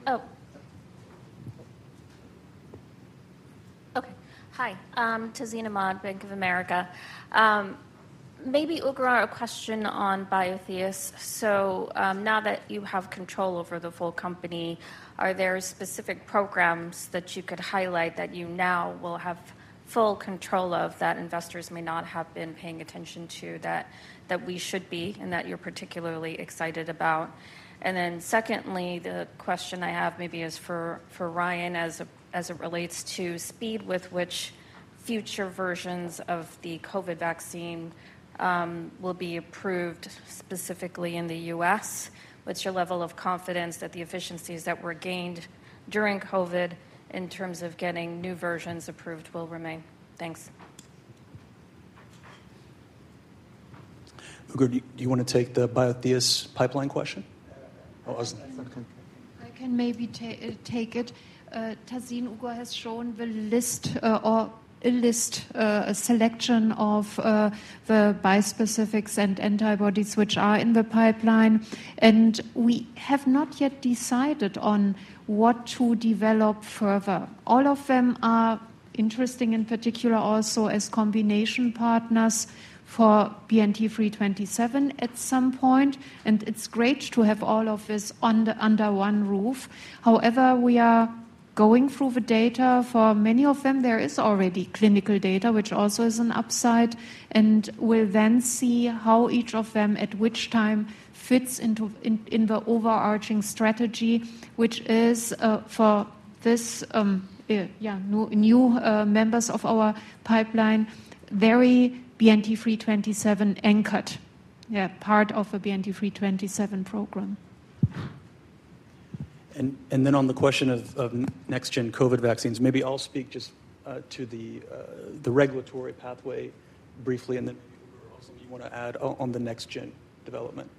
Oh. Okay. Hi. Tazeen Ahmad, Bank of America. Maybe Uğur, a question on Biotheus. So now that you have control over the full company, are there specific programs that you could highlight that you now will have full control of that investors may not have been paying attention to that we should be and that you're particularly excited about? And then secondly, the question I have maybe is for Ryan as it relates to speed with which future versions of the COVID vaccine will be approved specifically in the U.S. What's your level of confidence that the efficiencies that were gained during COVID in terms of getting new versions approved will remain? Thanks. Uğur, do you want to take the Biotheus pipeline question? I can maybe take it. Tazeen has shown the list or a list, a selection of the bispecifics and antibodies which are in the pipeline, and we have not yet decided on what to develop further. All of them are interesting in particular also as combination partners for BNT327 at some point, and it's great to have all of this under one roof. However, we are going through the data for many of them. There is already clinical data, which also is an upside, and we'll then see how each of them at which time fits into the overarching strategy, which is for these new members of our pipeline, very BNT327 anchored, part of the BNT327 program. Then on the question of next-gen COVID vaccines, maybe I'll speak just to the regulatory pathway briefly, and then maybe Uğur also may want to add on the next-gen development.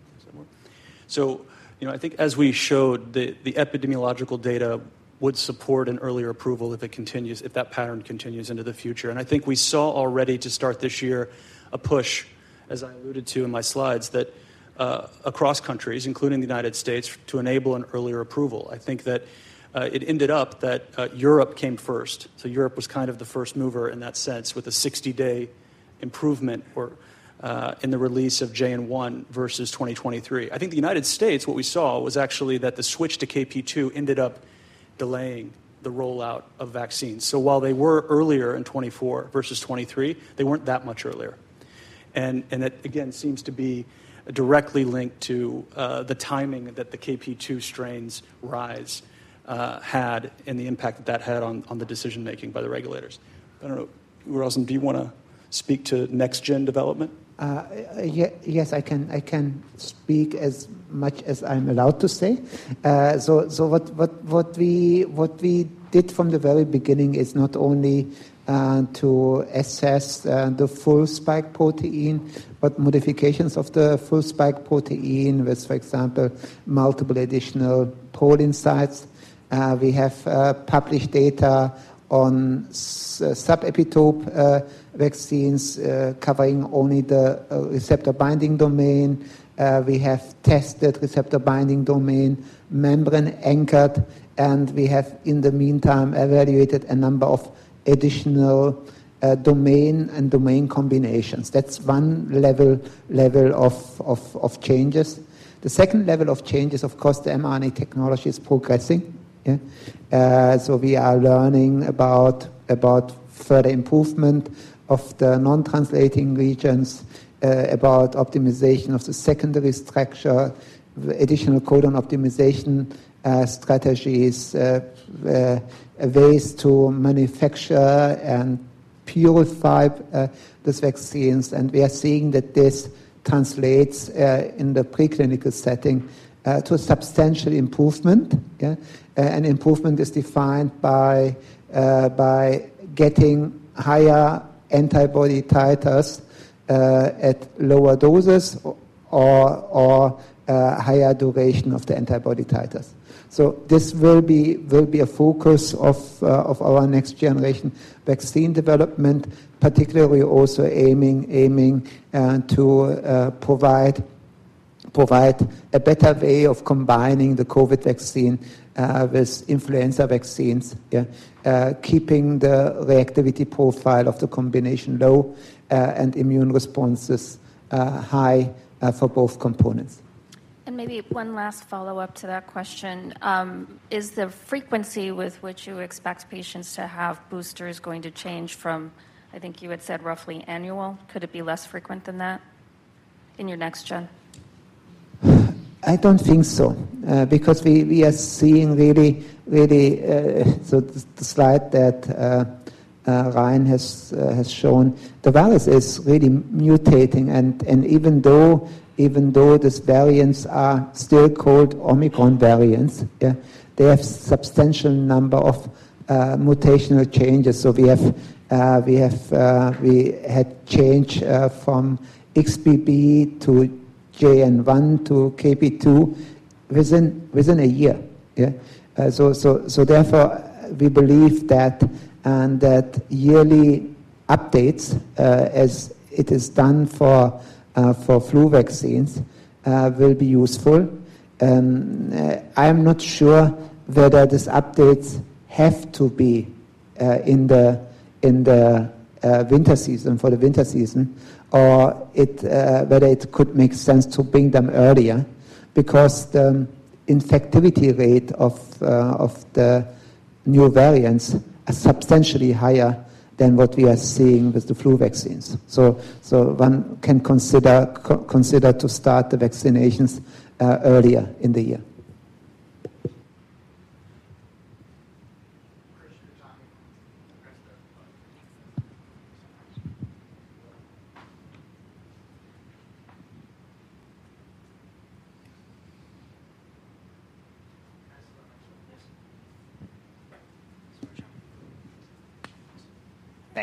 I think as we showed, the epidemiological data would support an earlier approval if that pattern continues into the future. I think we saw already to start this year a push, as I alluded to in my slides, that across countries, including the United States, to enable an earlier approval. I think that it ended up that Europe came first. Europe was kind of the first mover in that sense with a 60-day improvement in the release of JN.1 versus 2023. I think the United States, what we saw was actually that the switch to KP.2 ended up delaying the rollout of vaccines. So while they were earlier in 2024 versus 2023, they weren't that much earlier. And that, again, seems to be directly linked to the timing that the KP.2 strain's rise had and the impact that that had on the decision-making by the regulators. I don't know. Uğur, do you want to speak to next-gen development? Yes, I can speak as much as I'm allowed to say. So what we did from the very beginning is not only to assess the full spike protein, but modifications of the full spike protein with, for example, multiple additional proline sites. We have published data on subepitope vaccines covering only the receptor binding domain. We have tested receptor binding domain membrane anchored, and we have, in the meantime, evaluated a number of additional domain and domain combinations. That's one level of changes. The second level of change is, of course, the mRNA technology is progressing. So we are learning about further improvement of the non-translating regions, about optimization of the secondary structure, additional codon optimization strategies, ways to manufacture and purify these vaccines, and we are seeing that this translates in the preclinical setting to a substantial improvement, and improvement is defined by getting higher antibody titers at lower doses or higher duration of the antibody titers. So this will be a focus of our next-generation vaccine development, particularly also aiming to provide a better way of combining the COVID vaccine with influenza vaccines, keeping the reactivity profile of the combination low and immune responses high for both components. And maybe one last follow-up to that question. Is the frequency with which you expect patients to have boosters going to change from, I think you had said, roughly annual? Could it be less frequent than that in your next gen? I don't think so because we are seeing really the slide that Ryan has shown. The virus is really mutating, and even though these variants are still called Omicron variants, they have a substantial number of mutational changes. So we had change from XBB to JN.1 to KP.2 within a year. So therefore, we believe that yearly updates, as it is done for flu vaccines, will be useful. I'm not sure whether these updates have to be in the winter season for the winter season or whether it could make sense to bring them earlier because the infectivity rate of the new variants is substantially higher than what we are seeing with the flu vaccines. So one can consider to start the vaccinations earlier in the year.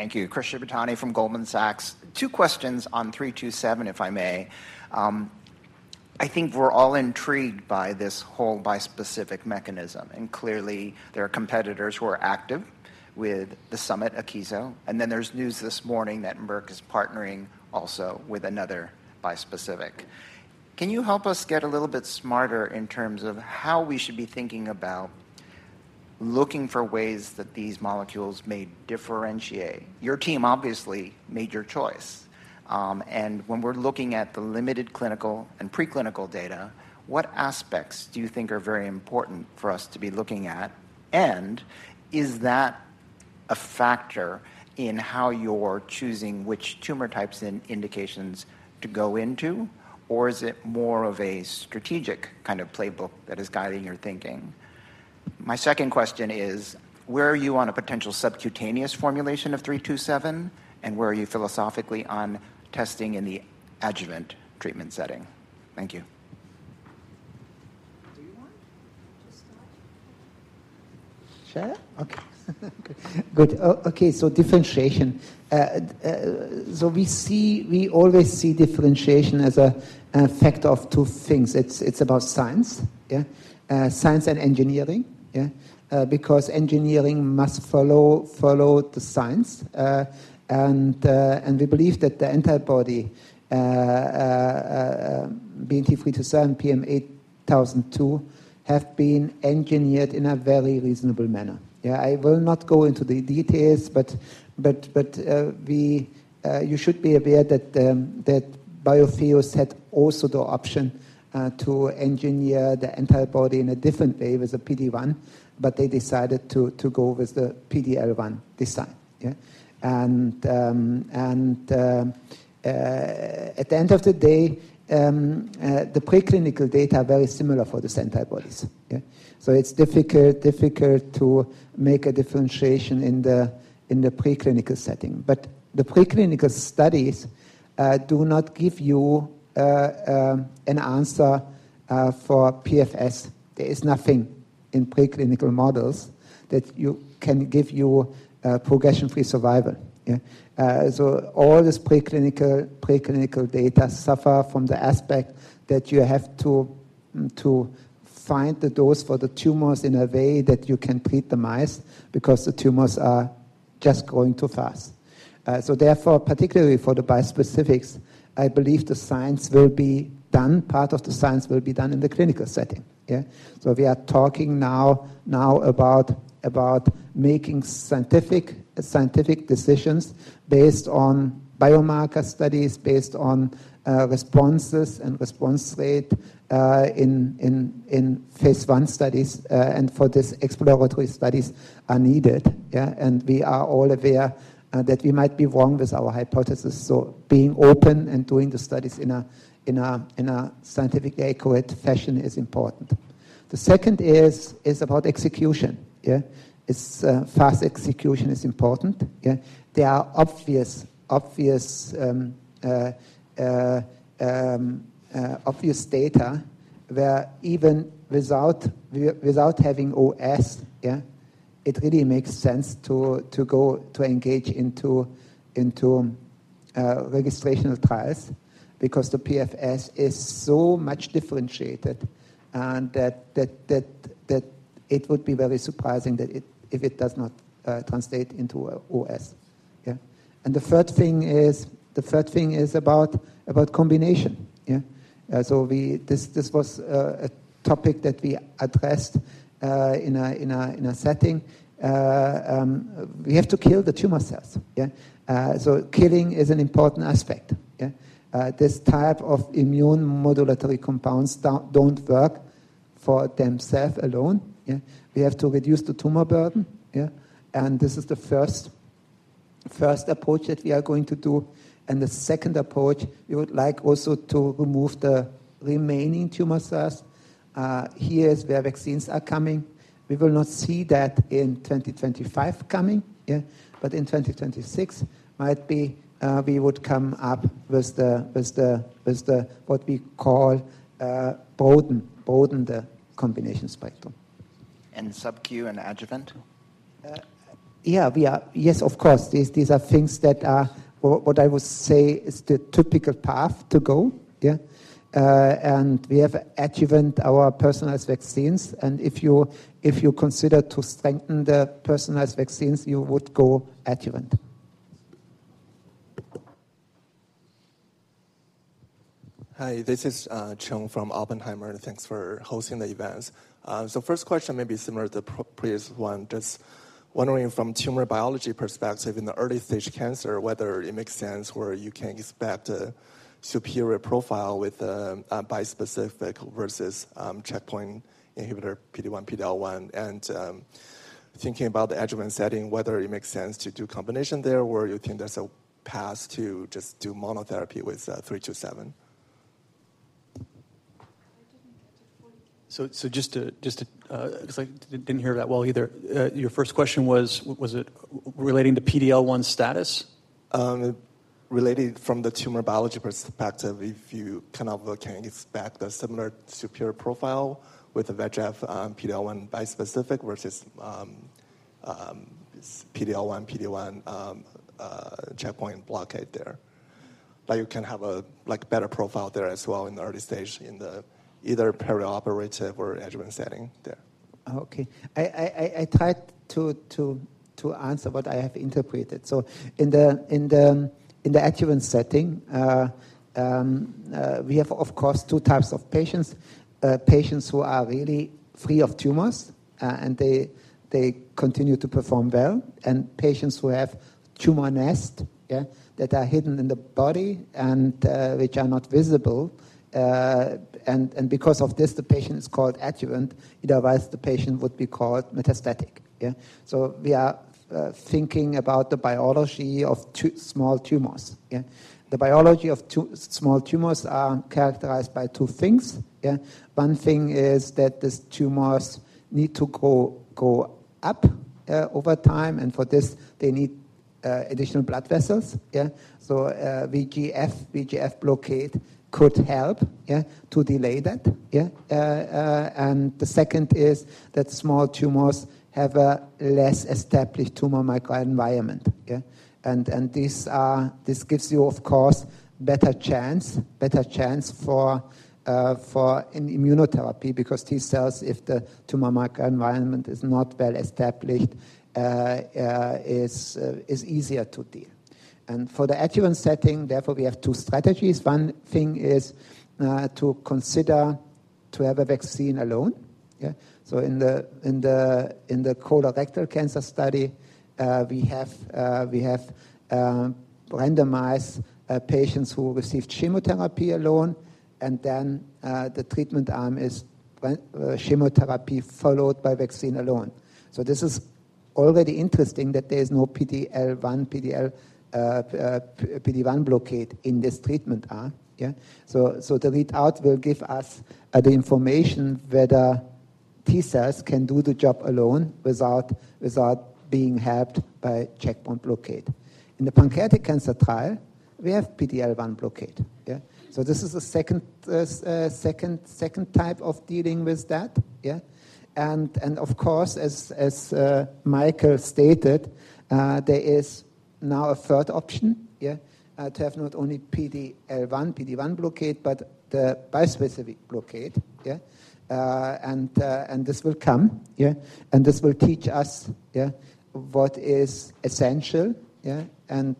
Thank you. Chris Shibutani from Goldman Sachs. Two questions on 327, if I may. I think we're all intrigued by this whole bispecific mechanism, and clearly, there are competitors who are active with Akeso. And then there's news this morning that Merck is partnering also with another bispecific. Can you help us get a little bit smarter in terms of how we should be thinking about looking for ways that these molecules may differentiate? Your team, obviously, made your choice. And when we're looking at the limited clinical and preclinical data, what aspects do you think are very important for us to be looking at? And is that a factor in how you're choosing which tumor types and indications to go into, or is it more of a strategic kind of playbook that is guiding your thinking? My second question is, where are you on a potential subcutaneous formulation of 327, and where are you philosophically on testing in the adjuvant treatment setting? Thank you. Do you want to start? Sure. Okay. Good. Okay. So differentiation. So we always see differentiation as a fact of two things. It's about science, science and engineering, because engineering must follow the science. We believe that the antibody BNT327 PM8002 has been engineered in a very reasonable manner. I will not go into the details, but you should be aware that Biotheus had also the option to engineer the antibody in a different way with the PD-1, but they decided to go with the PD-L1 design. At the end of the day, the preclinical data are very similar for these antibodies. It's difficult to make a differentiation in the preclinical setting. The preclinical studies do not give you an answer for PFS. There is nothing in preclinical models that can give you progression-free survival. So all this preclinical data suffers from the aspect that you have to find the dose for the tumors in a way that you can treat the mice because the tumors are just growing too fast. So therefore, particularly for the bispecifics, I believe the science will be done. Part of the science will be done in the clinical setting. So we are talking now about making scientific decisions based on biomarker studies, based on responses and response rate in Phase I studies, and for these exploratory studies are needed. And we are all aware that we might be wrong with our hypothesis. So being open and doing the studies in a scientific accurate fashion is important. The second is about execution. Fast execution is important. There are obvious data where even without having OS, it really makes sense to engage into registration of trials because the PFS is so much differentiated that it would be very surprising if it does not translate into OS. The third thing is about combination. This was a topic that we addressed in a setting. We have to kill the tumor cells. Killing is an important aspect. This type of immune modulatory compounds don't work for themselves alone. We have to reduce the tumor burden. This is the first approach that we are going to do. The second approach, we would like also to remove the remaining tumor cells. Here is where vaccines are coming. We will not see that in 2025 coming, but in 2026, we would come up with what we call broaden the combination spectrum. SubQ and adjuvant? Yeah. Yes, of course. These are things that are what I would say is the typical path to go. And we have adjuvant, our personalized vaccines. And if you consider to strengthen the personalized vaccines, you would go adjuvant. Hi. This is Cheung from Oppenheimer. Thanks for hosting the event. So first question may be similar to the previous one. Just wondering from tumor biology perspective in the early stage cancer whether it makes sense where you can expect a superior profile with a bispecific versus checkpoint inhibitor PD-1, PD-L1. And thinking about the adjuvant setting, whether it makes sense to do combination there or you think that's a path to just do monotherapy with 327. So just didn't hear that well either. Your first question was, was it relating to PD-L1 status? Related from the tumor biology perspective, if you kind of can expect a similar superior profile with a VEGF–PD-L1 bispecific versus PD-L1, PD-1 checkpoint blockade there. But you can have a better profile there as well in the early stage in the either perioperative or adjuvant setting there. Okay. I tried to answer what I have interpreted. So in the adjuvant setting, we have, of course, two types of patients: patients who are really free of tumors and they continue to perform well, and patients who have tumor nest that are hidden in the body and which are not visible. And because of this, the patient is called adjuvant. Otherwise, the patient would be called metastatic. So we are thinking about the biology of small tumors. The biology of small tumors are characterized by two things. One thing is that these tumors need to grow up over time, and for this, they need additional blood vessels. So VEGF blockade could help to delay that. And the second is that small tumors have a less established tumor microenvironment. And this gives you, of course, better chance for immunotherapy because T cells, if the tumor microenvironment is not well established, is easier to deal. And for the adjuvant setting, therefore, we have two strategies. One thing is to consider to have a vaccine alone. So in the colorectal cancer study, we have randomized patients who received chemotherapy alone, and then the treatment arm is chemotherapy followed by vaccine alone. So this is already interesting that there is no PD-L1 blockade in this treatment arm. So the readout will give us the information whether T cells can do the job alone without being helped by checkpoint blockade. In the pancreatic cancer trial, we have PD-L1 blockade. So this is the second type of dealing with that. And of course, as Michael stated, there is now a third option to have not only PD-L1 blockade, but the bispecific blockade. And this will come, and this will teach us what is essential and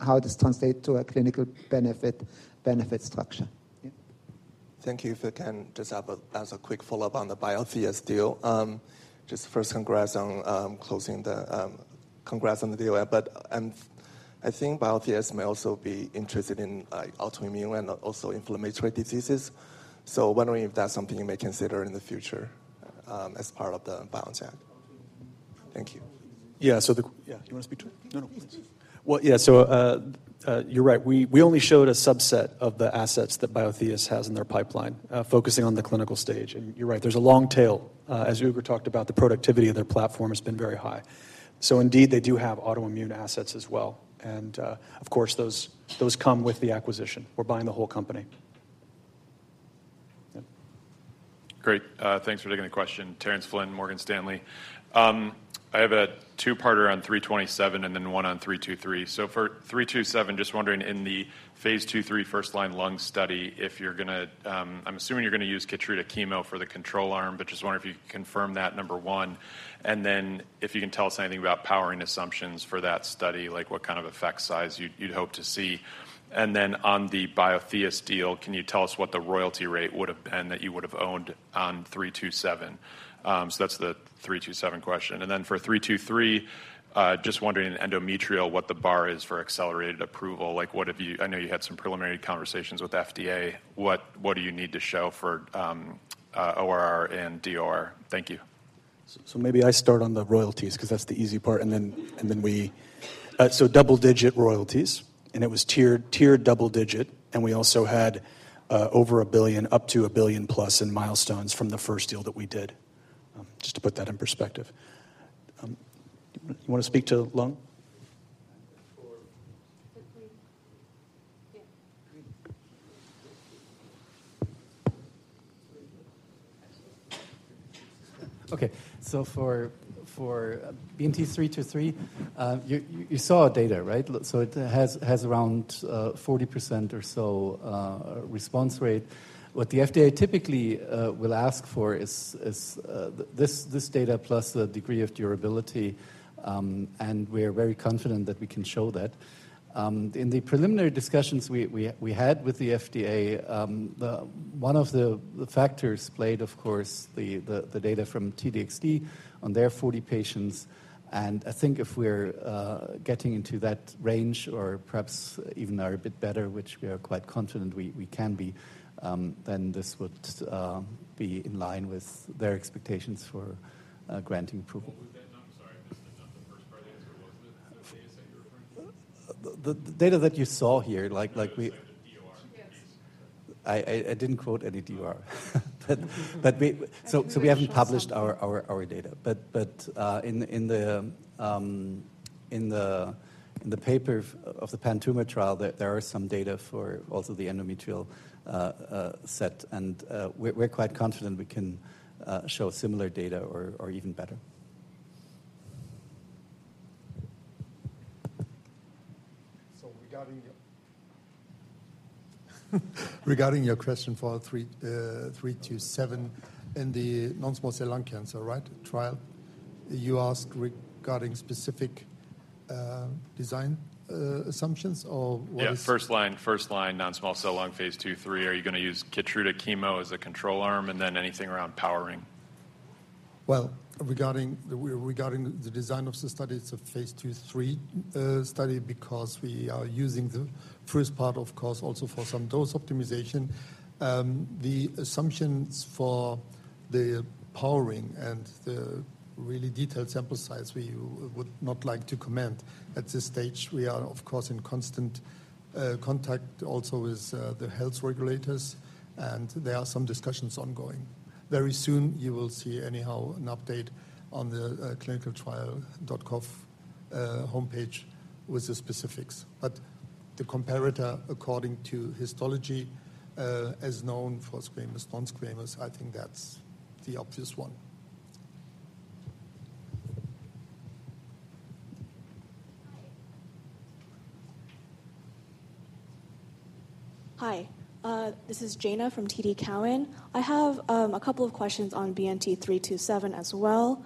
how this translates to a clinical benefit structure. Thank you. If I can just ask a quick follow-up on the Biotheus, just first congrats on closing the deal. But I think Biotheus may also be interested in autoimmune and also inflammatory diseases. So wondering if that's something you may consider in the future as part of the BioNTech. Thank you. Yeah. So yeah, you want to speak to it? No, no, please. Well, yeah, so you're right. We only showed a subset of the assets that Biotheus has in their pipeline focusing on the clinical stage. And you're right. There's a long tail. As Uğur talked about, the productivity of their platform has been very high. So indeed, they do have autoimmune assets as well. And of course, those come with the acquisition. We're buying the whole company. Great. Thanks for taking the question. Terrence Flynn, Morgan Stanley. I have a two-parter on 327 and then one on 323. So for 327, just wondering in the Phase II/III first-line lung study, if you're going to, I'm assuming you're going to use Keytruda chemo for the control arm, but just wondering if you can confirm that, number one. And then if you can tell us anything about powering assumptions for that study, like what kind of effect size you'd hope to see. And then on the Biotheus deal, can you tell us what the royalty rate would have been that you would have owned on 327? So that's the 327 question. And then for 323, just wondering in endometrial what the bar is for accelerated approval. I know you had some preliminary conversations with FDA. What do you need to show for ORR and DOR? Thank you. So maybe I start on the royalties because that's the easy part. And then we so double-digit royalties, and it was tiered double-digit. And we also had over $1 billion up to $1 billion plus in milestones from the first deal that we did, just to put that in perspective. You want to speak to lung? Okay. So for BNT323, you saw data, right? So it has around 40% or so response rate. What the FDA typically will ask for is this data plus the degree of durability, and we are very confident that we can show that. In the preliminary discussions we had with the FDA, one of the factors played, of course, the data from T-DXd on their 40 patients, and I think if we're getting into that range or perhaps even a bit better, which we are quite confident we can be, then this would be in line with their expectations for granting approval. I'm sorry. The first part of the answer was the data set you were referring to? The data that you saw here, like we—I didn't quote any DOR. So we haven't published our data, but in the paper of the PanTumor trial, there are some data for also the endometrial set, and we're quite confident we can show similar data or even better. Regarding your question for 327 and the non-small cell lung cancer, right, trial, you asked regarding specific design assumptions or what is? Yeah. first-line, first-line, non-small cell lung Phase II/III. Are you going to use Keytruda chemo as a control arm and then anything around powering? Well, regarding the design of the study, it's a Phase II/III study because we are using the first part, of course, also for some dose optimization. The assumptions for the powering and the really detailed sample size, we would not like to comment at this stage. We are, of course, in constant contact also with the health regulators, and there are some discussions ongoing. Very soon, you will see anyhow an update on the ClinicalTrials.gov homepage with the specifics. But the comparator, according to histology, as known for squamous, non-squamous, I think that's the obvious one. Hi. This is Jana from TD Cowen. I have a couple of questions on BNT327 as well.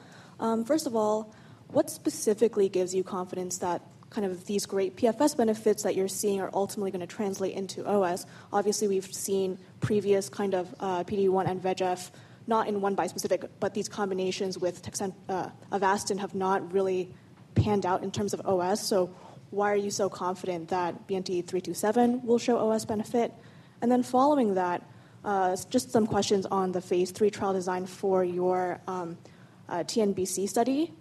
First of all, what specifically gives you confidence that kind of these great PFS benefits that you're seeing are ultimately going to translate into OS? Obviously, we've seen previous kind of PD-1 and VEGF, not in one bispecific, but these combinations with Avastin have not really panned out in terms of OS. So why are you so confident that BNT327 will show OS benefit? And then following that, just some questions on the Phase III trial design for your TNBC study.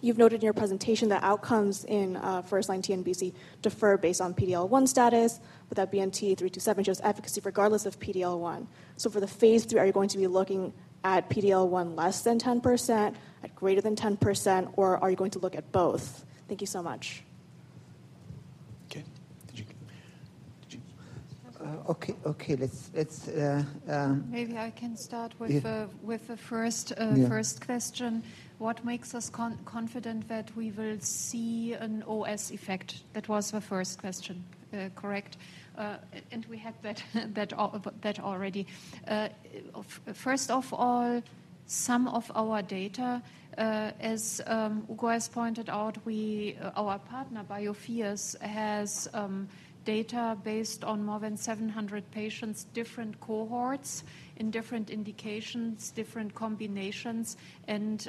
You've noted in your presentation that outcomes in first-line TNBC differ based on PD-L1 status, but that BNT327 shows efficacy regardless of PD-L1. So for the Phase III, are you going to be looking at PD-L1 less than 10%, at greater than 10%, or are you going to look at both? Thank you so much. Okay. Okay. Maybe I can start with the first question. What makes us confident that we will see an OS effect? That was the first question, correct? And we had that already. First of all, some of our data, as Uğur has pointed out, our partner, Biotheus, has data based on more than 700 patients, different cohorts in different indications, different combinations. And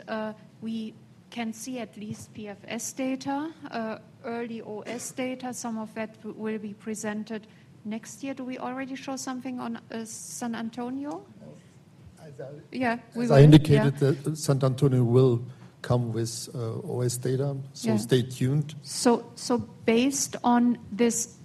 we can see at least PFS data, early OS data. Some of that will be presented next year. Do we already show something on San Antonio? Yeah. As I indicated, San Antonio will come with OS data. So stay tuned. So based on this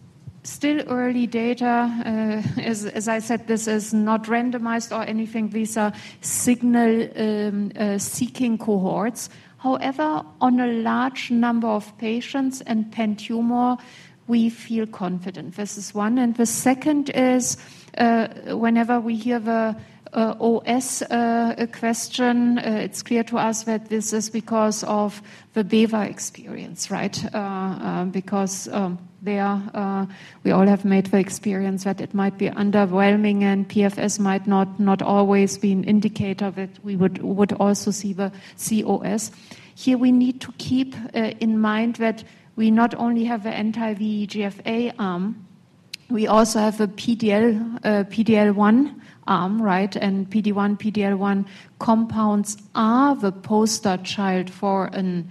still early data, as I said, this is not randomized or anything. These are signal-seeking cohorts. However, on a large number of patients and pan-tumor, we feel confident. This is one. And the second is whenever we hear the OS question, it's clear to us that this is because of the bevacizumab experience, right? Because we all have made the experience that it might be underwhelming and PFS might not always be an indicator that we would also see the OS. Here, we need to keep in mind that we not only have the anti-VEGF-A arm, we also have the PD-L1 arm, right? And PD-1, PD-L1 compounds are the poster child for an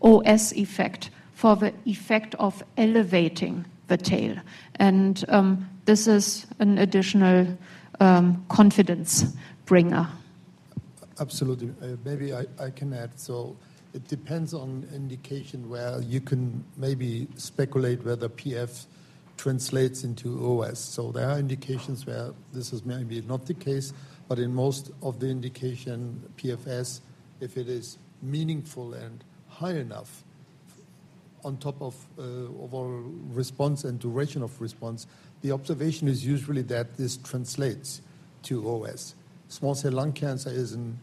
OS effect, for the effect of elevating the tail. And this is an additional confidence bringer. Absolutely. Maybe I can add. So it depends on indication where you can maybe speculate whether PFS translates into OS. There are indications where this is maybe not the case, but in most of the indication, PFS, if it is meaningful and high enough on top of overall response and duration of response, the observation is usually that this translates to OS. Small cell lung cancer is an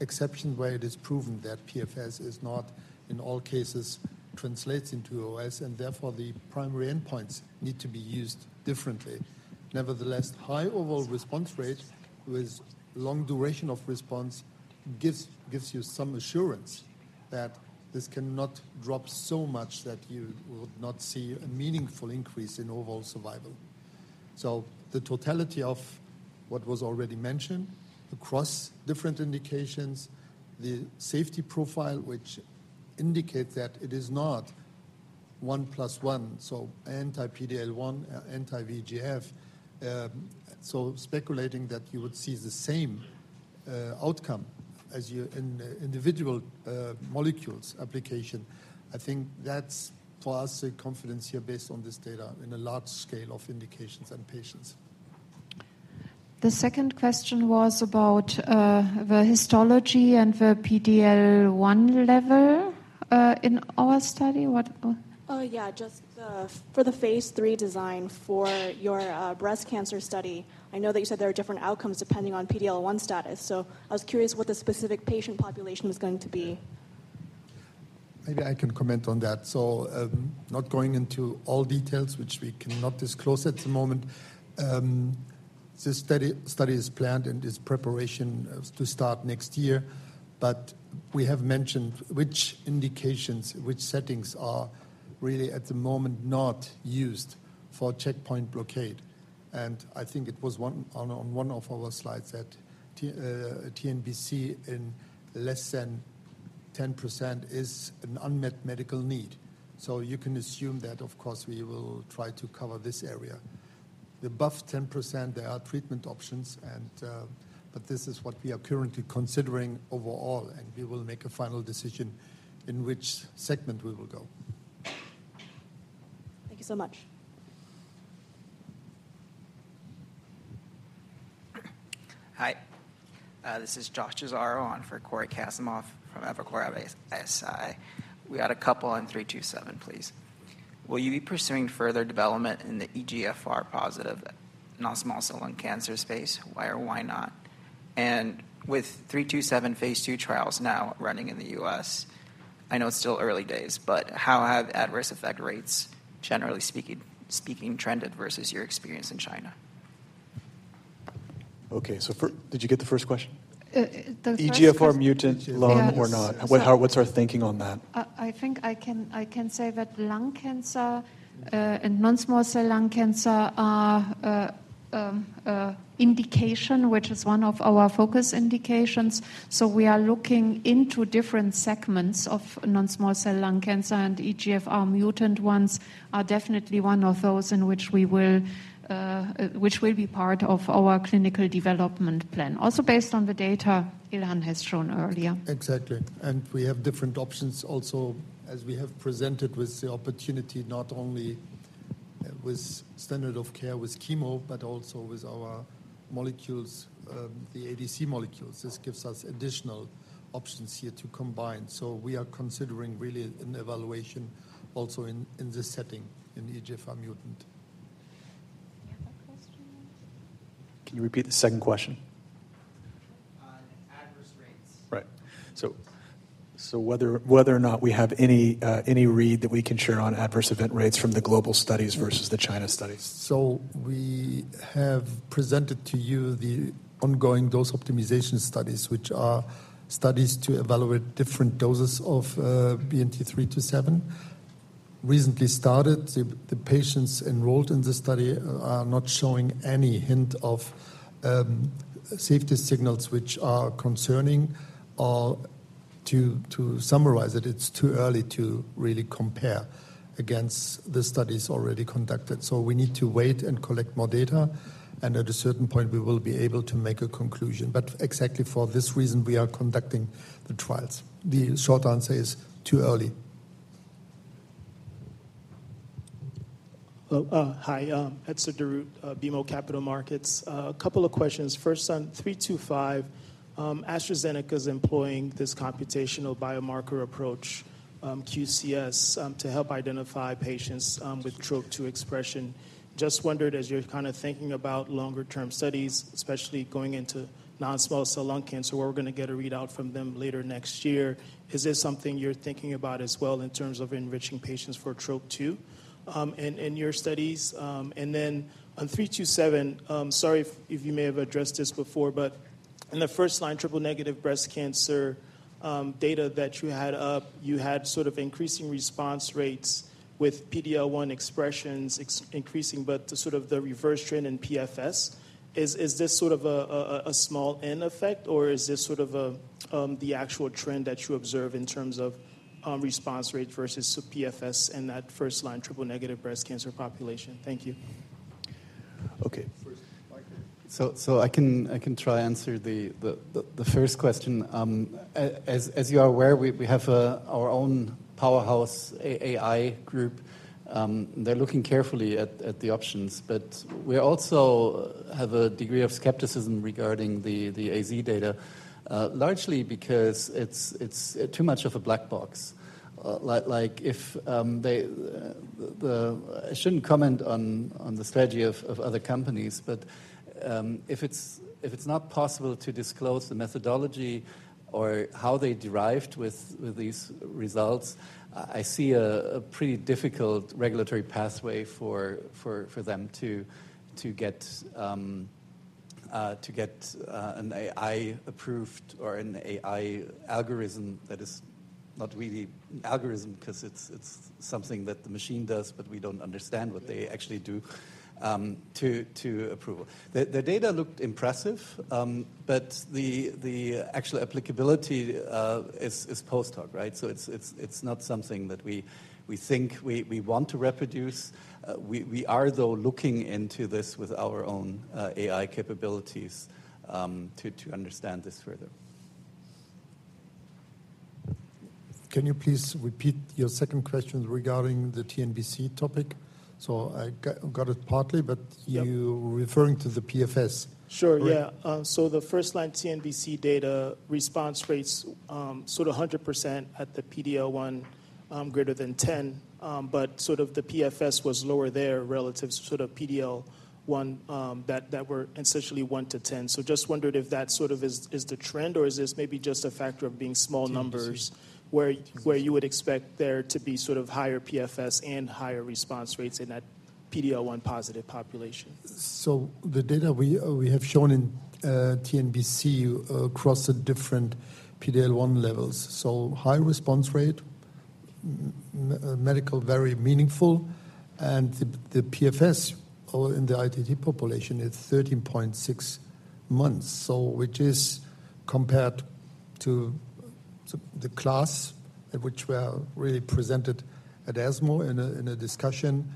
exception where it is proven that PFS is not in all cases translates into OS, and therefore the primary endpoints need to be used differently. Nevertheless, high overall response rate with long duration of response gives you some assurance that this cannot drop so much that you would not see a meaningful increase in overall survival. So the totality of what was already mentioned across different indications, the safety profile, which indicates that it is not one plus one, so anti-PD-L1, anti-VEGF, so speculating that you would see the same outcome as you in individual molecules application, I think that's for us a confidence here based on this data in a large scale of indications and patients. The second question was about the histology and the PD-L1 level in our study. Yeah, just for the Phase III design for your breast cancer study, I know that you said there are different outcomes depending on PD-L1 status. So I was curious what the specific patient population was going to be. Maybe I can comment on that. So not going into all details, which we cannot disclose at the moment. This study is planned and is preparation to start next year. But we have mentioned which indications, which settings are really at the moment not used for checkpoint blockade. And I think it was on one of our slides that TNBC in less than 10% is an unmet medical need. So you can assume that, of course, we will try to cover this area. The above 10%, there are treatment options, but this is what we are currently considering overall, and we will make a final decision in which segment we will go. Thank you so much. Hi. This is Josh Zaharoff on for Cory Kasimov from Evercore ISI. We got a couple on 327, please. Will you be pursuing further development in the EGFR positive non-small cell lung cancer space? Why or why not? And with 327 Phase II trials now running in the U.S., I know it's still early days, but how have adverse effect rates, generally speaking, trended versus your experience in China? Okay. So did you get the first question? EGFR mutant lung or not? What's our thinking on that? I think I can say that lung cancer and non-small cell lung cancer are indication, which is one of our focus indications. So we are looking into different segments of non-small cell lung cancer, and EGFR mutant ones are definitely one of those in which we will, which will be part of our clinical development plan. Also based on the data Ilhan has shown earlier. Exactly. And we have different options also as we have presented with the opportunity not only with standard of care with chemo, but also with our molecules, the ADC molecules. This gives us additional options here to combine. So we are considering really an evaluation also in this setting in EGFR mutant. Yeah, that question was? Can you repeat the second question? Adverse rates. Right. So whether or not we have any read that we can share on adverse event rates from the global studies versus the China studies. So we have presented to you the ongoing dose optimization studies, which are studies to evaluate different doses of BNT327. Recently started, the patients enrolled in the study are not showing any hint of safety signals which are concerning. To summarize it, it's too early to really compare against the studies already conducted. So we need to wait and collect more data. And at a certain point, we will be able to make a conclusion. But exactly for this reason, we are conducting the trials. The short answer is too early. Hi. Etzer Darout, BMO Capital Markets. A couple of questions. First on 325, AstraZeneca is employing this computational biomarker approach, QCS, to help identify patients with TROP2 expression. Just wondered, as you're kind of thinking about longer-term studies, especially going into non-small cell lung cancer, we're going to get a readout from them later next year. Is this something you're thinking about as well in terms of enriching patients for TROP2 in your studies? And then on 327, sorry if you may have addressed this before, but in the first-line, triple-negative breast cancer data that you had up, you had sort of increasing response rates with PD-L1 expressions increasing, but sort of the reverse trend in PFS. Is this sort of a small N effect, or is this sort of the actual trend that you observe in terms of response rate versus PFS in that first-line triple-negative breast cancer population? Thank you. Okay. So I can try to answer the first question. As you are aware, we have our own powerhouse AI group. They're looking carefully at the options, but we also have a degree of skepticism regarding the AZ data, largely because it's too much of a black box. I shouldn't comment on the strategy of other companies, but if it's not possible to disclose the methodology or how they derived with these results, I see a pretty difficult regulatory pathway for them to get an AI approved or an AI algorithm that is not really an algorithm because it's something that the machine does, but we don't understand what they actually do to approval. The data looked impressive, but the actual applicability is post hoc, right? So it's not something that we think we want to reproduce. We are though looking into this with our own AI capabilities to understand this further. Can you please repeat your second question regarding the TNBC topic? So I got it partly, but you're referring to the PFS. Sure. Yeah. So the first-line TNBC data response rates sort of 100% at the PD-L1 greater than 10, but sort of the PFS was lower there relative to sort of PD-L1 that were essentially 1 to 10. So just wondered if that sort of is the trend or is this maybe just a factor of being small numbers where you would expect there to be sort of higher PFS and higher response rates in that PD-L1 positive population? So the data we have shown in TNBC across the different PD-L1 levels. So high response rate, medically very meaningful, and the PFS in the ITT population is 13.6 months, which is compared to the class at which we are really presented at ASCO in a discussion.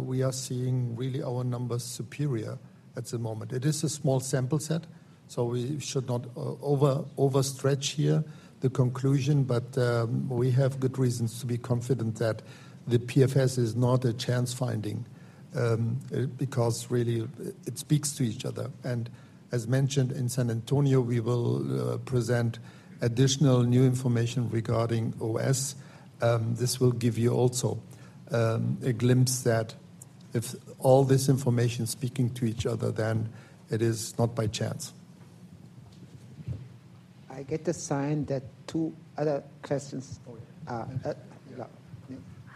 We are seeing really our numbers superior at the moment. It is a small sample set, so we should not overstretch here the conclusion, but we have good reasons to be confident that the PFS is not a chance finding because really it speaks to each other, and as mentioned in San Antonio, we will present additional new information regarding OS. This will give you also a glimpse that if all this information is speaking to each other, then it is not by chance. I get the sign that two other questions.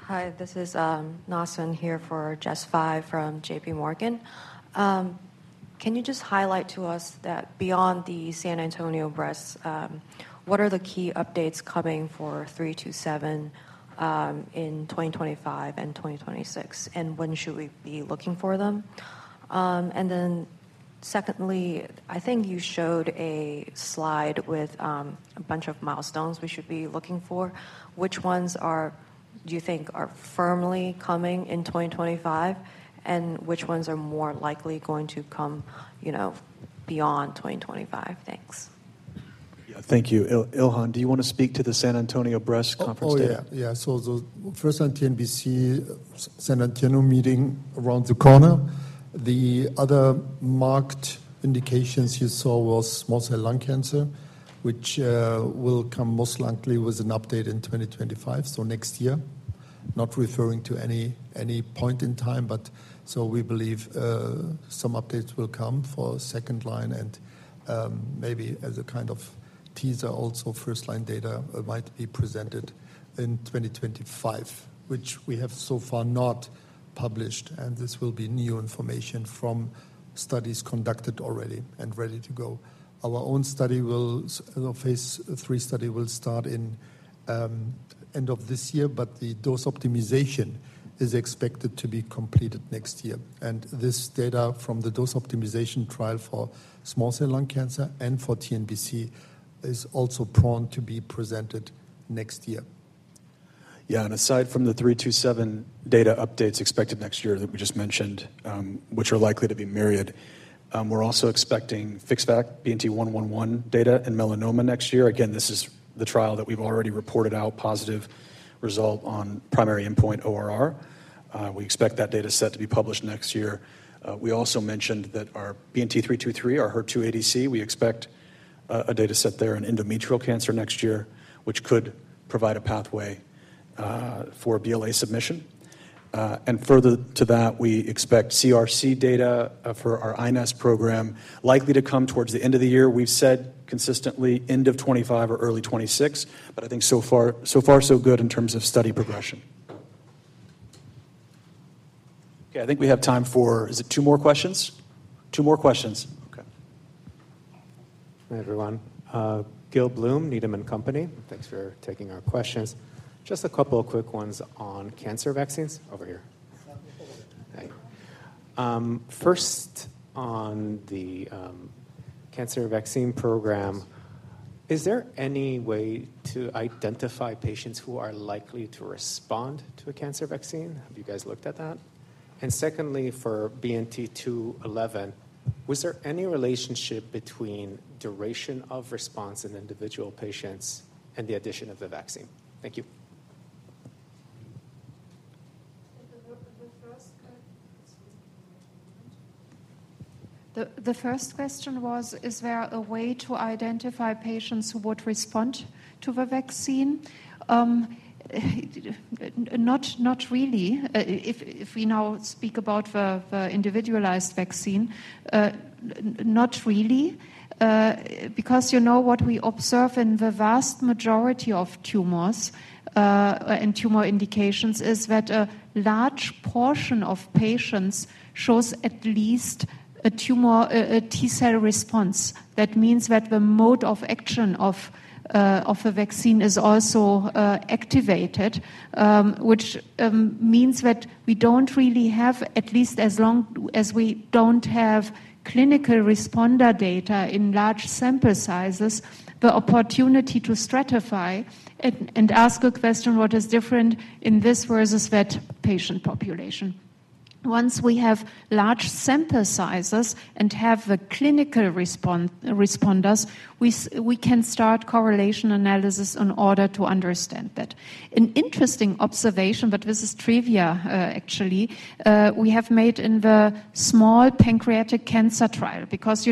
Hi, this is Na Sun here for Jess Fye from JPMorgan. Can you just highlight to us that beyond the San Antonio breast, what are the key updates coming for 327 in 2025 and 2026, and when should we be looking for them? Then secondly, I think you showed a slide with a bunch of milestones we should be looking for. Which ones do you think are firmly coming in 2025, and which ones are more likely going to come beyond 2025? Thanks. Yeah, thank you. Ilhan, do you want to speak to the San Antonio Breast conference data? Oh, yeah. Yeah, so first on TNBC, San Antonio meeting around the corner. The other marquee indications you saw were small cell lung cancer, which will come most likely with an update in 2025, so next year. Not referring to any point in time, but so we believe some updates will come for second line and maybe as a kind of teaser also, first-line data might be presented in 2025, which we have so far not published, and this will be new information from studies conducted already and ready to go. Our own Phase III study will start at the end of this year, but the dose optimization is expected to be completed next year. This data from the dose optimization trial for small cell lung cancer and for TNBC is also poised to be presented next year. Yeah. Aside from the BNT327 data updates expected next year that we just mentioned, which are likely to be myriad, we're also expecting FixVac BNT111 data in melanoma next year. Again, this is the trial that we've already reported out positive result on primary endpoint ORR. We expect that data set to be published next year. We also mentioned that our BNT323, our HER2 ADC, we expect a data set there in endometrial cancer next year, which could provide a pathway for BLA submission. Further to that, we expect CRC data for our iNeST program likely to come towards the end of the year. We've said consistently end of 2025 or early 2026, but I think so far so good in terms of study progression. Okay. I think we have time for, is it two more questions? Two more questions. Okay. Hi, everyone. Gil Blum, Needham & Company. Thanks for taking our questions. Just a couple of quick ones on cancer vaccines over here. First, on the cancer vaccine program, is there any way to identify patients who are likely to respond to a cancer vaccine? Have you guys looked at that? And secondly, for BNT211, was there any relationship between duration of response in individual patients and the addition of the vaccine? Thank you. The first question was, is there a way to identify patients who would respond to the vaccine? Not really. If we now speak about the individualized vaccine, not really. Because what we observe in the vast majority of tumors and tumor indications is that a large portion of patients shows at least a tumor T-cell response. That means that the mode of action of the vaccine is also activated, which means that we don't really have, at least as long as we don't have clinical responder data in large sample sizes, the opportunity to stratify and ask a question, what is different in this versus that patient population. Once we have large sample sizes and have the clinical responders, we can start correlation analysis in order to understand that. An interesting observation, but this is trivia actually. We have made in the small pancreatic cancer trial because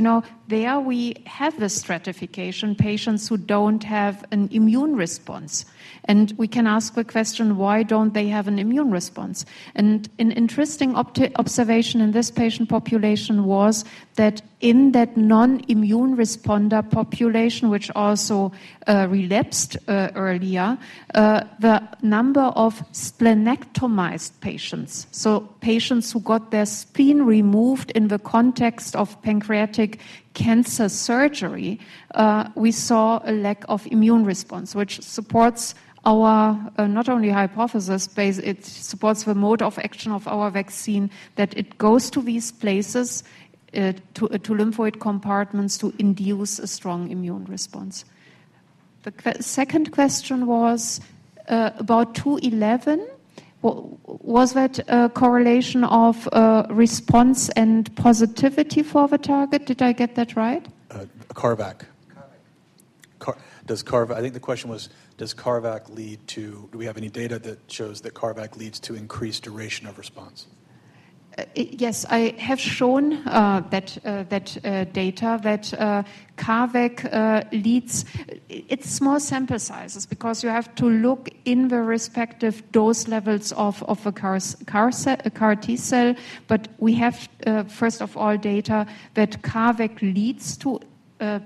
there we have the stratification patients who don't have an immune response. We can ask a question, why don't they have an immune response? An interesting observation in this patient population was that in that non-immune responder population, which also relapsed earlier, the number of splenectomized patients, so patients who got their spleen removed in the context of pancreatic cancer surgery, we saw a lack of immune response, which supports our not only hypothesis, it supports the mode of action of our vaccine that it goes to these places to lymphoid compartments to induce a strong immune response. The second question was about 211. Was that a correlation of response and positivity for the target? Did I get that right? CARVac. Does CARVac, I think the question was, does CARVac lead to, do we have any data that shows that CARVac leads to increased duration of response? Yes, I have shown that data that CARVac leads. It's small sample sizes because you have to look in the respective dose levels of the CAR-T cell, but we have, first of all, data that CARVac leads to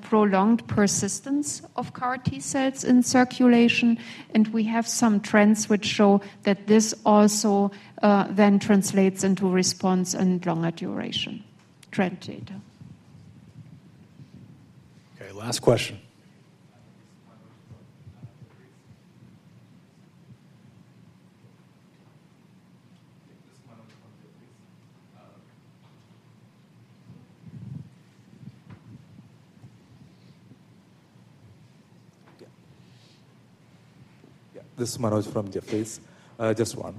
prolonged persistence of CAR-T cells in circulation. And we have some trends which show that this also then translates into response and longer duration trend data. Okay. Last question. Yeah. Yeah. This is Manuel from Jefferies. Just one.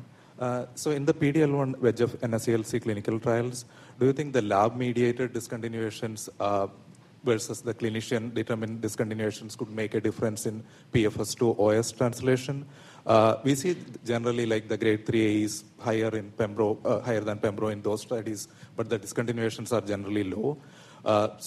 So in the PD-L1/VEGF of NSCLC clinical trials, do you think the lab-mediated discontinuations versus the clinician-determined discontinuations could make a difference in PFS to OS translation? We see generally like the grade 3AEs higher than pembro in those studies, but the discontinuations are generally low.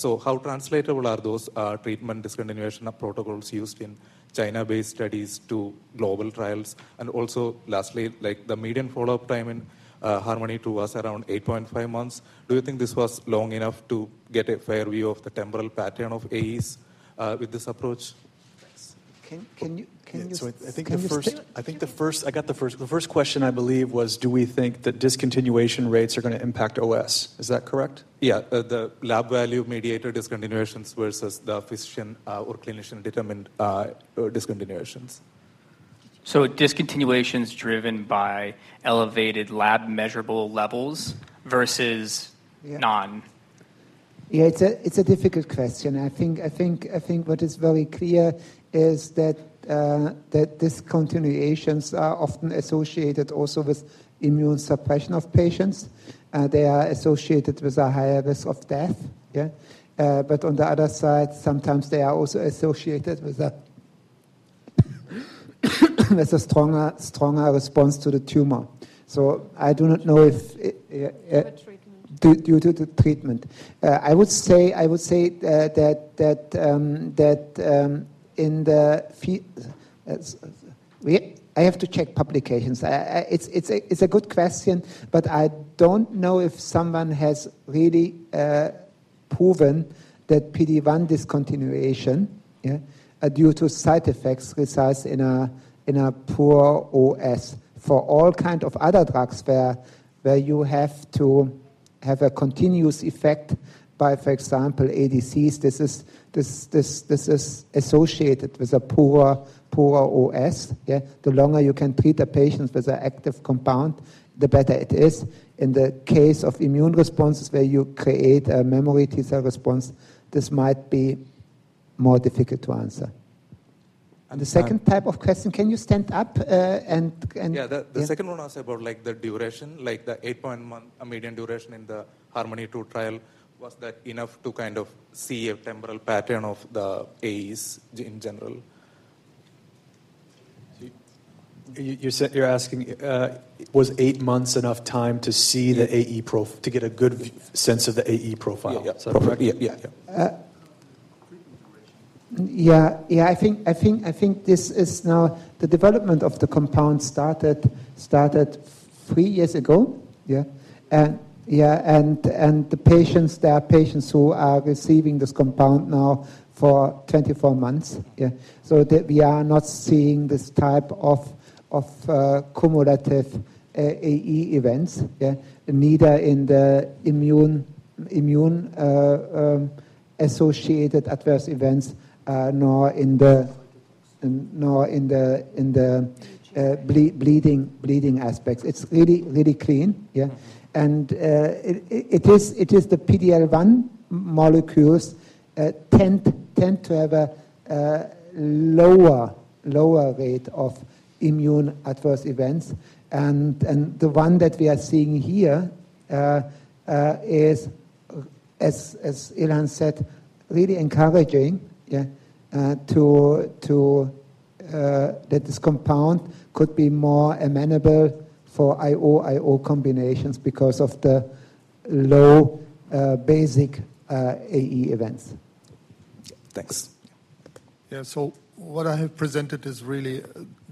So how translatable are those treatment discontinuation protocols used in China-based studies to global trials? And also lastly, the median follow-up time in HARMONY-2 was around 8.5 months. Do you think this was long enough to get a fair view of the temporal pattern of AEs with this approach? Can you? I think the first, I got the first question I believe was, do we think that discontinuation rates are going to impact OS? Is that correct? Yeah. The lab-value-mediated discontinuations versus the physician or clinician-determined discontinuations. So discontinuations driven by elevated lab measurable levels versus non? Yeah. It's a difficult question. I think what is very clear is that discontinuations are often associated also with immune suppression of patients. They are associated with a higher risk of death. But on the other side, sometimes they are also associated with a stronger response to the tumor. So I do not know if due to the treatment. I would say that in the I have to check publications. It's a good question, but I don't know if someone has really proven that PD-1 discontinuation due to side effects results in a poor OS for all kinds of other drugs where you have to have a continuous effect by, for example, ADCs. This is associated with a poor OS. The longer you can treat the patients with an active compound, the better it is. In the case of immune responses where you create a memory T-cell response, this might be more difficult to answer. And the second type of question, can you stand up and? Yeah. The second one asked about the duration, like the 8.1 median duration in the HARMONY-2 trial, was that enough to kind of see a temporal pattern of the AEs in general? You're asking was eight months enough time to see the AE profile, to get a good sense of the AE profile? I think this is now the development of the compound started three years ago. And the patients, there are patients who are receiving this compound now for 24 months. So we are not seeing this type of cumulative AE events, neither in the immune-associated adverse events nor in the bleeding aspects. It's really clean. And it is the PD-L1 molecules tend to have a lower rate of immune adverse events. And the one that we are seeing here is, as Ilhan said, really encouraging that this compound could be more amenable for IO/IO combinations because of the low basic AE events. Thanks. So what I have presented is really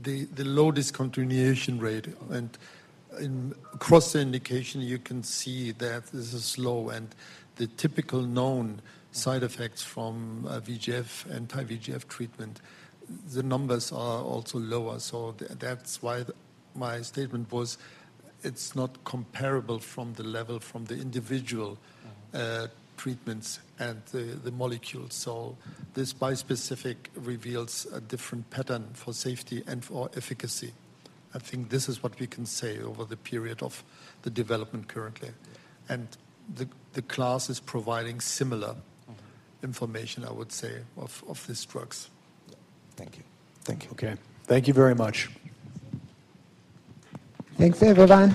the low discontinuation rate. And in cross-indication, you can see that this is low. And the typical known side effects from VEGF and anti-VEGF treatment, the numbers are also lower. So that's why my statement was, it's not comparable from the level from the individual treatments and the molecules. So this bispecific reveals a different pattern for safety and for efficacy. I think this is what we can say over the period of the development currently. And the class is providing similar information, I would say, of these drugs. Thank you. Thank you. Okay. Thank you very much. Thanks, everyone.